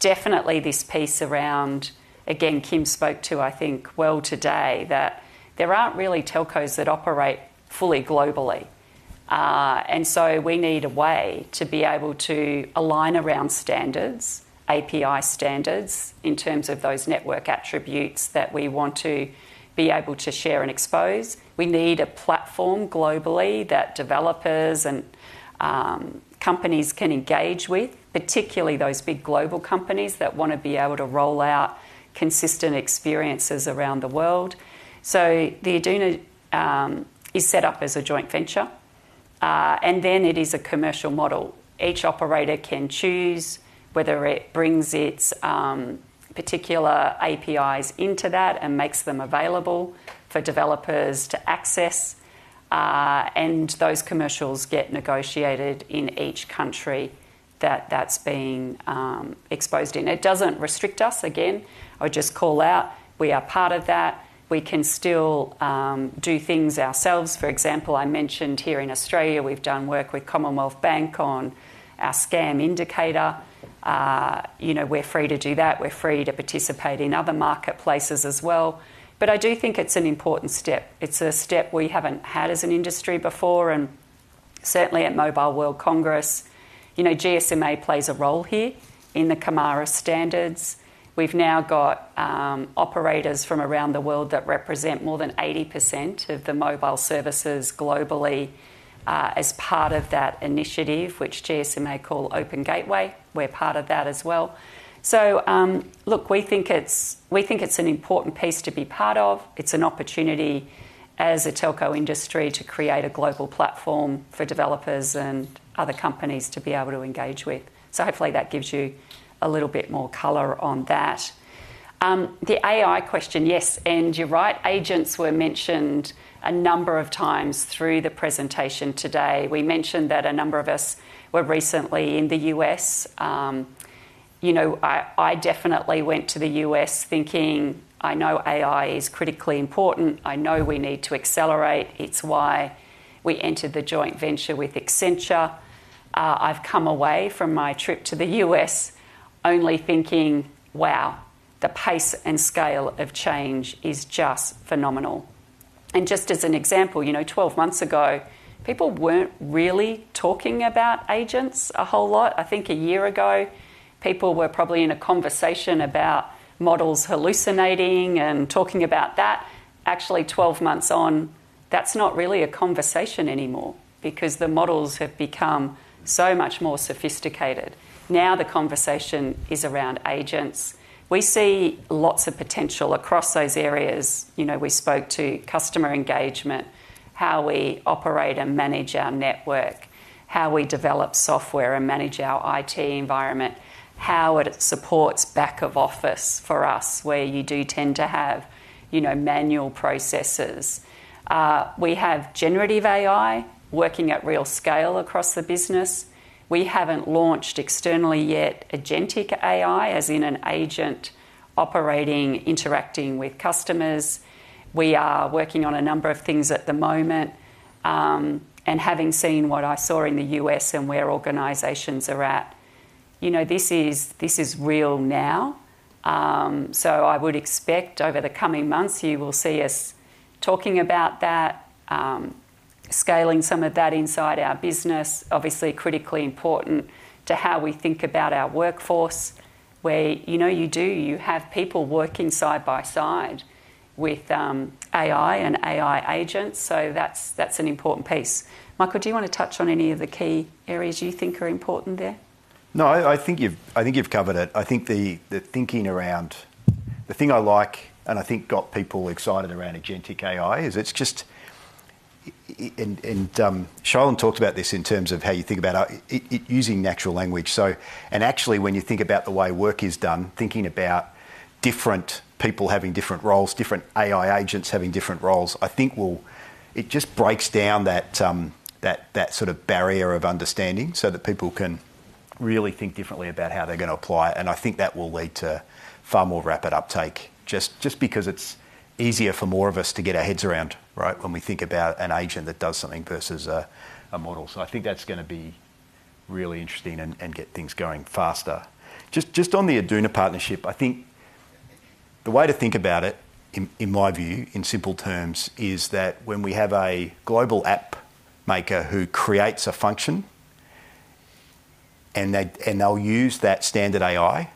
Definitely this piece around, again, Kim spoke to, I think, today, that there aren't really telcos that operate fully globally. We need a way to be able to align around standards, API standards in terms of those network attributes that we want to be able to share and expose. We need a platform globally that developers and companies can engage with, particularly those big global companies that want to be able to roll out consistent experiences around the world. The Aduna is set up as a joint venture, and then it is a commercial model. Each operator can choose whether it brings its particular APIs into that and makes them available for developers to access. Those commercials get negotiated in each country that that's being exposed in. It doesn't restrict us, again. I would just call out, we are part of that. We can still do things ourselves. For example, I mentioned here in Australia, we've done work with Commonwealth Bank on our scam indicator. We're free to do that. We're free to participate in other marketplaces as well. I do think it's an important step. It's a step we haven't had as an industry before. Certainly at Mobile World Congress, GSMA plays a role here in the CAMARA standards. We've now got operators from around the world that represent more than 80% of the mobile services globally as part of that initiative, which GSMA calls Open Gateway. We're part of that as well. Look, we think it's an important piece to be part of. It's an opportunity as a telco industry to create a global platform for developers and other companies to be able to engage with. Hopefully, that gives you a little bit more color on that. The AI question, yes. And you're right. Agents were mentioned a number of times through the presentation today. We mentioned that a number of us were recently in the U.S. I definitely went to the U.S. thinking, "I know AI is critically important. I know we need to accelerate." It's why we entered the joint venture with Accenture. I've come away from my trip to the U.S. only thinking, "Wow, the pace and scale of change is just phenomenal." Just as an example, 12 months ago, people weren't really talking about agents a whole lot. I think a year ago, people were probably in a conversation about models hallucinating and talking about that. Actually, 12 months on, that's not really a conversation anymore because the models have become so much more sophisticated. Now the conversation is around agents. We see lots of potential across those areas. We spoke to customer engagement, how we operate and manage our network, how we develop software and manage our IT environment, how it supports back of office for us where you do tend to have manual processes. We have generative AI working at real scale across the business. We have not launched externally yet agentic AI, as in an agent operating, interacting with customers. We are working on a number of things at the moment. Having seen what I saw in the U.S. and where organizations are at, this is real now. I would expect over the coming months, you will see us talking about that, scaling some of that inside our business. Obviously, critically important to how we think about our workforce, where you do have people working side by side with AI and AI agents. That is an important piece. Michael, do you want to touch on any of the key areas you think are important there? No, I think you've covered it. I think the thinking around the thing I like and I think got people excited around agentic AI is it's just, and Shailin talked about this in terms of how you think about using natural language. Actually, when you think about the way work is done, thinking about different people having different roles, different AI agents having different roles, I think it just breaks down that sort of barrier of understanding so that people can really think differently about how they're going to apply it. I think that will lead to far more rapid uptake just because it's easier for more of us to get our heads around, right, when we think about an agent that does something versus a model. I think that's going to be really interesting and get things going faster. Just on the Aduna partnership, I think the way to think about it, in my view, in simple terms, is that when we have a global app maker who creates a function and they'll use that standard AI,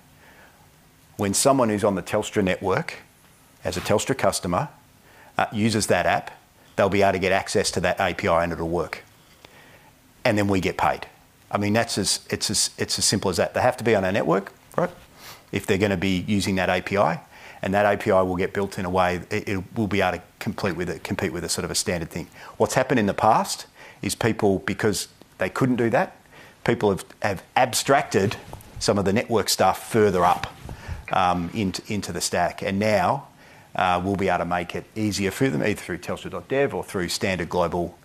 when someone who's on the Telstra network as a Telstra customer uses that app, they'll be able to get access to that API and it'll work. I mean, it's as simple as that. They have to be on our network, right, if they're going to be using that API. That API will get built in a way it will be able to compete with a sort of a standard thing. What's happened in the past is people, because they couldn't do that, have abstracted some of the network stuff further up into the stack. Now we'll be able to make it easier for them either through telstra.dev or through standard global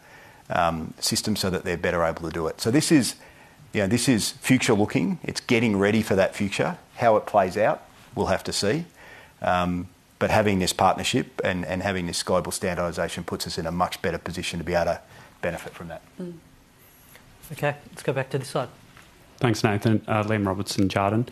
systems so that they're better able to do it. This is future-looking. It's getting ready for that future. How it plays out, we'll have to see. Having this partnership and having this global standardization puts us in a much better position to be able to benefit from that. Okay. Let's go back to this side. Thanks, Nathan. Liam Robertson, Jarden.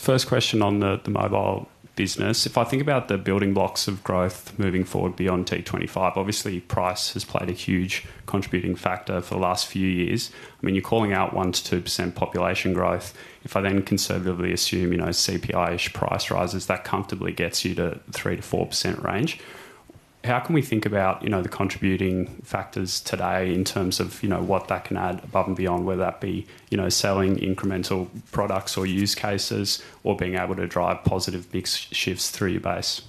First question on the mobile business. If I think about the building blocks of growth moving forward beyond T25, obviously, price has played a huge contributing factor for the last few years. I mean, you're calling out 1%-2% population growth. If I then conservatively assume CPI-ish price rises, that comfortably gets you to 3%-4% range. How can we think about the contributing factors today in terms of what that can add above and beyond, whether that be selling incremental products or use cases or being able to drive positive mix shifts through your base?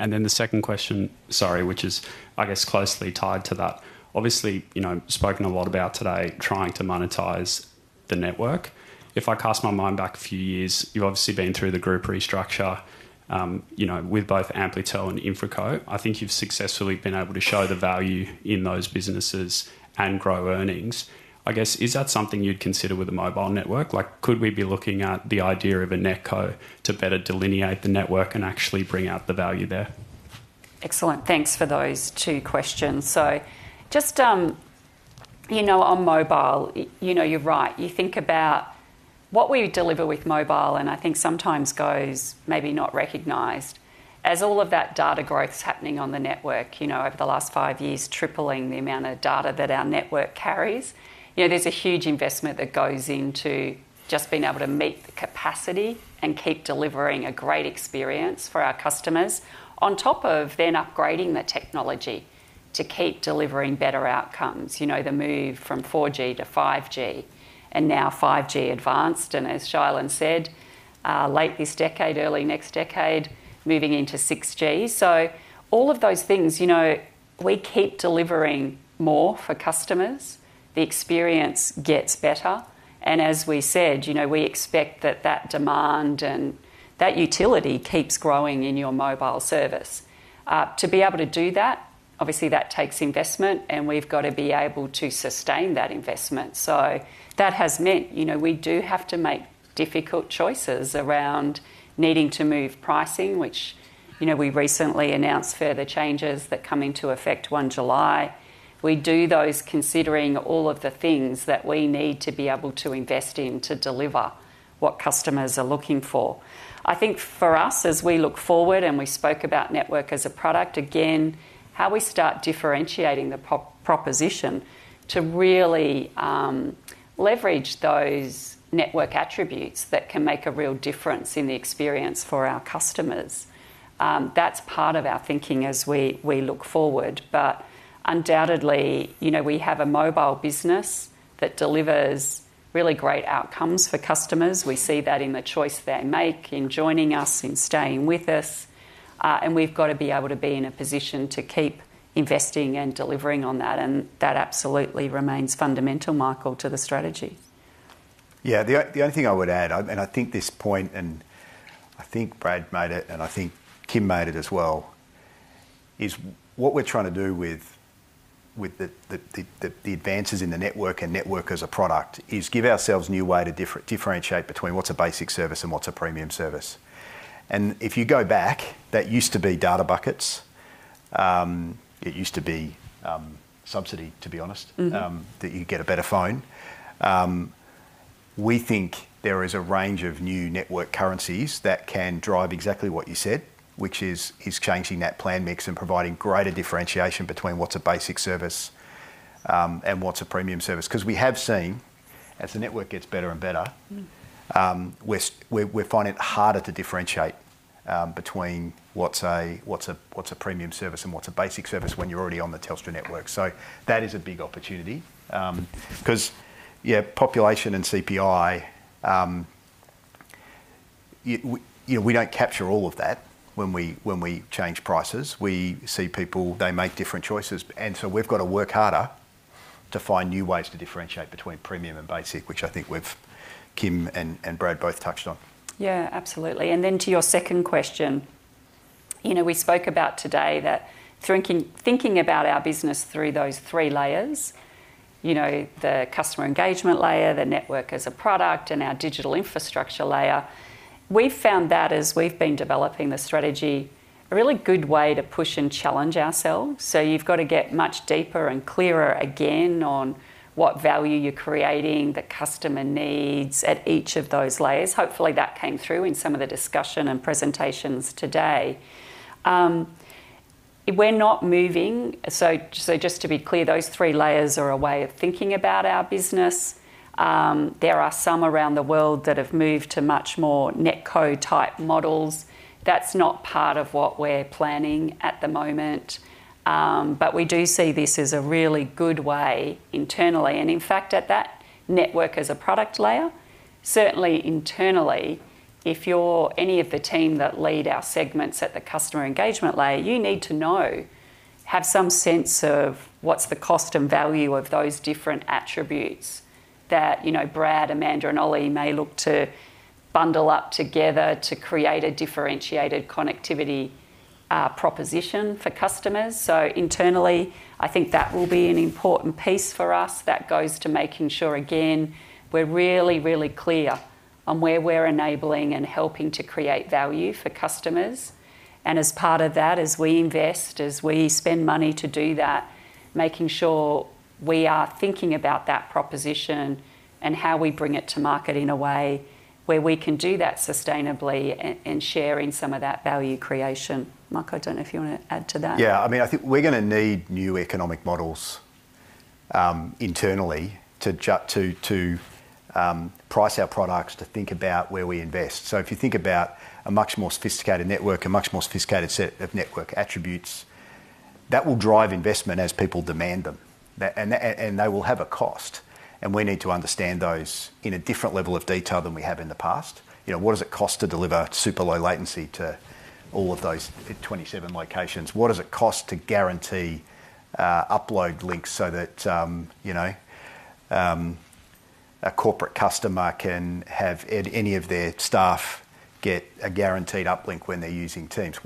The second question, sorry, which is, I guess, closely tied to that. Obviously, spoken a lot about today trying to monetize the network. If I cast my mind back a few years, you've obviously been through the group restructure with both Amplitel and InfraCo. I think you've successfully been able to show the value in those businesses and grow earnings. I guess, is that something you'd consider with a mobile network? Could we be looking at the idea of a NetCo to better delineate the network and actually bring out the value there? Excellent. Thanks for those two questions. Just on mobile, you're right. You think about what we deliver with mobile, and I think sometimes goes maybe not recognized. As all of that data growth is happening on the network over the last five years, tripling the amount of data that our network carries, there's a huge investment that goes into just being able to meet the capacity and keep delivering a great experience for our customers on top of then upgrading the technology to keep delivering better outcomes, the move from 4G to 5G and now 5G Advanced. As Shailin said, late this decade, early next decade, moving into 6G. All of those things, we keep delivering more for customers. The experience gets better. As we said, we expect that that demand and that utility keeps growing in your mobile service. To be able to do that, obviously, that takes investment, and we've got to be able to sustain that investment. That has meant we do have to make difficult choices around needing to move pricing, which we recently announced further changes that come into effect 1 July. We do those considering all of the things that we need to be able to invest in to deliver what customers are looking for. I think for us, as we look forward and we spoke about network as a product, again, how we start differentiating the proposition to really leverage those network attributes that can make a real difference in the experience for our customers. That is part of our thinking as we look forward. Undoubtedly, we have a mobile business that delivers really great outcomes for customers. We see that in the choice they make in joining us, in staying with us. We have to be able to be in a position to keep investing and delivering on that. That absolutely remains fundamental, Michael, to the strategy. Yeah. The only thing I would add, and I think this point, and I think Brad made it, and I think Kim made it as well, is what we're trying to do with the advances in the network and network as a product is give ourselves a new way to differentiate between what's a basic service and what's a premium service. If you go back, that used to be data buckets. It used to be subsidy, to be honest, that you get a better phone. We think there is a range of new network currencies that can drive exactly what you said, which is changing that plan mix and providing greater differentiation between what's a basic service and what's a premium service. Because we have seen, as the network gets better and better, we're finding it harder to differentiate between what's a premium service and what's a basic service when you're already on the Telstra network. That is a big opportunity. Because, yeah, population and CPI, we don't capture all of that when we change prices. We see people. They make different choices. We've got to work harder to find new ways to differentiate between premium and basic, which I think Kim and Brad both touched on. Yeah, absolutely. To your second question, we spoke about today that thinking about our business through those three layers, the customer engagement layer, the network as a product, and our digital infrastructure layer, we've found that as we've been developing the strategy, a really good way to push and challenge ourselves. You have to get much deeper and clearer again on what value you are creating, the customer needs at each of those layers. Hopefully, that came through in some of the discussion and presentations today. We are not moving. Just to be clear, those three layers are a way of thinking about our business. There are some around the world that have moved to much more NetCo-type models. That is not part of what we are planning at the moment. We do see this as a really good way internally. In fact, at that network as a product layer, certainly internally, if you're any of the team that lead our segments at the customer engagement layer, you need to have some sense of what's the cost and value of those different attributes that Brad, Amanda, and Oli may look to bundle up together to create a differentiated connectivity proposition for customers. Internally, I think that will be an important piece for us that goes to making sure, again, we're really, really clear on where we're enabling and helping to create value for customers. As part of that, as we invest, as we spend money to do that, making sure we are thinking about that proposition and how we bring it to market in a way where we can do that sustainably and share in some of that value creation. Michael, I don't know if you want to add to that. Yeah. I mean, I think we're going to need new economic models internally to price our products, to think about where we invest. If you think about a much more sophisticated network, a much more sophisticated set of network attributes, that will drive investment as people demand them. They will have a cost. We need to understand those in a different level of detail than we have in the past. What does it cost to deliver super low latency to all of those 27 locations? What does it cost to guarantee upload links so that a corporate customer can have any of their staff get a guaranteed uplink when they're using Teams?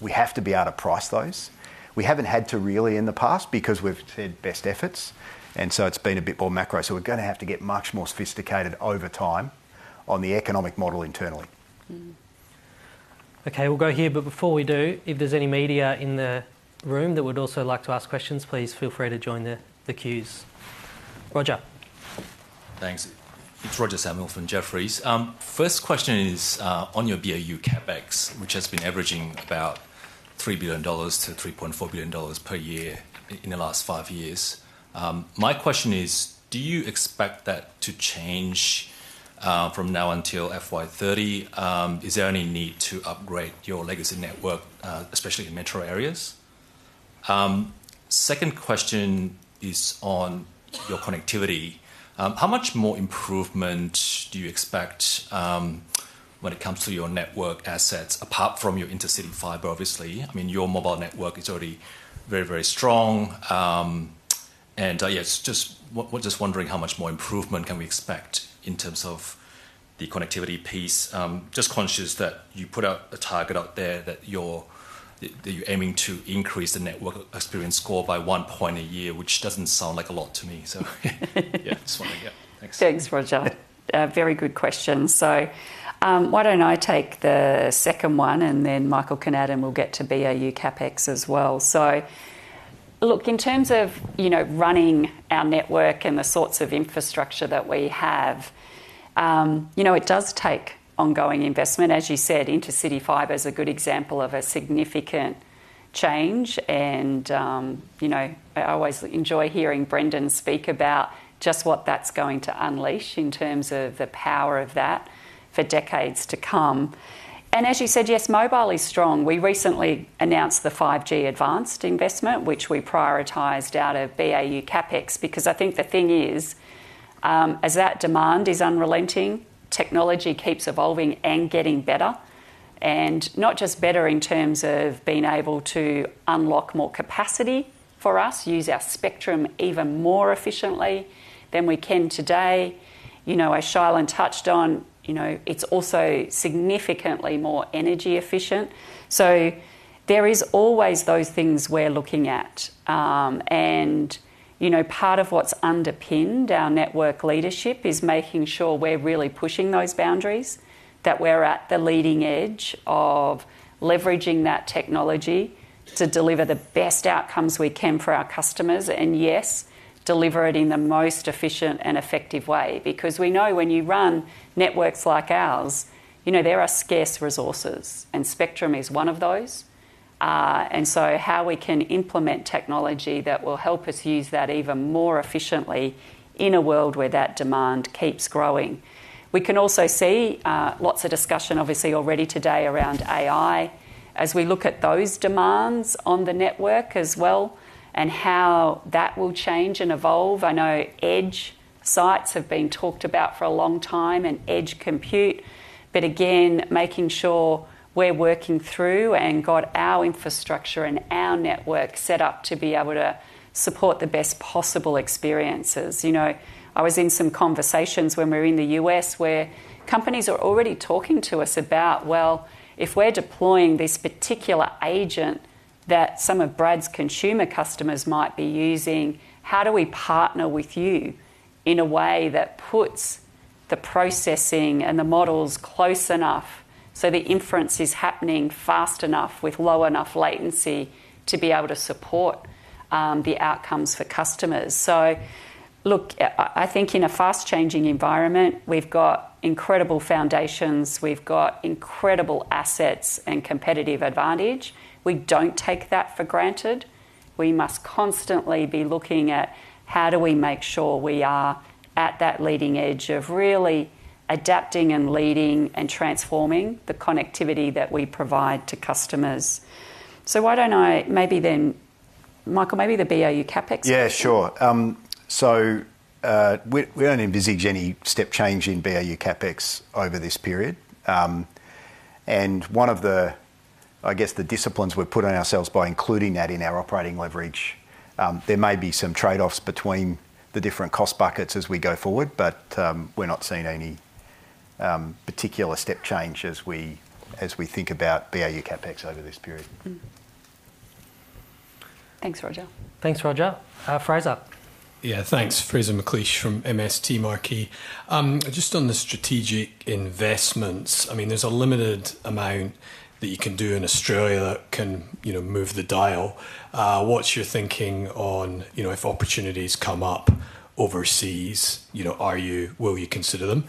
We have to be able to price those. We haven't had to really in the past because we've had best efforts. It's been a bit more macro. We're going to have to get much more sophisticated over time on the economic model internally. Okay. We'll go here. Before we do, if there's any media in the room that would also like to ask questions, please feel free to join the queues. Roger. Thanks. It's Roger Samuel from Jefferies. First question is on your BAU CapEx, which has been averaging about $3 billion-$3.4 billion per year in the last five years. My question is, do you expect that to change from now FY 2030? Is there any need to upgrade your legacy network, especially in metro areas? Second question is on your connectivity. How much more improvement do you expect when it comes to your network assets apart from your intercity fiber, obviously? I mean, your mobile network is already very, very strong. Yeah, just wondering how much more improvement can we expect in terms of the connectivity piece? Just conscious that you put out a target out there that you're aiming to increase the network experience score by one point a year, which doesn't sound like a lot to me. Yeah, just want to get next. Thanks, Roger. Very good question. Why don't I take the second one, and then Michael can add, and we'll get to BAU CapEx as well. Look, in terms of running our network and the sorts of infrastructure that we have, it does take ongoing investment. As you said, intercity fiber is a good example of a significant change. I always enjoy hearing Brendan speak about just what that's going to unleash in terms of the power of that for decades to come. As you said, yes, mobile is strong. We recently announced the 5G Advanced investment, which we prioritized out of BAU CapEx because I think the thing is, as that demand is unrelenting, technology keeps evolving and getting better. Not just better in terms of being able to unlock more capacity for us, use our spectrum even more efficiently than we can today. As Shailin touched on, it's also significantly more energy efficient. There are always those things we're looking at. Part of what's underpinned our network leadership is making sure we're really pushing those boundaries, that we're at the leading edge of leveraging that technology to deliver the best outcomes we can for our customers and, yes, deliver it in the most efficient and effective way. We know when you run networks like ours, there are scarce resources, and spectrum is one of those. How we can implement technology that will help us use that even more efficiently in a world where that demand keeps growing. We can also see lots of discussion, obviously, already today around AI as we look at those demands on the network as well and how that will change and evolve. I know edge sites have been talked about for a long time and edge compute. Again, making sure we're working through and got our infrastructure and our network set up to be able to support the best possible experiences. I was in some conversations when we were in the U.S. where companies are already talking to us about, "Well, if we're deploying this particular agent that some of Brad's consumer customers might be using, how do we partner with you in a way that puts the processing and the models close enough so the inference is happening fast enough with low enough latency to be able to support the outcomes for customers?" Look, I think in a fast-changing environment, we've got incredible foundations. We've got incredible assets and competitive advantage. We don't take that for granted. We must constantly be looking at how do we make sure we are at that leading edge of really adapting and leading and transforming the connectivity that we provide to customers. Why don't I maybe then, Michael, maybe the BAU CapEx? Yeah, sure. We do not envisage any step change in BAU CapEx over this period. One of the, I guess, the disciplines we have put on ourselves by including that in our operating leverage, there may be some trade-offs between the different cost buckets as we go forward, but we are not seeing any particular step change as we think about BAU CapEx over this period. Thanks, Roger. Thanks, Roger. Fraser. Yeah, thanks. Fraser McLeish from MST Marquee. Just on the strategic investments, I mean, there is a limited amount that you can do in Australia that can move the dial. What is your thinking on if opportunities come up overseas, will you consider them?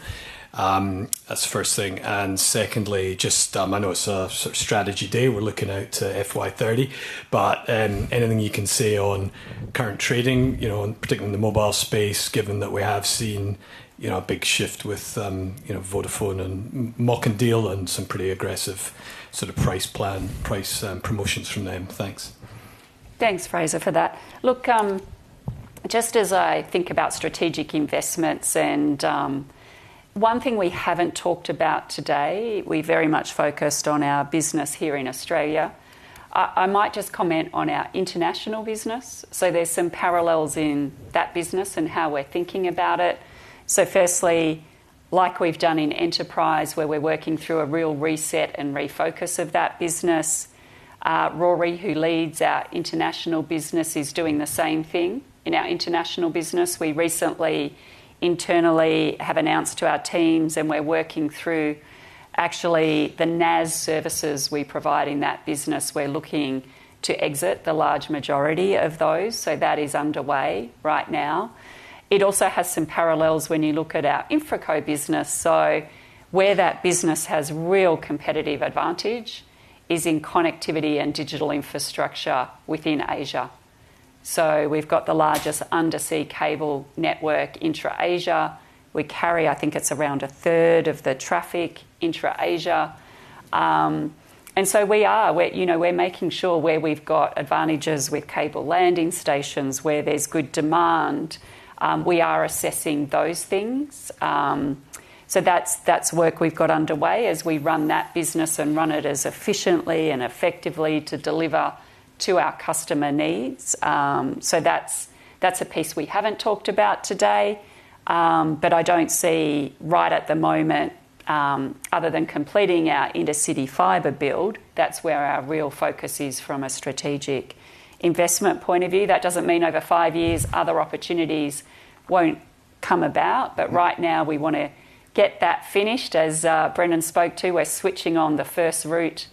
That is the first thing. Secondly, just I know it is a strategy day. We are looking out to FY 2030. Anything you can see on current trading, particularly in the mobile space, given that we have seen a big shift with Vodafone and MOCN deal and some pretty aggressive sort of price promotions from them? Thanks. Thanks, Fraser, for that. Look, just as I think about strategic investments, and one thing we haven't talked about today, we very much focused on our business here in Australia. I might just comment on our international business. There are some parallels in that business and how we're thinking about it. Firstly, like we've done in enterprise, where we're working through a real reset and refocus of that business, Rory, who leads our international business, is doing the same thing in our international business. We recently internally have announced to our teams, and we're working through actually the NAS services we provide in that business. We're looking to exit the large majority of those. That is underway right now. It also has some parallels when you look at our InfraCo business. Where that business has real competitive advantage is in connectivity and digital infrastructure within Asia. We've got the largest undersea cable network intra-Asia. We carry, I think it's around a third of the traffic intra-Asia. We are making sure where we've got advantages with cable landing stations, where there's good demand. We are assessing those things. That's work we've got underway as we run that business and run it as efficiently and effectively to deliver to our customer needs. That's a piece we haven't talked about today. I don't see right at the moment, other than completing our intercity fiber build, that's where our real focus is from a strategic investment point of view. That does not mean over five years, other opportunities will not come about. Right now, we want to get that finished. As Brendan spoke to, we are switching on the first route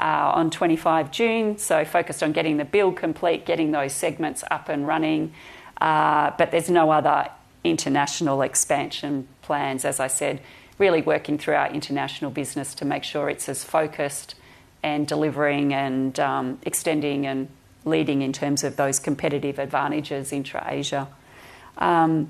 on 25 June, so focused on getting the build complete, getting those segments up and running. There are no other international expansion plans, as I said, really working through our international business to make sure it is as focused and delivering and extending and leading in terms of those competitive advantages intra-Asia.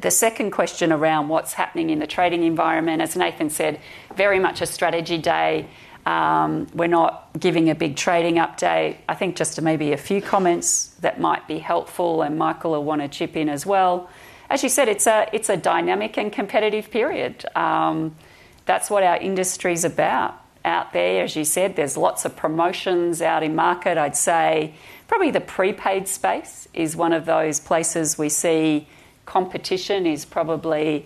The second question around what is happening in the trading environment, as Nathan said, very much a strategy day. We are not giving a big trading update. I think just maybe a few comments that might be helpful, and Michael will want to chip in as well. As you said, it is a dynamic and competitive period. That is what our industry's about out there. As you said, there's lots of promotions out in market. I'd say probably the prepaid space is one of those places we see competition is probably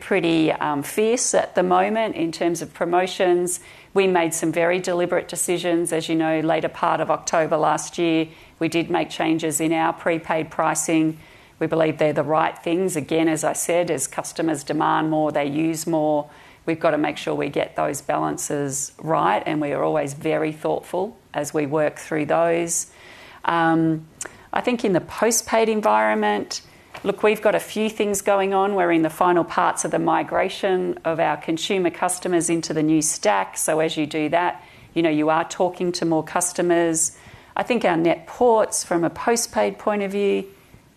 pretty fierce at the moment in terms of promotions. We made some very deliberate decisions. As you know, later part of October last year, we did make changes in our prepaid pricing. We believe they're the right things. Again, as I said, as customers demand more, they use more. We've got to make sure we get those balances right. We are always very thoughtful as we work through those. I think in the postpaid environment, look, we've got a few things going on. We're in the final parts of the migration of our consumer customers into the new stack. As you do that, you are talking to more customers. I think our net ports, from a postpaid point of view,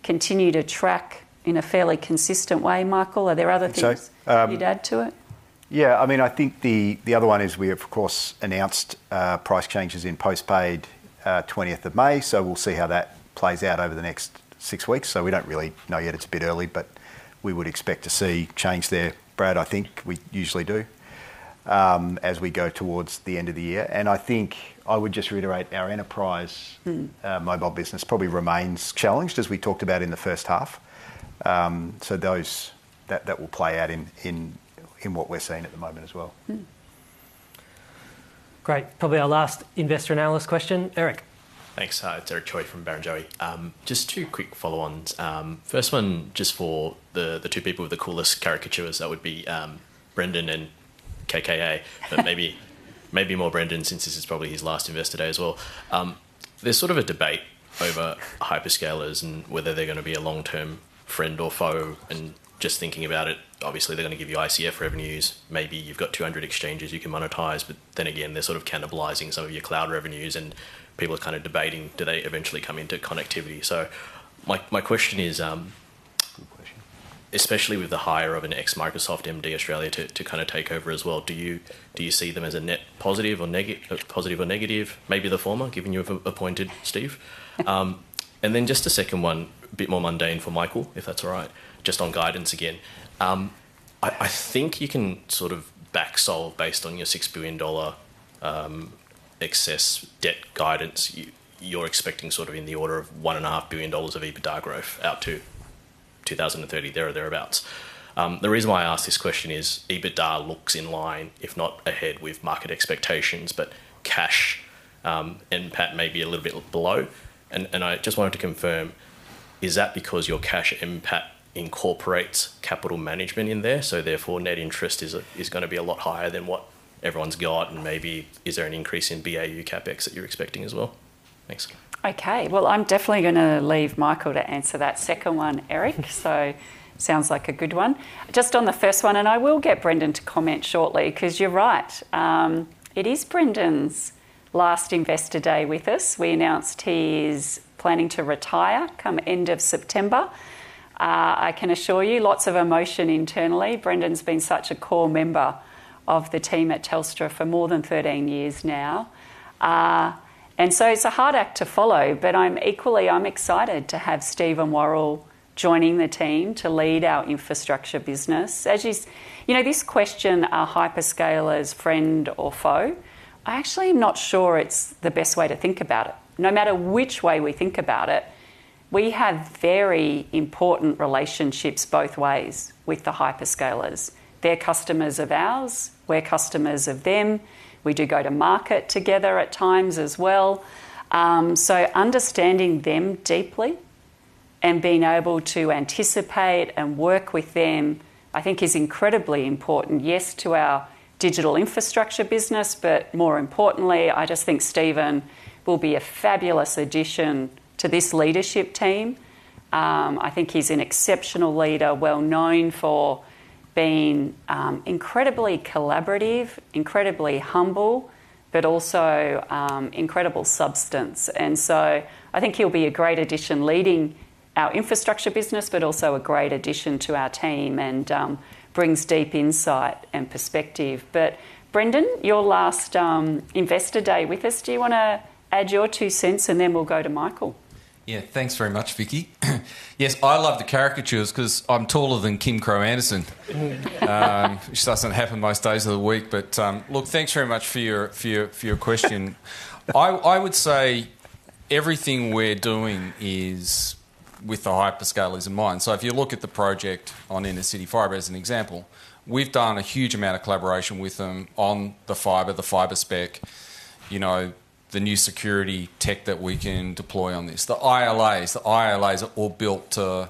continue to track in a fairly consistent way. Michael, are there other things you'd add to it? Yeah. I mean, I think the other one is we have, of course, announced price changes in postpaid 20th of May. So we'll see how that plays out over the next six weeks. We don't really know yet. It's a bit early, but we would expect to see change there, Brad, I think we usually do, as we go towards the end of the year. I would just reiterate our enterprise mobile business probably remains challenged, as we talked about in the first half. That will play out in what we're seeing at the moment as well. Great. Probably our last investor analyst question. Eric. Thanks. It's Eric Choi from Barrenjoey. Just two quick follow-ons. First one, just for the two people with the coolest caricatures, that would be Brendan and KKA, but maybe more Brendan since this is probably his last investor day as well. There's sort of a debate over hyperscalers and whether they're going to be a long-term friend or foe. Just thinking about it, obviously, they're going to give you ICF revenues. Maybe you've got 200 exchanges you can monetize. Then again, they're sort of cannibalizing some of your cloud revenues. People are kind of debating, do they eventually come into connectivity? My question is, especially with the hire of an ex-Microsoft MD Australia to kind of take over as well, do you see them as a net positive or negative? Maybe the former, given you've appointed Steve? Then just a second one, a bit more mundane for Michael, if that's all right, just on guidance again. I think you can sort of backsolve based on your $6 billion excess debt guidance. You're expecting sort of in the order of $1.5 billion of EBITDA growth out to 2030, there or thereabouts. The reason why I ask this question is EBITDA looks in line, if not ahead, with market expectations, but cash impact may be a little bit below. I just wanted to confirm, is that because your cash impact incorporates capital management in there? Therefore, net interest is going to be a lot higher than what everyone's got? Maybe is there an increase in BAU CapEx that you're expecting as well? Thanks. Okay. I'm definitely going to leave Michael to answer that second one, Eric. Sounds like a good one. Just on the first one, and I will get Brendan to comment shortly because you're right. It is Brendan's last investor day with us. We announced he is planning to retire come end of September. I can assure you, lots of emotion internally. Brendan's been such a core member of the team at Telstra for more than 13 years now. It is a hard act to follow. Equally, I'm excited to have Steve and Warrel joining the team to lead our infrastructure business. As you know, this question, are hyperscalers friend or foe? I actually am not sure it's the best way to think about it. No matter which way we think about it, we have very important relationships both ways with the hyperscalers. They're customers of ours. We're customers of them. We do go to market together at times as well. Understanding them deeply and being able to anticipate and work with them, I think, is incredibly important, yes, to our digital infrastructure business, but more importantly, I just think Steven will be a fabulous addition to this leadership team. I think he's an exceptional leader, well known for being incredibly collaborative, incredibly humble, but also incredible substance. I think he'll be a great addition leading our infrastructure business, but also a great addition to our team and brings deep insight and perspective. Brendan, your last investor day with us, do you want to add your two cents and then we'll go to Michael? Yeah. Thanks very much, Vicki. Yes, I love the caricatures because I'm taller than Kim Kropp Andersen. It just doesn't happen most days of the week. Thanks very much for your question. I would say everything we're doing is with the hyperscalers in mind. If you look at the project on Intercity Fiber as an example, we've done a huge amount of collaboration with them on the fiber, the fiber spec, the new security tech that we can deploy on this. The ILAs, the ILAs are all built to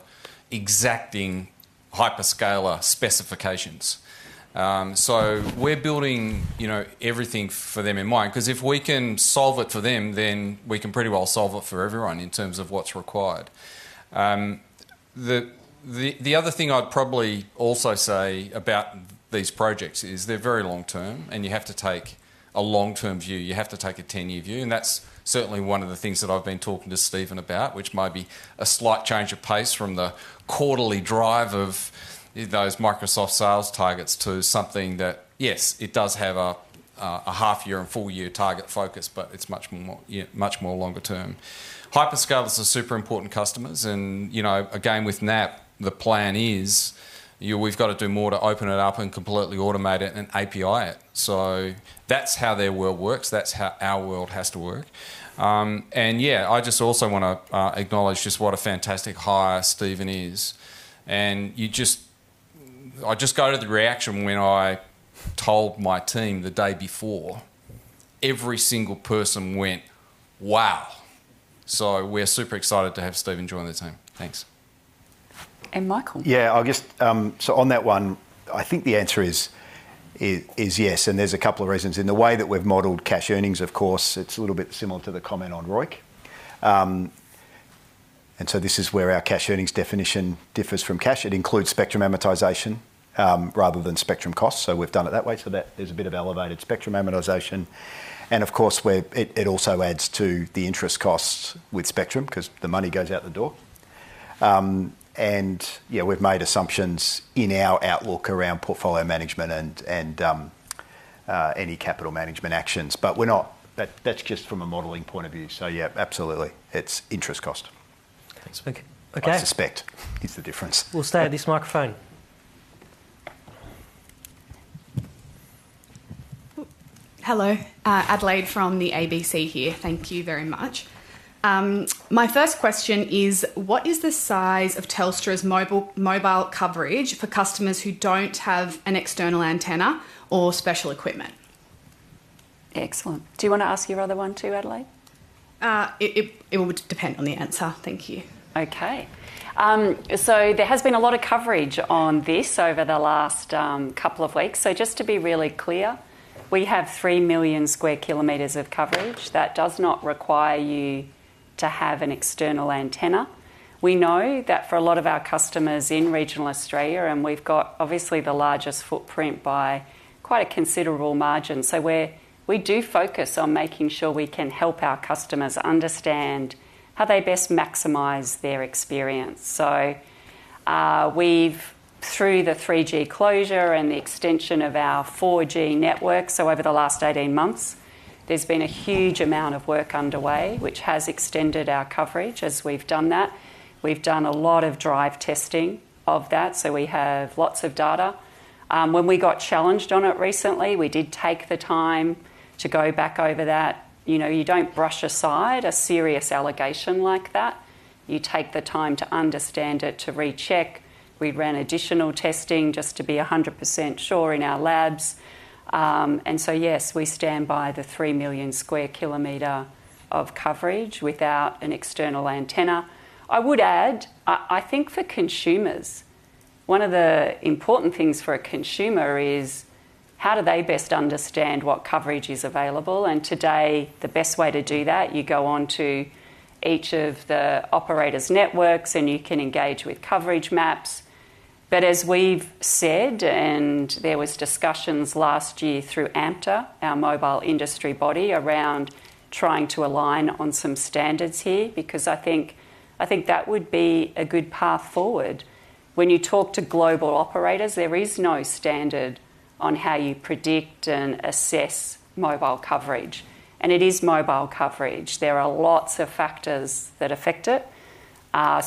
exacting hyperscaler specifications. We're building everything for them in mind. Because if we can solve it for them, then we can pretty well solve it for everyone in terms of what's required. The other thing I'd probably also say about these projects is they're very long-term, and you have to take a long-term view. You have to take a 10-year view. That is certainly one of the things that I have been talking to Steven about, which might be a slight change of pace from the quarterly drive of those Microsoft sales targets to something that, yes, it does have a half-year and full-year target focus, but it is much more longer-term. Hyperscalers are super important customers. Again, with NAP, the plan is we have to do more to open it up and completely automate it and API it. That is how their world works. That is how our world has to work. I also want to acknowledge just what a fantastic hire Steven is. I just got into the reaction when I told my team the day before. Every single person went, "Wow." We are super excited to have Steven join the team. Thanks. Michael? Yeah. On that one, I think the answer is yes. There are a couple of reasons. In the way that we've modeled cash earnings, of course, it's a little bit similar to the comment on ROIC. This is where our cash earnings definition differs from cash. It includes spectrum amortization rather than spectrum costs. We've done it that way, so there's a bit of elevated spectrum amortization. It also adds to the interest costs with spectrum because the money goes out the door. We've made assumptions in our outlook around portfolio management and any capital management actions. That's just from a modeling point of view. Absolutely, it's interest cost. I suspect that is the difference. We'll stay at this microphone. Hello. Adelaide from the ABC here. Thank you very much. My first question is, what is the size of Telstra's mobile coverage for customers who don't have an external antenna or special equipment? Excellent. Do you want to ask your other one too, Adelaide? It would depend on the answer. Thank you. Okay. There has been a lot of coverage on this over the last couple of weeks. Just to be really clear, we have 3 million sq km of coverage that does not require you to have an external antenna. We know that for a lot of our customers in regional Australia, and we've got obviously the largest footprint by quite a considerable margin. We do focus on making sure we can help our customers understand how they best maximize their experience. Through the 3G closure and the extension of our 4G network, over the last 18 months, there's been a huge amount of work underway, which has extended our coverage. As we've done that, we've done a lot of drive testing of that. We have lots of data. When we got challenged on it recently, we did take the time to go back over that. You don't brush aside a serious allegation like that. You take the time to understand it, to recheck. We ran additional testing just to be 100% sure in our labs. Yes, we stand by the 3 million sq km of coverage without an external antenna. I would add, I think for consumers, one of the important things for a consumer is how do they best understand what coverage is available? Today, the best way to do that, you go on to each of the operators' networks, and you can engage with coverage maps. As we have said, and there were discussions last year through AMTA, our mobile industry body, around trying to align on some standards here because I think that would be a good path forward. When you talk to global operators, there is no standard on how you predict and assess mobile coverage. It is mobile coverage. There are lots of factors that affect it.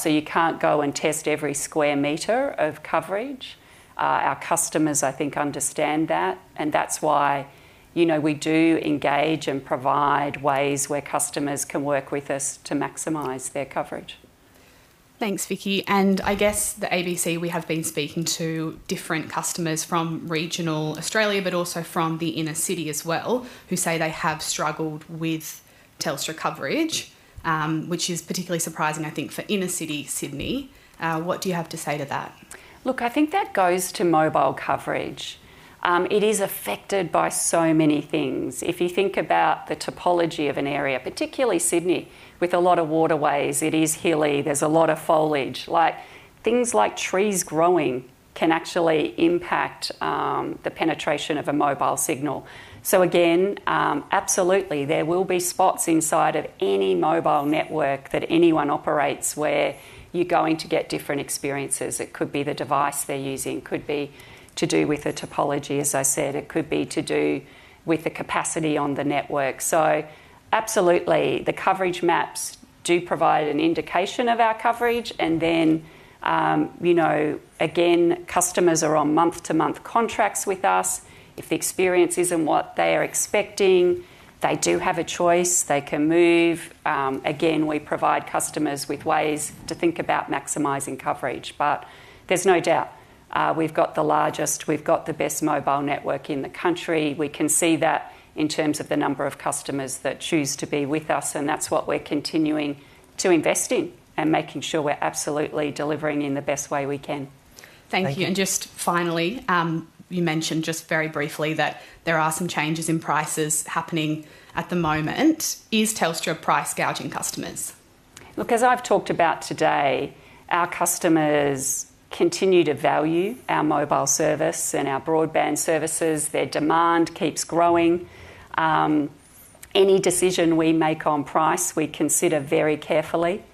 You cannot go and test every square meter of coverage. Our customers, I think, understand that. That is why we do engage and provide ways where customers can work with us to maximize their coverage. Thanks, Vicki. I guess the ABC, we have been speaking to different customers from regional Australia, but also from the inner city as well, who say they have struggled with Telstra coverage, which is particularly surprising, I think, for inner city Sydney. What do you have to say to that? Look, I think that goes to mobile coverage. It is affected by so many things. If you think about the topology of an area, particularly Sydney, with a lot of waterways, it is hilly. There's a lot of foliage. Things like trees growing can actually impact the penetration of a mobile signal. Again, absolutely, there will be spots inside of any mobile network that anyone operates where you're going to get different experiences. It could be the device they're using. It could be to do with the topology, as I said. It could be to do with the capacity on the network. Absolutely, the coverage maps do provide an indication of our coverage. Customers are on month-to-month contracts with us. If the experience isn't what they are expecting, they do have a choice. They can move. We provide customers with ways to think about maximizing coverage. There is no doubt we've got the largest, we've got the best mobile network in the country. We can see that in terms of the number of customers that choose to be with us. That is what we're continuing to invest in and making sure we're absolutely delivering in the best way we can. Thank you. Just finally, you mentioned just very briefly that there are some changes in prices happening at the moment. Is Telstra price gouging customers? Look, as I've talked about today, our customers continue to value our mobile service and our broadband services. Their demand keeps growing. Any decision we make on price, we consider very carefully.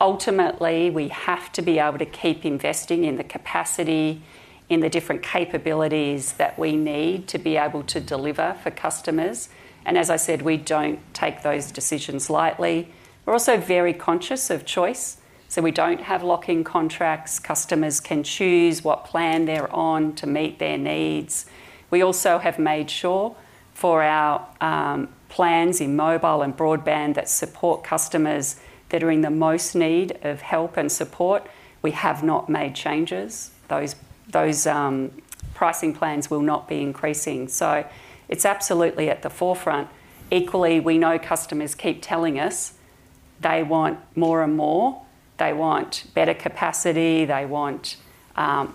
Ultimately, we have to be able to keep investing in the capacity, in the different capabilities that we need to be able to deliver for customers. As I said, we don't take those decisions lightly. We're also very conscious of choice. We don't have lock-in contracts. Customers can choose what plan they're on to meet their needs. We also have made sure for our plans in mobile and broadband that support customers that are in the most need of help and support. We have not made changes. Those pricing plans will not be increasing. It's absolutely at the forefront. Equally, we know customers keep telling us they want more and more. They want better capacity. They want more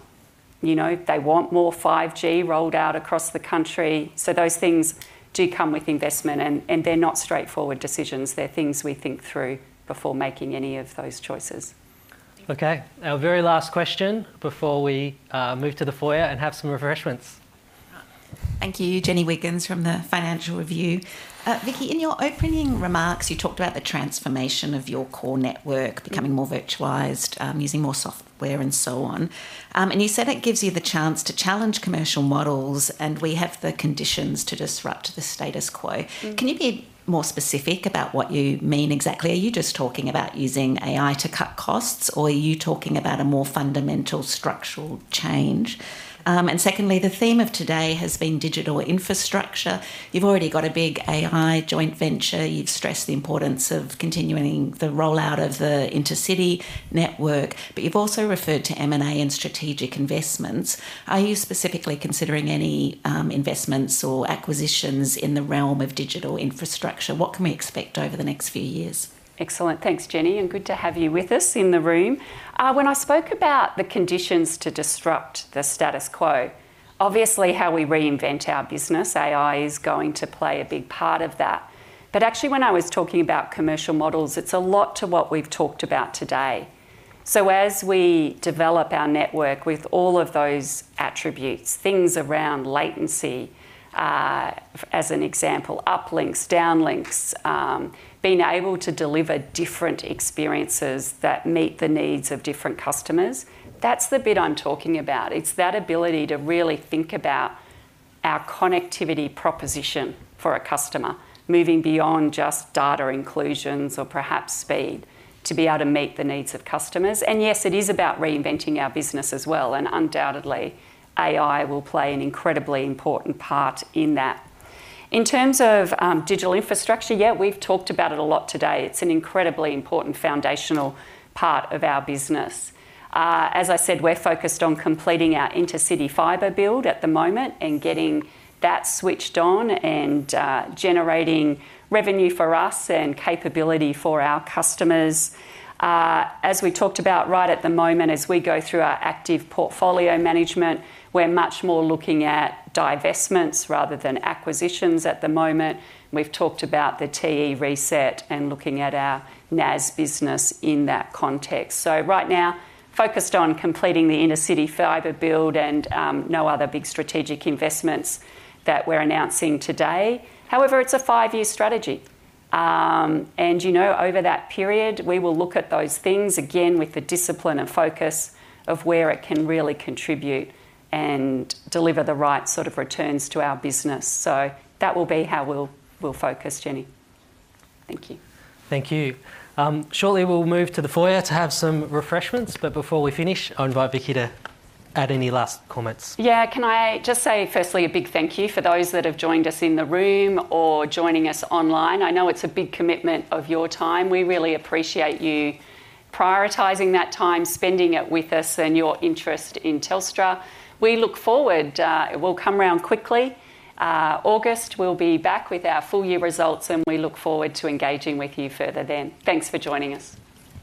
5G rolled out across the country. Those things do come with investment. They are not straightforward decisions. They are things we think through before making any of those choices. Okay. Our very last question before we move to the foyer and have some refreshments. Thank you. Jenny Wiggins from the Financial Review. Vicki, in your opening remarks, you talked about the transformation of your core network becoming more virtualized, using more software, and so on. You said it gives you the chance to challenge commercial models, and we have the conditions to disrupt the status quo. Can you be more specific about what you mean exactly? Are you just talking about using AI to cut costs, or are you talking about a more fundamental structural change? Secondly, the theme of today has been digital infrastructure. You have already got a big AI joint venture. You've stressed the importance of continuing the rollout of the Intercity Network. But you've also referred to M&A and strategic investments. Are you specifically considering any investments or acquisitions in the realm of digital infrastructure? What can we expect over the next few years? Excellent. Thanks, Jenny. Good to have you with us in the room. When I spoke about the conditions to disrupt the status quo, obviously, how we reinvent our business, AI is going to play a big part of that. Actually, when I was talking about commercial models, it's a lot to what we've talked about today. As we develop our network with all of those attributes, things around latency, as an example, uplinks, downlinks, being able to deliver different experiences that meet the needs of different customers, that's the bit I'm talking about. It's that ability to really think about our connectivity proposition for a customer, moving beyond just data inclusions or perhaps speed to be able to meet the needs of customers. Yes, it is about reinventing our business as well. Undoubtedly, AI will play an incredibly important part in that. In terms of digital infrastructure, yeah, we've talked about it a lot today. It's an incredibly important foundational part of our business. As I said, we're focused on completing our Intercity Fiber build at the moment and getting that switched on and generating revenue for us and capability for our customers. As we talked about right at the moment, as we go through our active portfolio management, we're much more looking at divestments rather than acquisitions at the moment. We've talked about the TE reset and looking at our NAS business in that context. Right now, focused on completing the Intercity Fiber build and no other big strategic investments that we're announcing today. However, it's a five-year strategy. Over that period, we will look at those things again with the discipline and focus of where it can really contribute and deliver the right sort of returns to our business. That will be how we'll focus, Jenny. Thank you. Thank you. Shortly, we'll move to the foyer to have some refreshments. Before we finish, I'll invite Vicki to add any last comments. Yeah. Can I just say, firstly, a big thank you for those that have joined us in the room or joining us online. I know it's a big commitment of your time. We really appreciate you prioritizing that time, spending it with us, and your interest in Telstra. We look forward. It will come around quickly. August, we'll be back with our full-year results, and we look forward to engaging with you further then. Thanks for joining us.